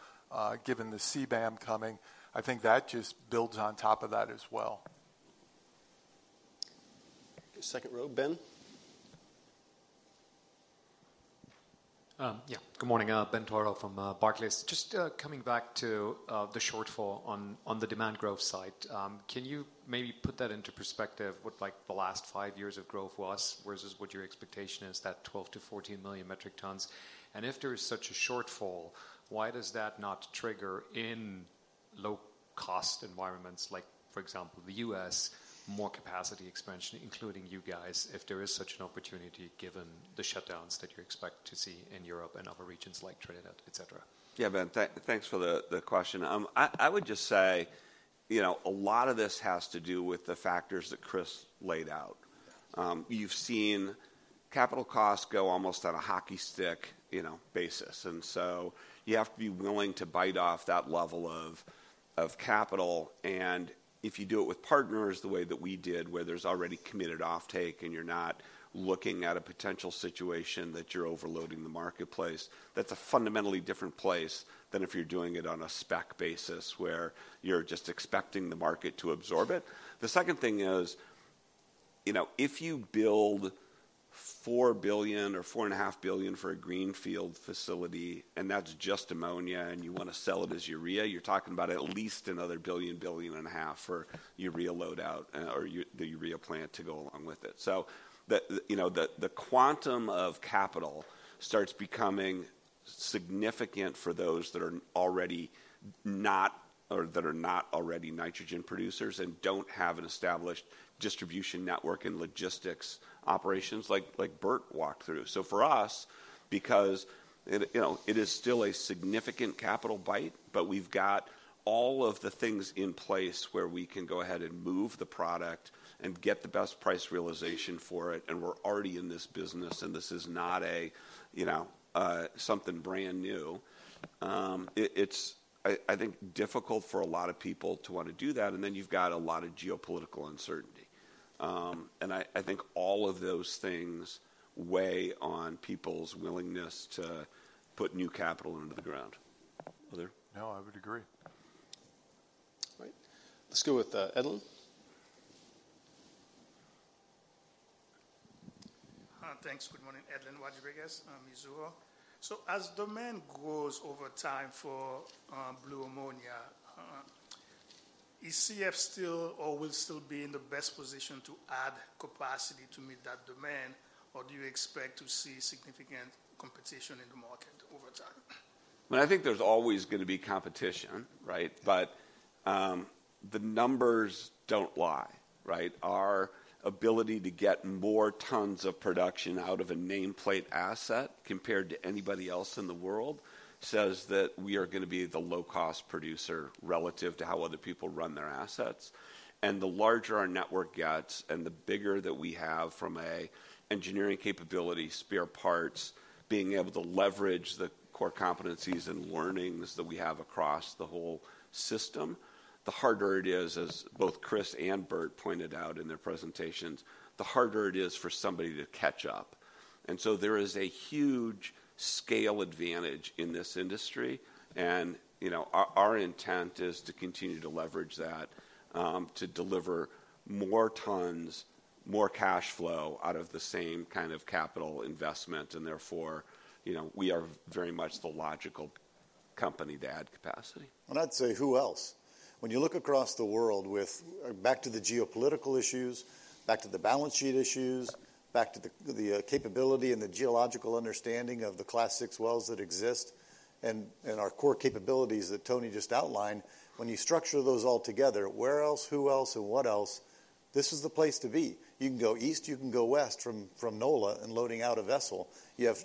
given the CBAM coming, I think that just builds on top of that as well. Second row, Ben? Yeah, good morning. Ben Theurer from Barclays. Just coming back to the shortfall on the demand growth side, can you maybe put that into perspective what the last five years of growth was versus what your expectation is, that 12 million-14 million metric tons? If there is such a shortfall, why does that not trigger in low-cost environments, like for example, the U.S., more capacity expansion, including you guys, if there is such an opportunity given the shutdowns that you expect to see in Europe and other regions like Trinidad, etc.? Yeah, Ben, thanks for the question. I would just say a lot of this has to do with the factors that Chris laid out. You've seen capital costs go almost on a hockey stick basis. You have to be willing to bite off that level of capital. If you do it with partners the way that we did, where there is already committed offtake and you are not looking at a potential situation that you are overloading the marketplace, that is a fundamentally different place than if you are doing it on a spec basis where you are just expecting the market to absorb it. The second thing is, if you build $4 billion or $4.5 billion for a greenfield facility, and that is just ammonia, and you want to sell it as urea, you are talking about at least another $1 billion-$1.5 billion for urea load-out or the urea plant to go along with it. The quantum of capital starts becoming significant for those that are not already nitrogen producers and do not have an established distribution network and logistics operations like Bert walked through. For us, because it is still a significant capital bite, but we've got all of the things in place where we can go ahead and move the product and get the best price realization for it. We're already in this business, and this is not something brand new. I think it is difficult for a lot of people to want to do that. You have a lot of geopolitical uncertainty. I think all of those things weigh on people's willingness to put new capital into the ground. Other? No, I would agree. All right. Let's go with Edlain. Thanks. Good morning, Edlain. Edlain Rodriguez, Mizuho. As demand grows over time for blue ammonia, is CF still or will still be in the best position to add capacity to meet that demand, or do you expect to see significant competition in the market over time? I think there's always going to be competition, right? The numbers don't lie, right? Our ability to get more tons of production out of a nameplate asset compared to anybody else in the world says that we are going to be the low-cost producer relative to how other people run their assets. The larger our network gets and the bigger that we have from an engineering capability, spare parts, being able to leverage the core competencies and learnings that we have across the whole system, the harder it is, as both Chris and Bert pointed out in their presentations, the harder it is for somebody to catch up. There is a huge scale advantage in this industry. Our intent is to continue to leverage that to deliver more tons, more cash flow out of the same kind of capital investment. Therefore, we are very much the logical company to add capacity. Who else? When you look across the world with back to the geopolitical issues, back to the balance sheet issues, back to the capability and the geological understanding of the class six wells that exist and our core capabilities that Tony just outlined, when you structure those all together, where else, who else, and what else, this is the place to be. You can go east, you can go west from NOLA and loading out a vessel. You have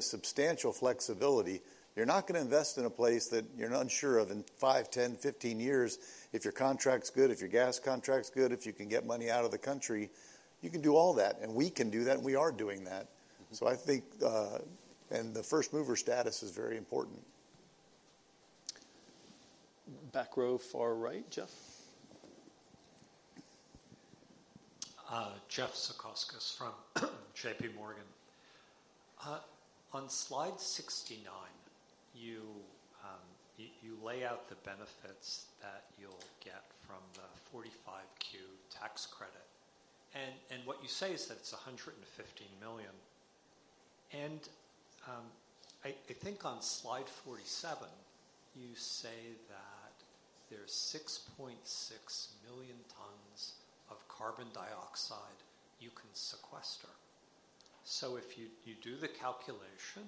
substantial flexibility. You're not going to invest in a place that you're unsure of in 5, 10, 15 years if your contract's good, if your gas contract's good, if you can get money out of the country. You can do all that. We can do that, and we are doing that. I think the first mover status is very important. Back row, far right, Jeff? Jeff Zekauskas from JPMorgan. On slide 69, you lay out the benefits that you'll get from the 45Q tax credit. What you say is that it's $115 million. I think on slide 47, you say that there's 6.6 million tons of carbon dioxide you can sequester. If you do the calculation,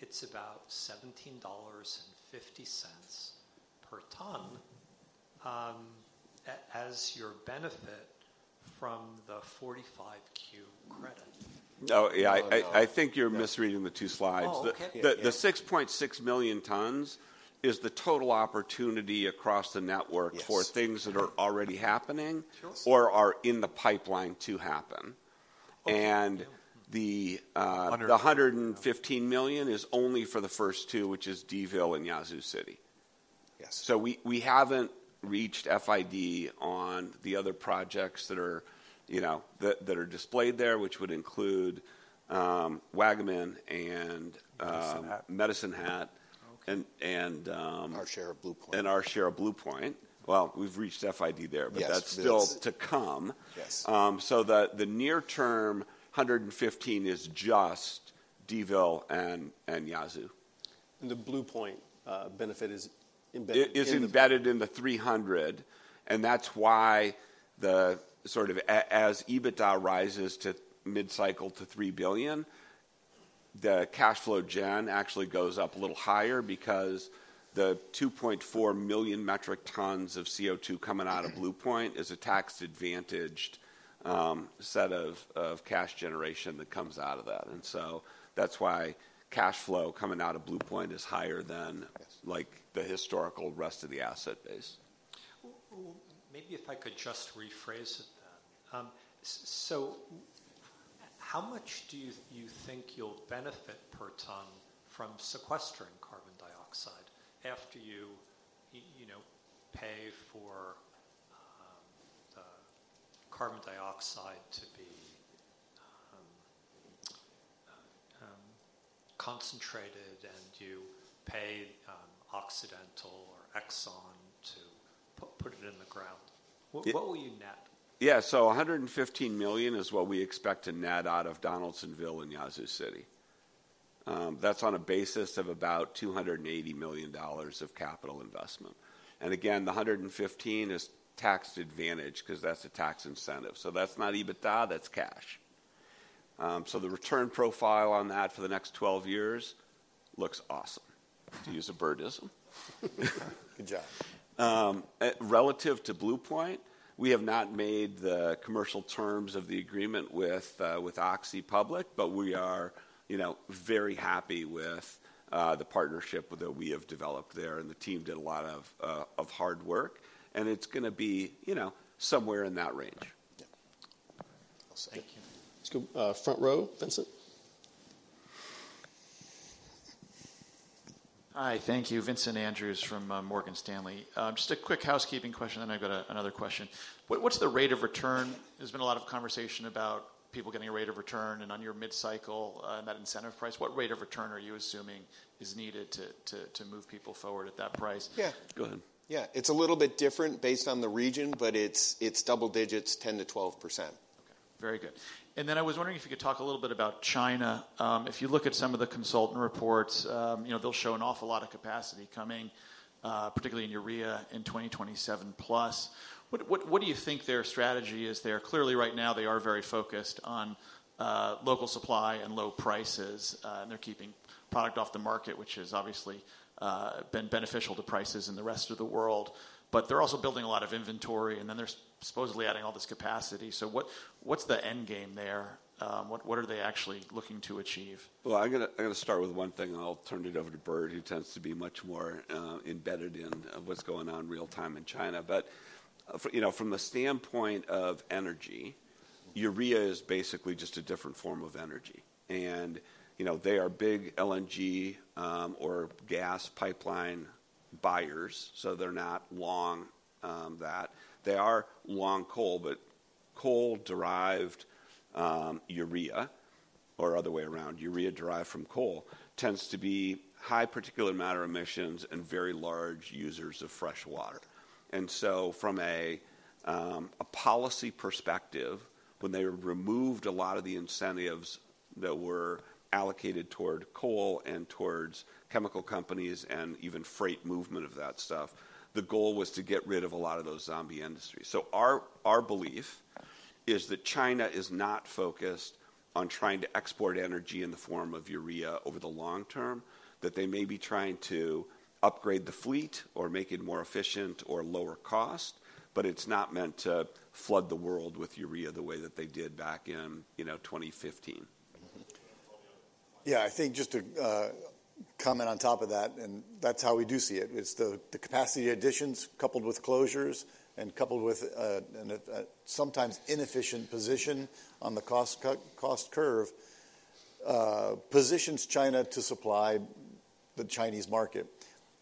it's about $17.50 per ton as your benefit from the 45Q credit. Oh, yeah. I think you're misreading the two slides. The 6.6 million tons is the total opportunity across the network for things that are already happening or are in the pipeline to happen. The $115 million is only for the first two, which is D'ville and Yazoo City. We have not reached FID on the other projects that are displayed there, which would include Waggaman and Medicine Hat. Medicine Hat and Our share of Blue Point. Our share of Blue Point, we have reached FID there, but that is still to come. The near-term $115 million is just D'ville and Yazoo. The Blue Point benefit is embedded Is embedded in the $300 million. It is embedded in the $300 million. That is why as EBITDA rises to mid-cycle to $3 billion, the cash flow generation actually goes up a little higher because the 2.4 million metric tons of CO2 coming out of Blue Point is a tax-advantaged set of cash generation that comes out of that. That is why cash flow coming out of Blue Point is higher than the historical rest of the asset base. Maybe if I could just rephrase it then. How much do you think you'll benefit per ton from sequestering carbon dioxide after you pay for the carbon dioxide to be concentrated and you pay Occidental or Exxon to put it in the ground? What will you net? Yeah. $115 million is what we expect to net out of Donaldsonville and Yazoo City. That's on a basis of about $280 million of capital investment. Again, the $115 million is tax-advantaged because that's a tax incentive. That's not EBITDA, that's cash. The return profile on that for the next 12 years looks awesome, to use a birdism. Good job. Relative to Blue Point, we have not made the commercial terms of the agreement with Oxy public, but we are very happy with the partnership that we have developed there. The team did a lot of hard work. It's going to be somewhere in that range. Thank you. Let's go front row, Vincent. Hi. Thank you. Vincent Andrews from Morgan Stanley. Just a quick housekeeping question, then I've got another question. What's the rate of return? There's been a lot of conversation about people getting a rate of return. And on your mid-cycle and that incentive price, what rate of return are you assuming is needed to move people forward at that price? Yeah. Go ahead. Yeah. It's a little bit different based on the region, but it's double digits, 10%-12%. Okay. Very good. And then I was wondering if you could talk a little bit about China. If you look at some of the consultant reports, they'll show an awful lot of capacity coming, particularly in urea in 2027 plus. What do you think their strategy is there? Clearly, right now, they are very focused on local supply and low prices. They're keeping product off the market, which has obviously been beneficial to prices in the rest of the world. They are also building a lot of inventory. They are supposedly adding all this capacity. What is the end game there? What are they actually looking to achieve? I'm going to start with one thing. I'll turn it over to Bert, who tends to be much more embedded in what's going on real-time in China. From the standpoint of energy, urea is basically just a different form of energy. They are big LNG or gas pipeline buyers, so they're not long that. They are long coal, but coal-derived urea, or the other way around, urea derived from coal, tends to be high particular matter emissions and very large users of freshwater. From a policy perspective, when they removed a lot of the incentives that were allocated toward coal and towards chemical companies and even freight movement of that stuff, the goal was to get rid of a lot of those zombie industries. Our belief is that China is not focused on trying to export energy in the form of urea over the long term, that they may be trying to upgrade the fleet or make it more efficient or lower cost, but it is not meant to flood the world with urea the way that they did back in 2015. Yeah. I think just to comment on top of that, and that is how we do see it, is the capacity additions coupled with closures and coupled with a sometimes inefficient position on the cost curve positions China to supply the Chinese market.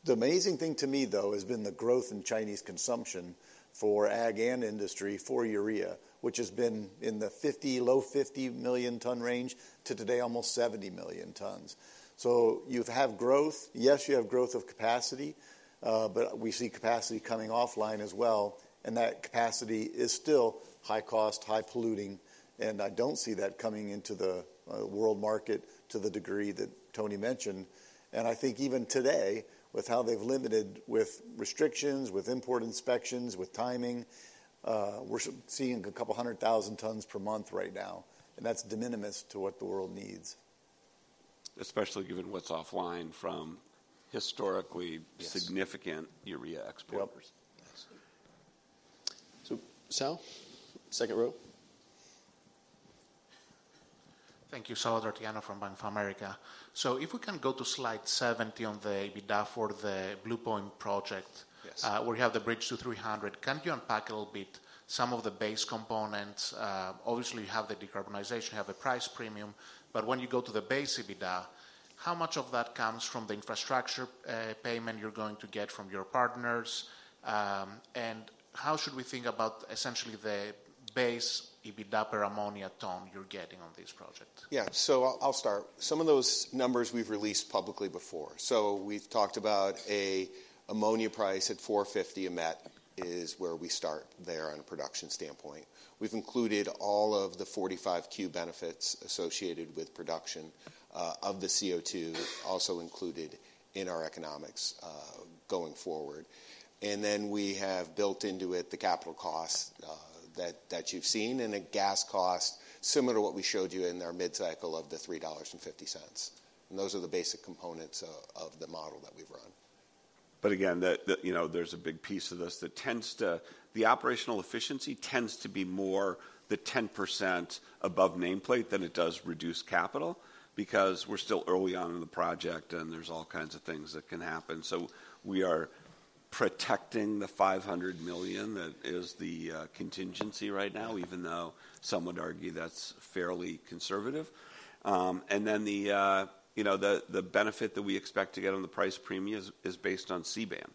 The amazing thing to me, though, has been the growth in Chinese consumption for ag and industry for urea, which has been in the low 50 million ton range to today, almost 70 million tons. You have growth. Yes, you have growth of capacity, but we see capacity coming offline as well. That capacity is still high cost, high polluting. I do not see that coming into the world market to the degree that Tony mentioned. I think even today, with how they have limited with restrictions, with import inspections, with timing, we are seeing a couple hundred thousand tons per month right now. That is de minimis to what the world needs, Especially given what is offline from historically significant urea exporters. Sal? Second row. Thank you. Salvator Tiano from Bank of America. If we can go to slide 70 on the EBITDA for the Blue Point project, where you have the bridge to 300, can you unpack a little bit some of the base components? Obviously, you have the decarbonization, you have the price premium. When you go to the base EBITDA, how much of that comes from the infrastructure payment you are going to get from your partners? How should we think about essentially the base EBITDA per ammonia ton you are getting on this project? Yeah. I will start. Some of those numbers we have released publicly before. We have talked about an ammonia price at $450 a metric ton is where we start there on a production standpoint. We have included all of the 45Q benefits associated with production of the CO2 also included in our economics going forward. We have built into it the capital cost that you've seen and a gas cost similar to what we showed you in our mid-cycle of the $3.50. Those are the basic components of the model that we've run. Again, there's a big piece of this that tends to the operational efficiency, tends to be more the 10% above nameplate than it does reduced capital because we're still early on in the project and there's all kinds of things that can happen. We are protecting the $500 million that is the contingency right now, even though some would argue that's fairly conservative. The benefit that we expect to get on the price premium is based on CBAM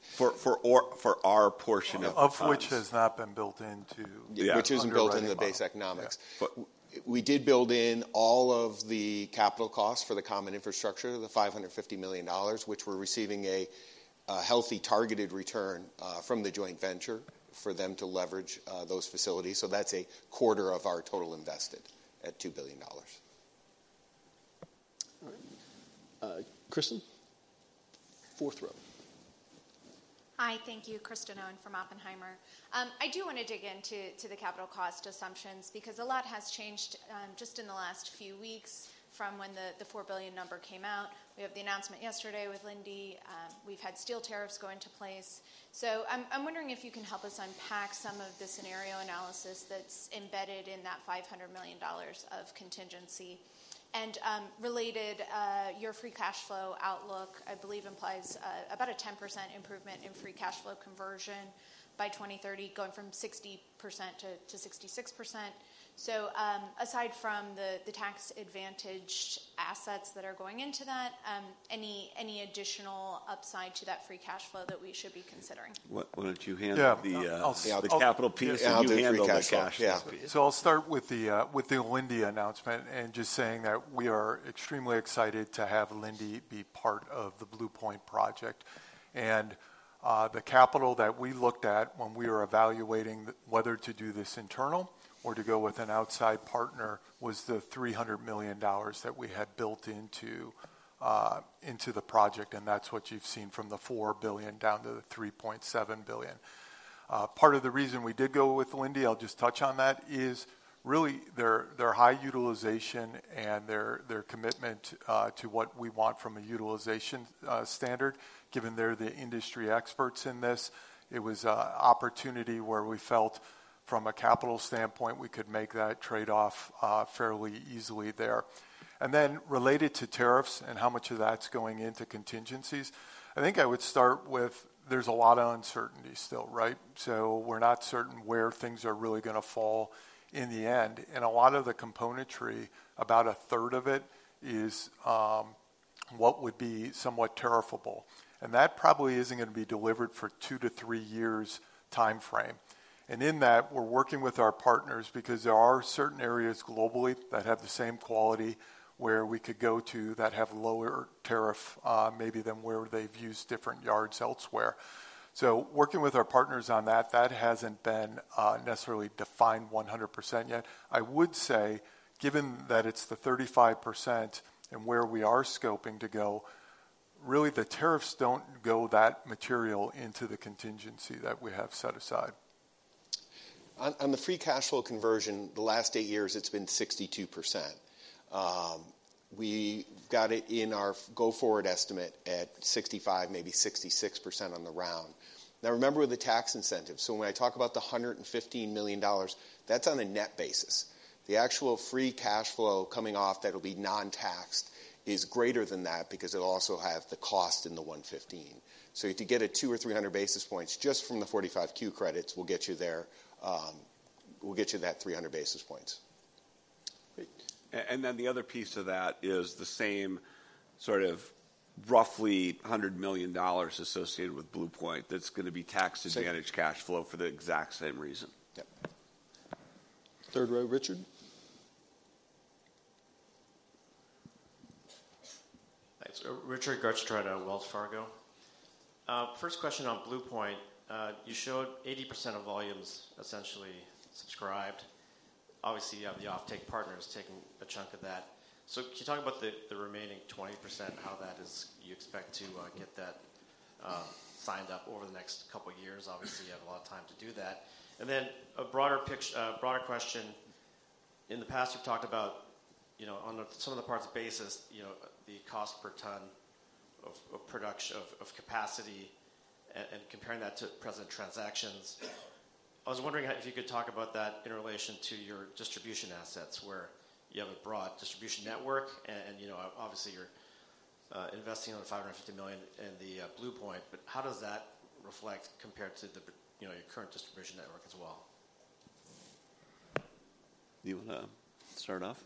for our portion of the project, which has not been built into the base. Yeah, which isn't built into the base economics. We did build in all of the capital costs for the common infrastructure, the $550 million, which we're receiving a healthy targeted return from the joint venture for them to leverage those facilities. That is a quarter of our total invested at $2 billion. Kristen? Fourth row. Hi. Thank you. Kristen Owen from Oppenheimer. I do want to dig into the capital cost assumptions because a lot has changed just in the last few weeks from when the $4 billion number came out. We have the announcement yesterday with Linde. We have had steel tariffs go into place. I am wondering if you can help us unpack some of the scenario analysis that is embedded in that $500 million of contingency. Related, your free cash flow outlook, I believe, implies about a 10% improvement in free cash flow conversion by 2030, going from 60% to 66%. Aside from the tax-advantaged assets that are going into that, any additional upside to that free cash flow that we should be considering? Why do you not handle the capital piece? I'll do the capital cash piece. I'll start with the Linde announcement and just say that we are extremely excited to have Linde be part of the Blue Point project. The capital that we looked at when we were evaluating whether to do this internal or to go with an outside partner was the $300 million that we had built into the project. That is what you have seen from the $4 billion down to the $3.7 billion. Part of the reason we did go with Linde, I'll just touch on that, is really their high utilization and their commitment to what we want from a utilization standard, given they are the industry experts in this. It was an opportunity where we felt, from a capital standpoint, we could make that trade-off fairly easily there. Related to tariffs and how much of that's going into contingencies, I think I would start with there's a lot of uncertainty still, right? We are not certain where things are really going to fall in the end. A lot of the componentry, about a third of it, is what would be somewhat tariffable. That probably is not going to be delivered for two to three years' timeframe. In that, we are working with our partners because there are certain areas globally that have the same quality where we could go to that have lower tariff maybe than where they have used different yards elsewhere. Working with our partners on that, that has not been necessarily defined 100% yet. I would say, given that it's the 35% and where we are scoping to go, really the tariffs don't go that material into the contingency that we have set aside. On the free cash flow conversion, the last eight years, it's been 62%. We got it in our go forward estimate at 65%, maybe 66% on the round. Now, remember the tax incentives. So when I talk about the $115 million, that's on a net basis. The actual free cash flow coming off that will be non-taxed is greater than that because it'll also have the cost in the $115 million. If you get a 200 or 300 basis points just from the 45Q credits, we'll get you there. We'll get you that 300 basis points. Then the other piece of that is the same sort of roughly $100 million associated with Blue Point that's going to be tax-advantaged cash flow for the exact same reason. Third row, Richard. Thanks. Richard Garchitorena of Wells Fargo. First question on Blue Point. You showed 80% of volumes essentially subscribed. Obviously, you have the off-take partners taking a chunk of that. Can you talk about the remaining 20%, how you expect to get that signed up over the next couple of years? Obviously, you have a lot of time to do that. A broader question. In the past, you've talked about, on some of the parts basis, the cost per ton of capacity and comparing that to present transactions. I was wondering if you could talk about that in relation to your distribution assets where you have a broad distribution network. Obviously, you're investing on the $550 million in the Blue Point. How does that reflect compared to your current distribution network as well? You want to start off?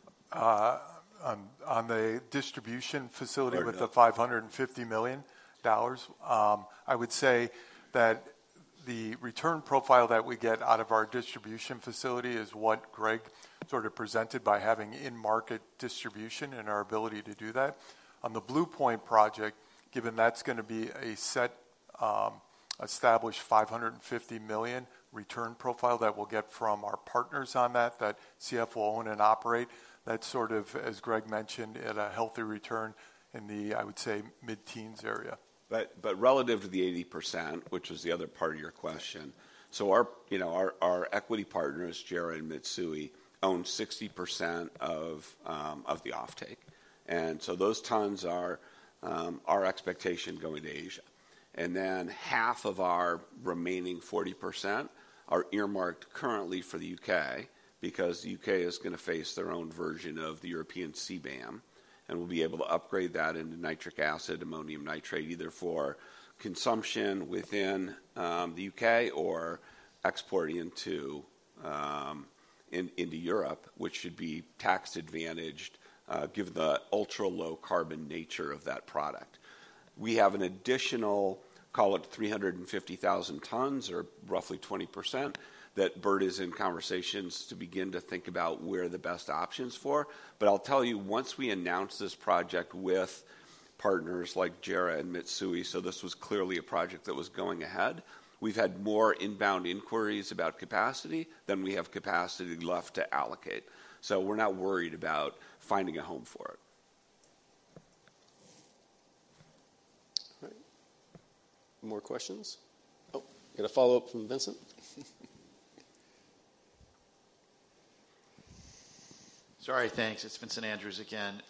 On the distribution facility with the $550 million, I would say that the return profile that we get out of our distribution facility is what Greg sort of presented by having in-market distribution and our ability to do that. On the Blue Point project, given that's going to be a set established $550 million return profile that we'll get from our partners on that, that CF will own and operate, that's sort of, as Greg mentioned, at a healthy return in the, I would say, mid-teens area. Relative to the 80%, which was the other part of your question, our equity partners, JERA and Mitsui, own 60% of the off-take. Those tons are our expectation going to Asia. Then half of our remaining 40% are earmarked currently for the U.K. because the U.K. is going to face their own version of the European CBAM. We will be able to upgrade that into nitric acid, ammonium nitrate, either for consumption within the U.K. or exporting into Europe, which should be tax-advantaged given the ultra-low carbon nature of that product. We have an additional, call it 350,000 tons or roughly 20% that Bert is in conversations to begin to think about where the best options for. I'll tell you, once we announced this project with partners like JERA and Mitsui, so this was clearly a project that was going ahead, we've had more inbound inquiries about capacity than we have capacity left to allocate. We're not worried about finding a home for it. All right. More questions? Oh, we got a follow-up from Vincent. Sorry, thanks. It's Vincent Andrews again.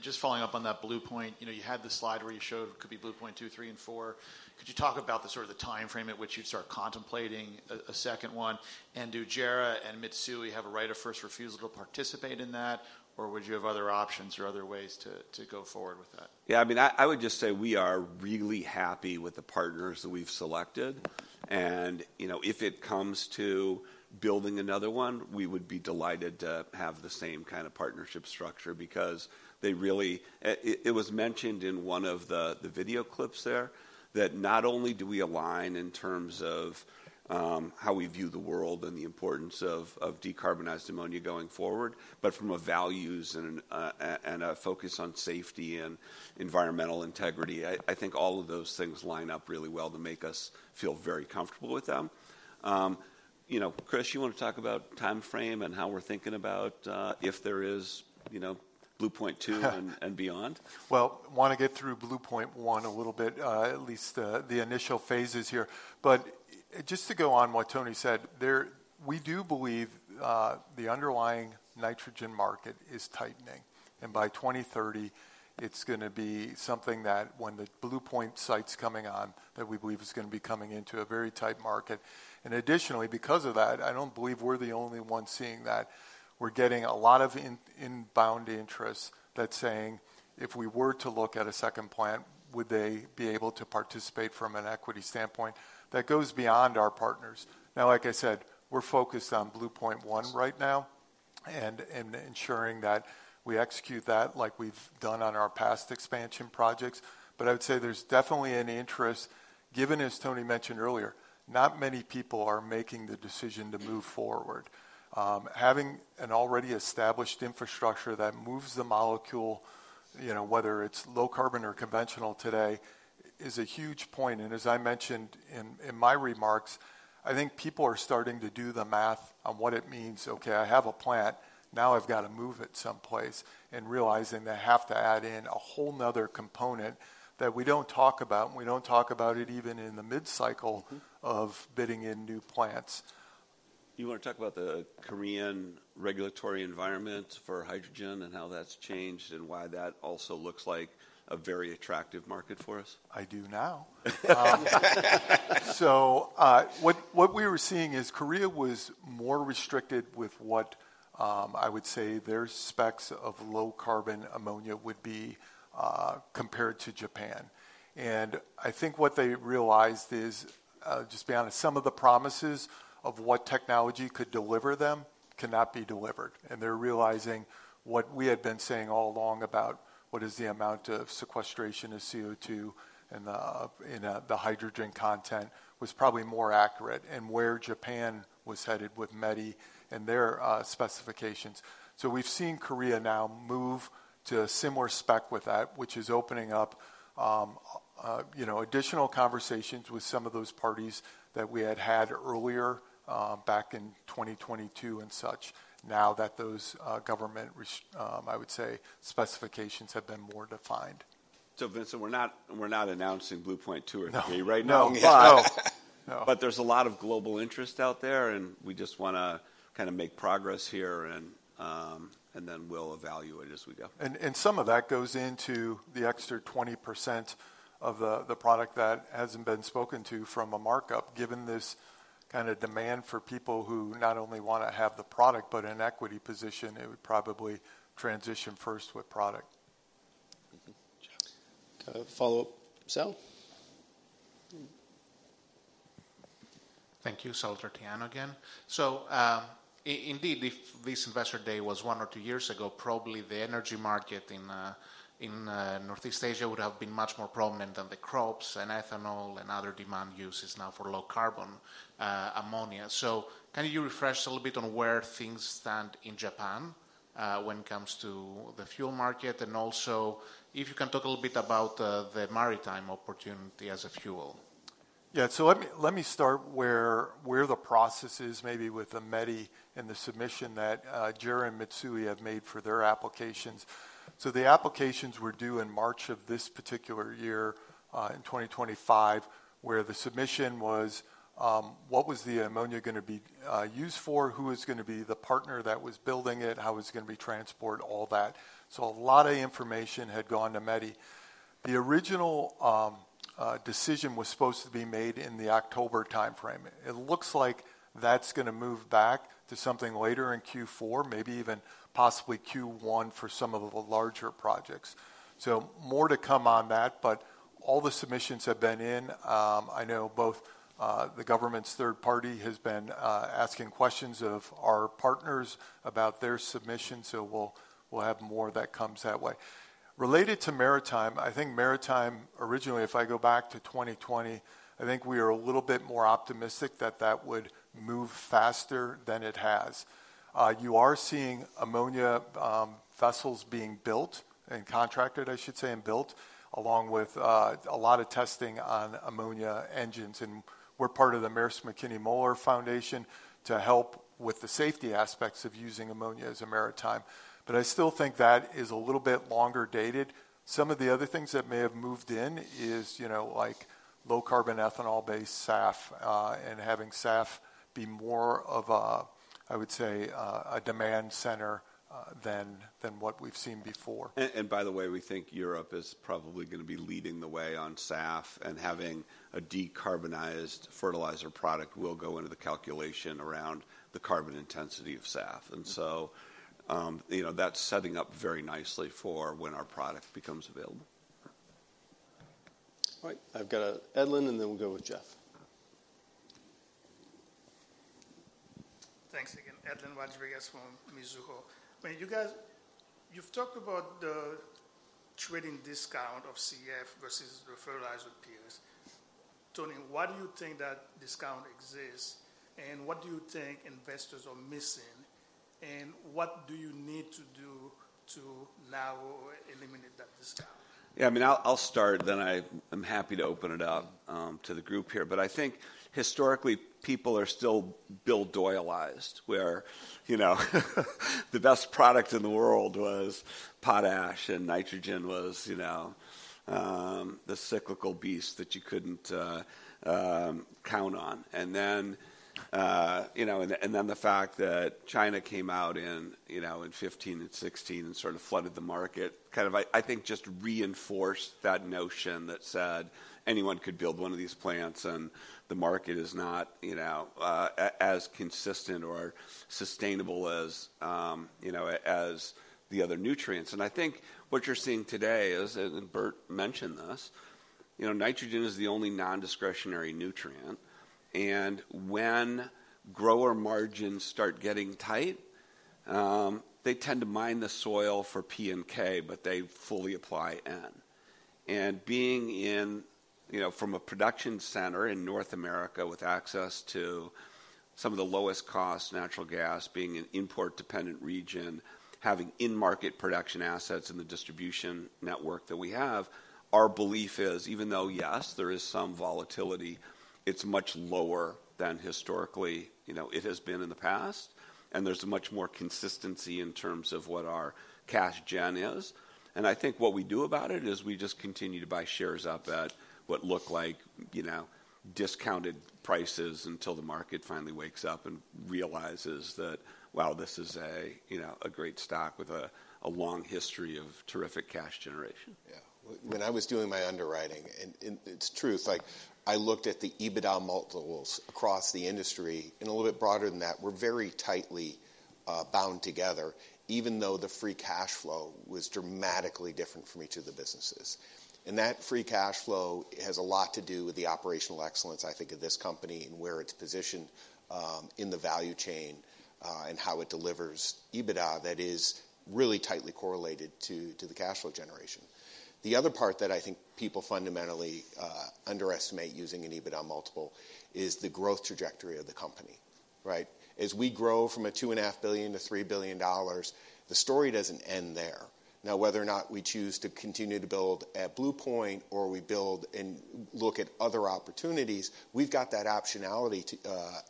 Just following up on that Blue Point, you had the slide where you showed it could be Blue Point 2, 3, and 4. Could you talk about the sort of the timeframe at which you'd start contemplating a second one? And do JERA and Mitsui have a right of first refusal to participate in that, or would you have other options or other ways to go forward with that? Yeah. I mean, I would just say we are really happy with the partners that we've selected. If it comes to building another one, we would be delighted to have the same kind of partnership structure because they really, it was mentioned in one of the video clips there, that not only do we align in terms of how we view the world and the importance of decarbonized ammonia going forward, but from a values and a focus on safety and environmental integrity, I think all of those things line up really well to make us feel very comfortable with them. Chris, you want to talk about timeframe and how we're thinking about if there is Blue Point 2 and beyond? I want to get through Blue Point 1 a little bit, at least the initial phases here. Just to go on what Tony said, we do believe the underlying nitrogen market is tightening. By 2030, it's going to be something that, when the Blue Point site's coming on, that we believe is going to be coming into a very tight market. Additionally, because of that, I don't believe we're the only ones seeing that. We're getting a lot of inbound interest that's saying, if we were to look at a second plant, would they be able to participate from an equity standpoint? That goes beyond our partners. Now, like I said, we're focused on Blue Point 1 right now and ensuring that we execute that like we've done on our past expansion projects. I would say there's definitely an interest, given as Tony mentioned earlier, not many people are making the decision to move forward. Having an already established infrastructure that moves the molecule, whether it's low-carbon or conventional today, is a huge point. As I mentioned in my remarks, I think people are starting to do the math on what it means. Okay, I have a plant. Now I have to move it someplace and realize they have to add in a whole other component that we do not talk about, and we do not talk about it even in the mid-cycle of bidding in new plants. You want to talk about the Korean regulatory environment for hydrogen and how that has changed and why that also looks like a very attractive market for us? I do now. What we were seeing is Korea was more restricted with what I would say their specs of low-carbon ammonia would be compared to Japan. I think what they realized is, just beyond some of the promises of what technology could deliver them cannot be delivered. They are realizing what we had been saying all along about what is the amount of sequestration of CO2 and the hydrogen content was probably more accurate and where Japan was headed with METI and their specifications. We have seen Korea now move to a similar spec with that, which is opening up additional conversations with some of those parties that we had had earlier back in 2022 and such, now that those government, I would say, specifications have been more defined. Vincent, we are not announcing Blue Point 2 or Blue Point 3 right now. There is a lot of global interest out there, and we just want to kind of make progress here, and then we will evaluate as we go. Some of that goes into the extra 20% of the product that has not been spoken to from a markup, given this kind of demand for people who not only want to have the product, but in equity position, it would probably transition first with product. Follow-up, Sal? Thank you, Salvator Tiano again. If this investor day was one or two years ago, probably the energy market in Northeast Asia would have been much more prominent than the crops and ethanol and other demand uses now for low-carbon ammonia. Can you refresh a little bit on where things stand in Japan when it comes to the fuel market? Also, if you can talk a little bit about the maritime opportunity as a fuel. Yeah. Let me start where the process is, maybe with the METI and the submission that JERA and Mitsui have made for their applications. The applications were due in March of this particular year, in 2025, where the submission was, what was the ammonia going to be used for? Who was going to be the partner that was building it? How was it going to be transported? All that. A lot of information had gone to METI. The original decision was supposed to be made in the October timeframe. It looks like that is going to move back to something later in Q4, maybe even possibly Q1 for some of the larger projects. More to come on that. All the submissions have been in. I know both the government's third party has been asking questions of our partners about their submissions. We'll have more that comes that way. Related to maritime, I think maritime, originally, if I go back to 2020, I think we were a little bit more optimistic that that would move faster than it has. You are seeing ammonia vessels being contracted and built along with a lot of testing on ammonia engines. We're part of the Maersk Mc-Kinney Moller Foundation to help with the safety aspects of using ammonia as a maritime. I still think that is a little bit longer dated. Some of the other things that may have moved in is like low-carbon ethanol-based SAF and having SAF be more of a, I would say, a demand center than what we've seen before. By the way, we think Europe is probably going to be leading the way on SAF, and having a decarbonized fertilizer product will go into the calculation around the carbon intensity of SAF. That is setting up very nicely for when our product becomes available. All right. I have Edlain, and then we will go with Jeff. Thanks again. Edlain Rodriguez from Mizuho. You have talked about the trading discount of CF versus the fertilizer tiers. Tony, why do you think that discount exists? What do you think investors are missing? What do you need to do to now eliminate that discount? Yeah. I mean, I will start, then I am happy to open it up to the group here. I think historically, people are still Bill-Doyalized, where the best product in the world was potash and nitrogen was the cyclical beast that you could not count on. The fact that China came out in 2015 and 2016 and sort of flooded the market kind of, I think, just reinforced that notion that said anyone could build one of these plants, and the market is not as consistent or sustainable as the other nutrients. I think what you are seeing today is, and Bert mentioned this, nitrogen is the only non-discretionary nutrient. When grower margins start getting tight, they tend to mine the soil for P&K, but they fully apply N. Being from a production center in North America with access to some of the lowest-cost natural gas, being an import-dependent region, having in-market production assets in the distribution network that we have, our belief is, even though, yes, there is some volatility, it is much lower than historically it has been in the past. There is much more consistency in terms of what our cash gen is. I think what we do about it is we just continue to buy shares up at what look like discounted prices until the market finally wakes up and realizes that, wow, this is a great stock with a long history of terrific cash generation. Yeah. When I was doing my underwriting, and it is truth, I looked at the EBITDA multiples across the industry. A little bit broader than that, we are very tightly bound together, even though the free cash flow was dramatically different from each of the businesses. That free cash flow has a lot to do with the operational excellence, I think, of this company and where it is positioned in the value chain and how it delivers EBITDA that is really tightly correlated to the cash flow generation. The other part that I think people fundamentally underestimate using an EBITDA multiple is the growth trajectory of the company. As we grow from a $2.5 billion to $3 billion, the story does not end there. Now, whether or not we choose to continue to build at Blue Point or we build and look at other opportunities, we have that optionality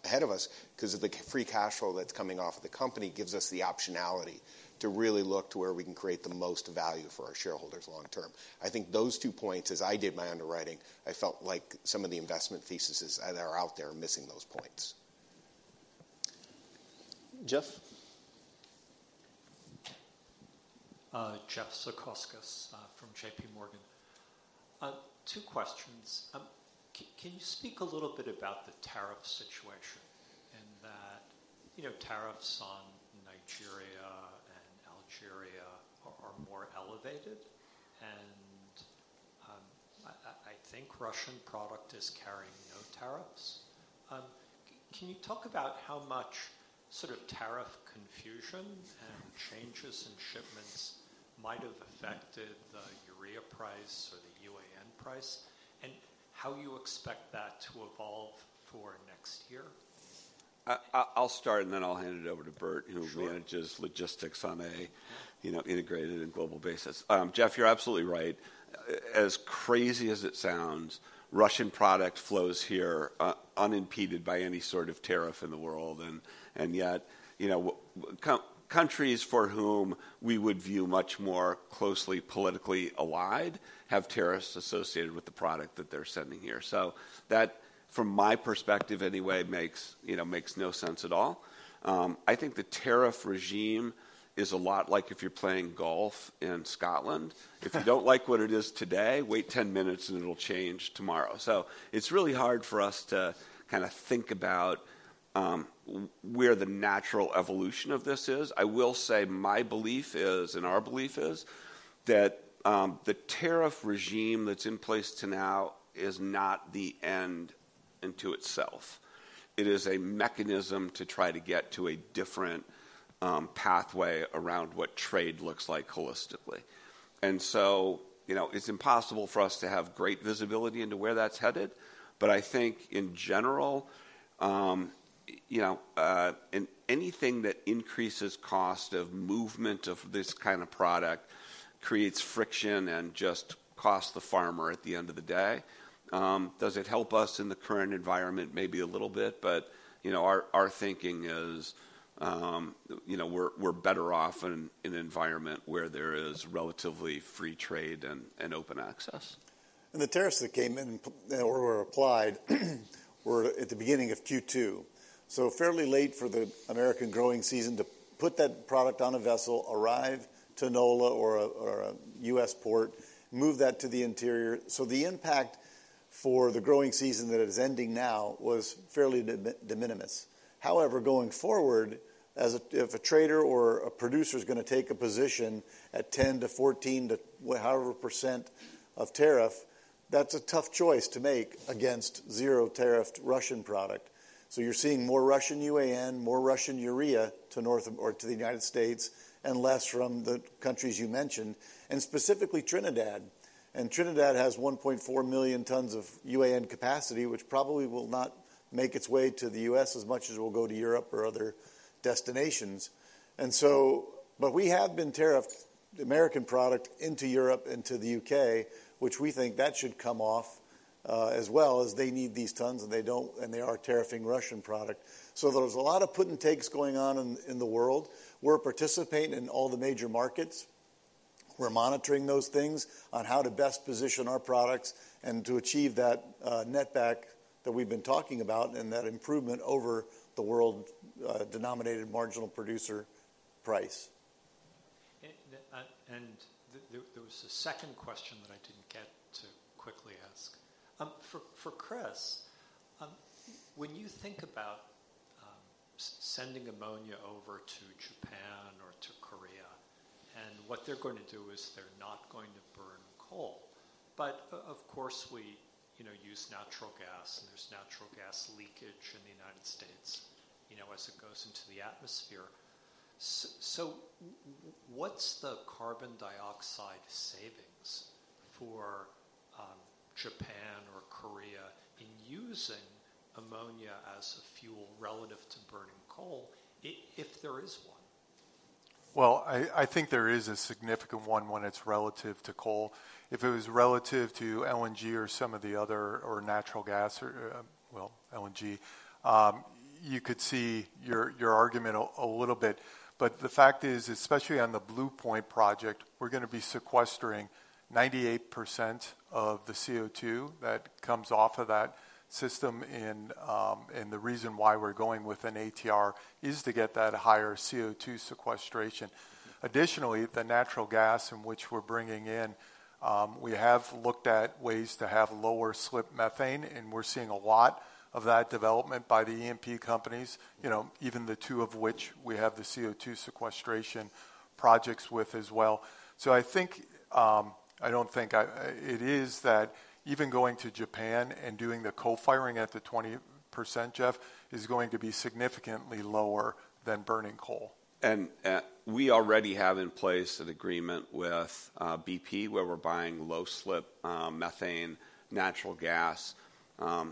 ahead of us because the free cash flow that is coming off of the company gives us the optionality to really look to where we can create the most value for our shareholders long term. I think those two points, as I did my underwriting, I felt like some of the investment theses that are out there are missing those points. Jeff? Jeff Zekauskas from JPMorgan. Two questions. Can you speak a little bit about the tariff situation and that tariffs on Nigeria and Algeria are more elevated? I think Russian product is carrying no tariffs. Can you talk about how much sort of tariff confusion and changes in shipments might have affected the urea price or the UAN price and how you expect that to evolve for next year? I'll start, and then I'll hand it over to Bert, who manages logistics on an integrated and global basis. Jeff, you're absolutely right. As crazy as it sounds, Russian product flows here unimpeded by any sort of tariff in the world. Yet, countries for whom we would view much more closely politically allied have tariffs associated with the product that they're sending here. That, from my perspective anyway, makes no sense at all. I think the tariff regime is a lot like if you're playing golf in Scotland. If you don't like what it is today, wait 10 minutes and it'll change tomorrow. It's really hard for us to kind of think about where the natural evolution of this is. I will say my belief is, and our belief is, that the tariff regime that's in place now is not the end in itself. It is a mechanism to try to get to a different pathway around what trade looks like holistically. It's impossible for us to have great visibility into where that's headed. I think, in general, anything that increases cost of movement of this kind of product creates friction and just costs the farmer at the end of the day. Does it help us in the current environment? Maybe a little bit. Our thinking is we're better off in an environment where there is relatively free trade and open access. The tariffs that came in or were applied were at the beginning of Q2. is fairly late for the American growing season to put that product on a vessel, arrive to NOLA or a U.S. port, move that to the interior. The impact for the growing season that is ending now was fairly de minimis. However, going forward, if a trader or a producer is going to take a position at 10%-14% or however percent of tariff, that is a tough choice to make against zero-tariffed Russian product. You are seeing more Russian UAN, more Russian urea to the United States and less from the countries you mentioned, and specifically Trinidad. Trinidad has 1.4 million tons of UAN capacity, which probably will not make its way to the U.S. as much as it will go to Europe or other destinations. We have been tariffed American product into Europe and to the U.K., which we think that should come off as well as they need these tons and they are tariffing Russian product. There was a lot of put and takes going on in the world. We're participating in all the major markets. We're monitoring those things on how to best position our products and to achieve that net back that we've been talking about and that improvement over the world-denominated marginal producer price. There was a second question that I did not get to quickly ask. For Chris, when you think about sending ammonia over to Japan or to Korea, and what they're going to do is they're not going to burn coal. Of course, we use natural gas, and there's natural gas leakage in the United States as it goes into the atmosphere. What is the carbon dioxide savings for Japan or Korea in using ammonia as a fuel relative to burning coal, if there is one? I think there is a significant one when it is relative to coal. If it was relative to LNG or some of the other, or natural gas, LNG, you could see your argument a little bit. The fact is, especially on the Blue Point project, we are going to be sequestering 98% of the CO2 that comes off of that system. The reason why we are going with an ATR is to get that higher CO2 sequestration. Additionally, the natural gas in which we are bringing in, we have looked at ways to have lower slip methane, and we are seeing a lot of that development by the E&P companies, even the two of which we have the CO2 sequestration projects with as well. I do not think it is that even going to Japan and doing the coal firing at the 20%, Jeff, is going to be significantly lower than burning coal. We already have in place an agreement with BP where we are buying low slip methane, natural gas.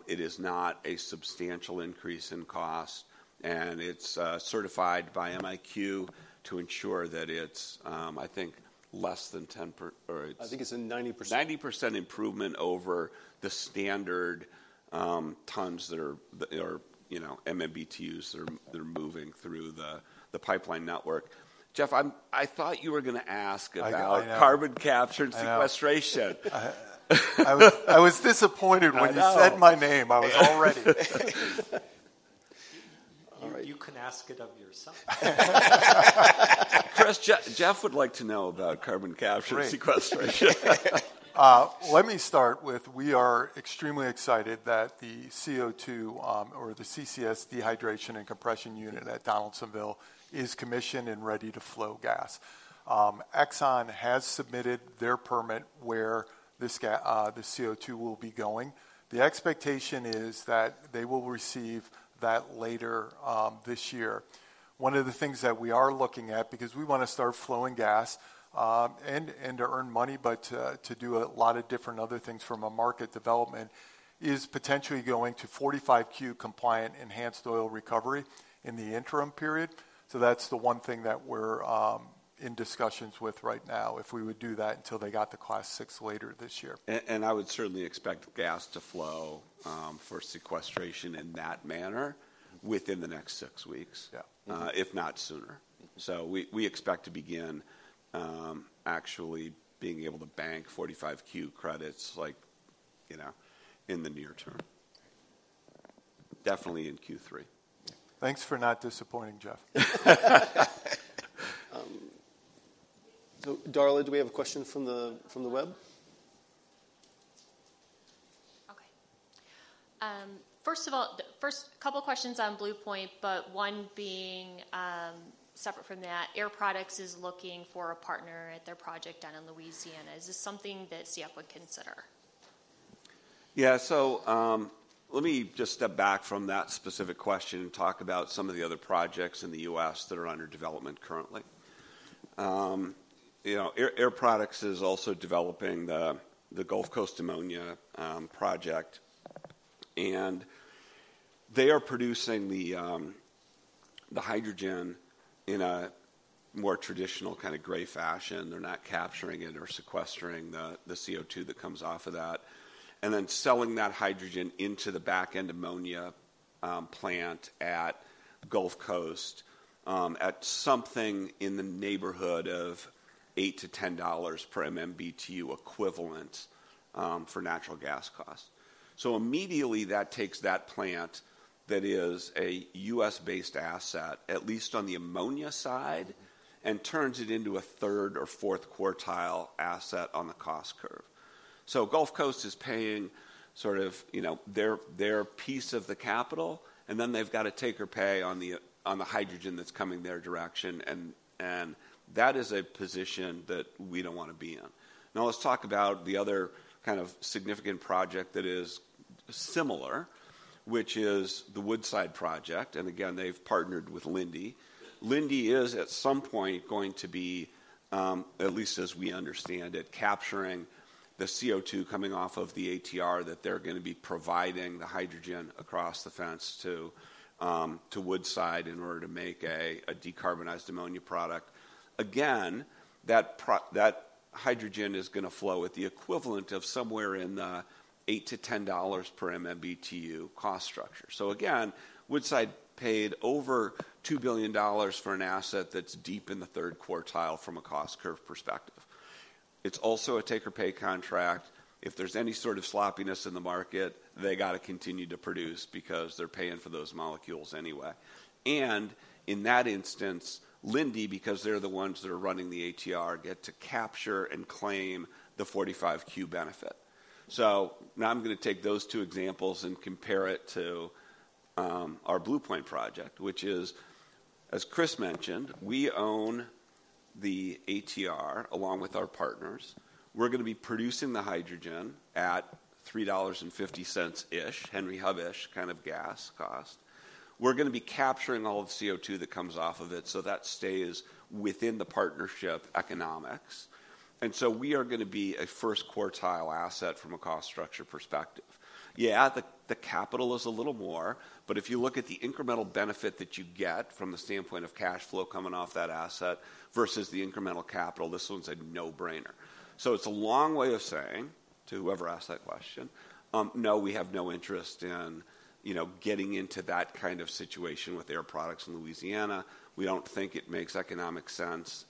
It is not a substantial increase in cost, and it is certified by MIQ to ensure that it is, I think, less than 10% or I think it is a 90%. Ninety percent improvement over the standard tons that are MMBTus that are moving through the pipeline network. Jeff, I thought you were going to ask about carbon capture and sequestration. I was disappointed when you said my name. I was already. You can ask it of yourself. Chris, Jeff would like to know about carbon capture and sequestration. Let me start with we are extremely excited that the CO2 or the CCS dehydration and compression unit at Donaldsonville is commissioned and ready to flow gas. Exxon has submitted their permit where the CO2 will be going. The expectation is that they will receive that later this year. One of the things that we are looking at, because we want to start flowing gas and to earn money, but to do a lot of different other things from a market development, is potentially going to 45Q compliant enhanced oil recovery in the interim period. That's the one thing that we're in discussions with right now, if we would do that until they got the Class 6 later this year. I would certainly expect gas to flow for sequestration in that manner within the next six weeks, if not sooner. We expect to begin actually being able to bank 45Q credits in the near term, definitely in Q3. Thanks for not disappointing, Jeff. Darla, do we have a question from the web? Okay. First of all, first couple of questions on Blue Point, but one being separate from that, Air Products is looking for a partner at their project down in Louisiana. Is this something that CF would consider? Yeah. Let me just step back from that specific question and talk about some of the other projects in the U.S. that are under development currently. Air Products is also developing the Gulf Coast ammonia project. They are producing the hydrogen in a more traditional kind of gray fashion. They're not capturing it or sequestering the CO2 that comes off of that, and then selling that hydrogen into the back-end ammonia plant at Gulf Coast at something in the neighborhood of $8-$10 per MMBTu equivalent for natural gas cost. Immediately that takes that plant that is a U.S.-based asset, at least on the ammonia side, and turns it into a third or fourth quartile asset on the cost curve. Gulf Coast is paying sort of their piece of the capital, and then they've got to take or pay on the hydrogen that's coming their direction. That is a position that we don't want to be in. Now, let's talk about the other kind of significant project that is similar, which is the Woodside project. Again, they've partnered with Linde. Linde is at some point going to be, at least as we understand it, capturing the CO2 coming off of the ATR that they're going to be providing the hydrogen across the fence to Woodside in order to make a decarbonized ammonia product. Again, that hydrogen is going to flow with the equivalent of somewhere in the $8-$10 per MMBTu cost structure. Again, Woodside paid over $2 billion for an asset that's deep in the third quartile from a cost curve perspective. It's also a take or pay contract. If there's any sort of sloppiness in the market, they got to continue to produce because they're paying for those molecules anyway. In that instance, Linde, because they're the ones that are running the ATR, get to capture and claim the 45Q benefit. Now I'm going to take those two examples and compare it to our Blue Point project, which is, as Chris mentioned, we own the ATR along with our partners. We're going to be producing the hydrogen at $3.50-ish, Henry Hub-ish kind of gas cost. We're going to be capturing all the CO2 that comes off of it so that stays within the partnership economics. We are going to be a first quartile asset from a cost structure perspective. Yeah, the capital is a little more, but if you look at the incremental benefit that you get from the standpoint of cash flow coming off that asset versus the incremental capital, this one's a no-brainer. It's a long way of saying to whoever asked that question, no, we have no interest in getting into that kind of situation with Air Products in Louisiana. We don't think it makes economic sense.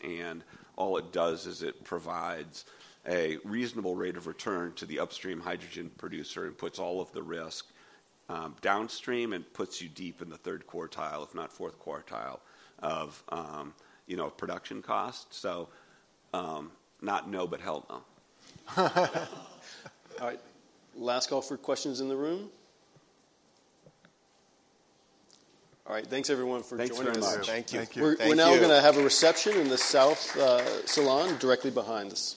All it does is it provides a reasonable rate of return to the upstream hydrogen producer and puts all of the risk downstream and puts you deep in the third quartile, if not fourth quartile of production cost. So not no, but hell no. All right. Last call for questions in the room. All right. Thanks, everyone, for joining us. Thank you. We're now going to have a reception in the south salon directly behind us.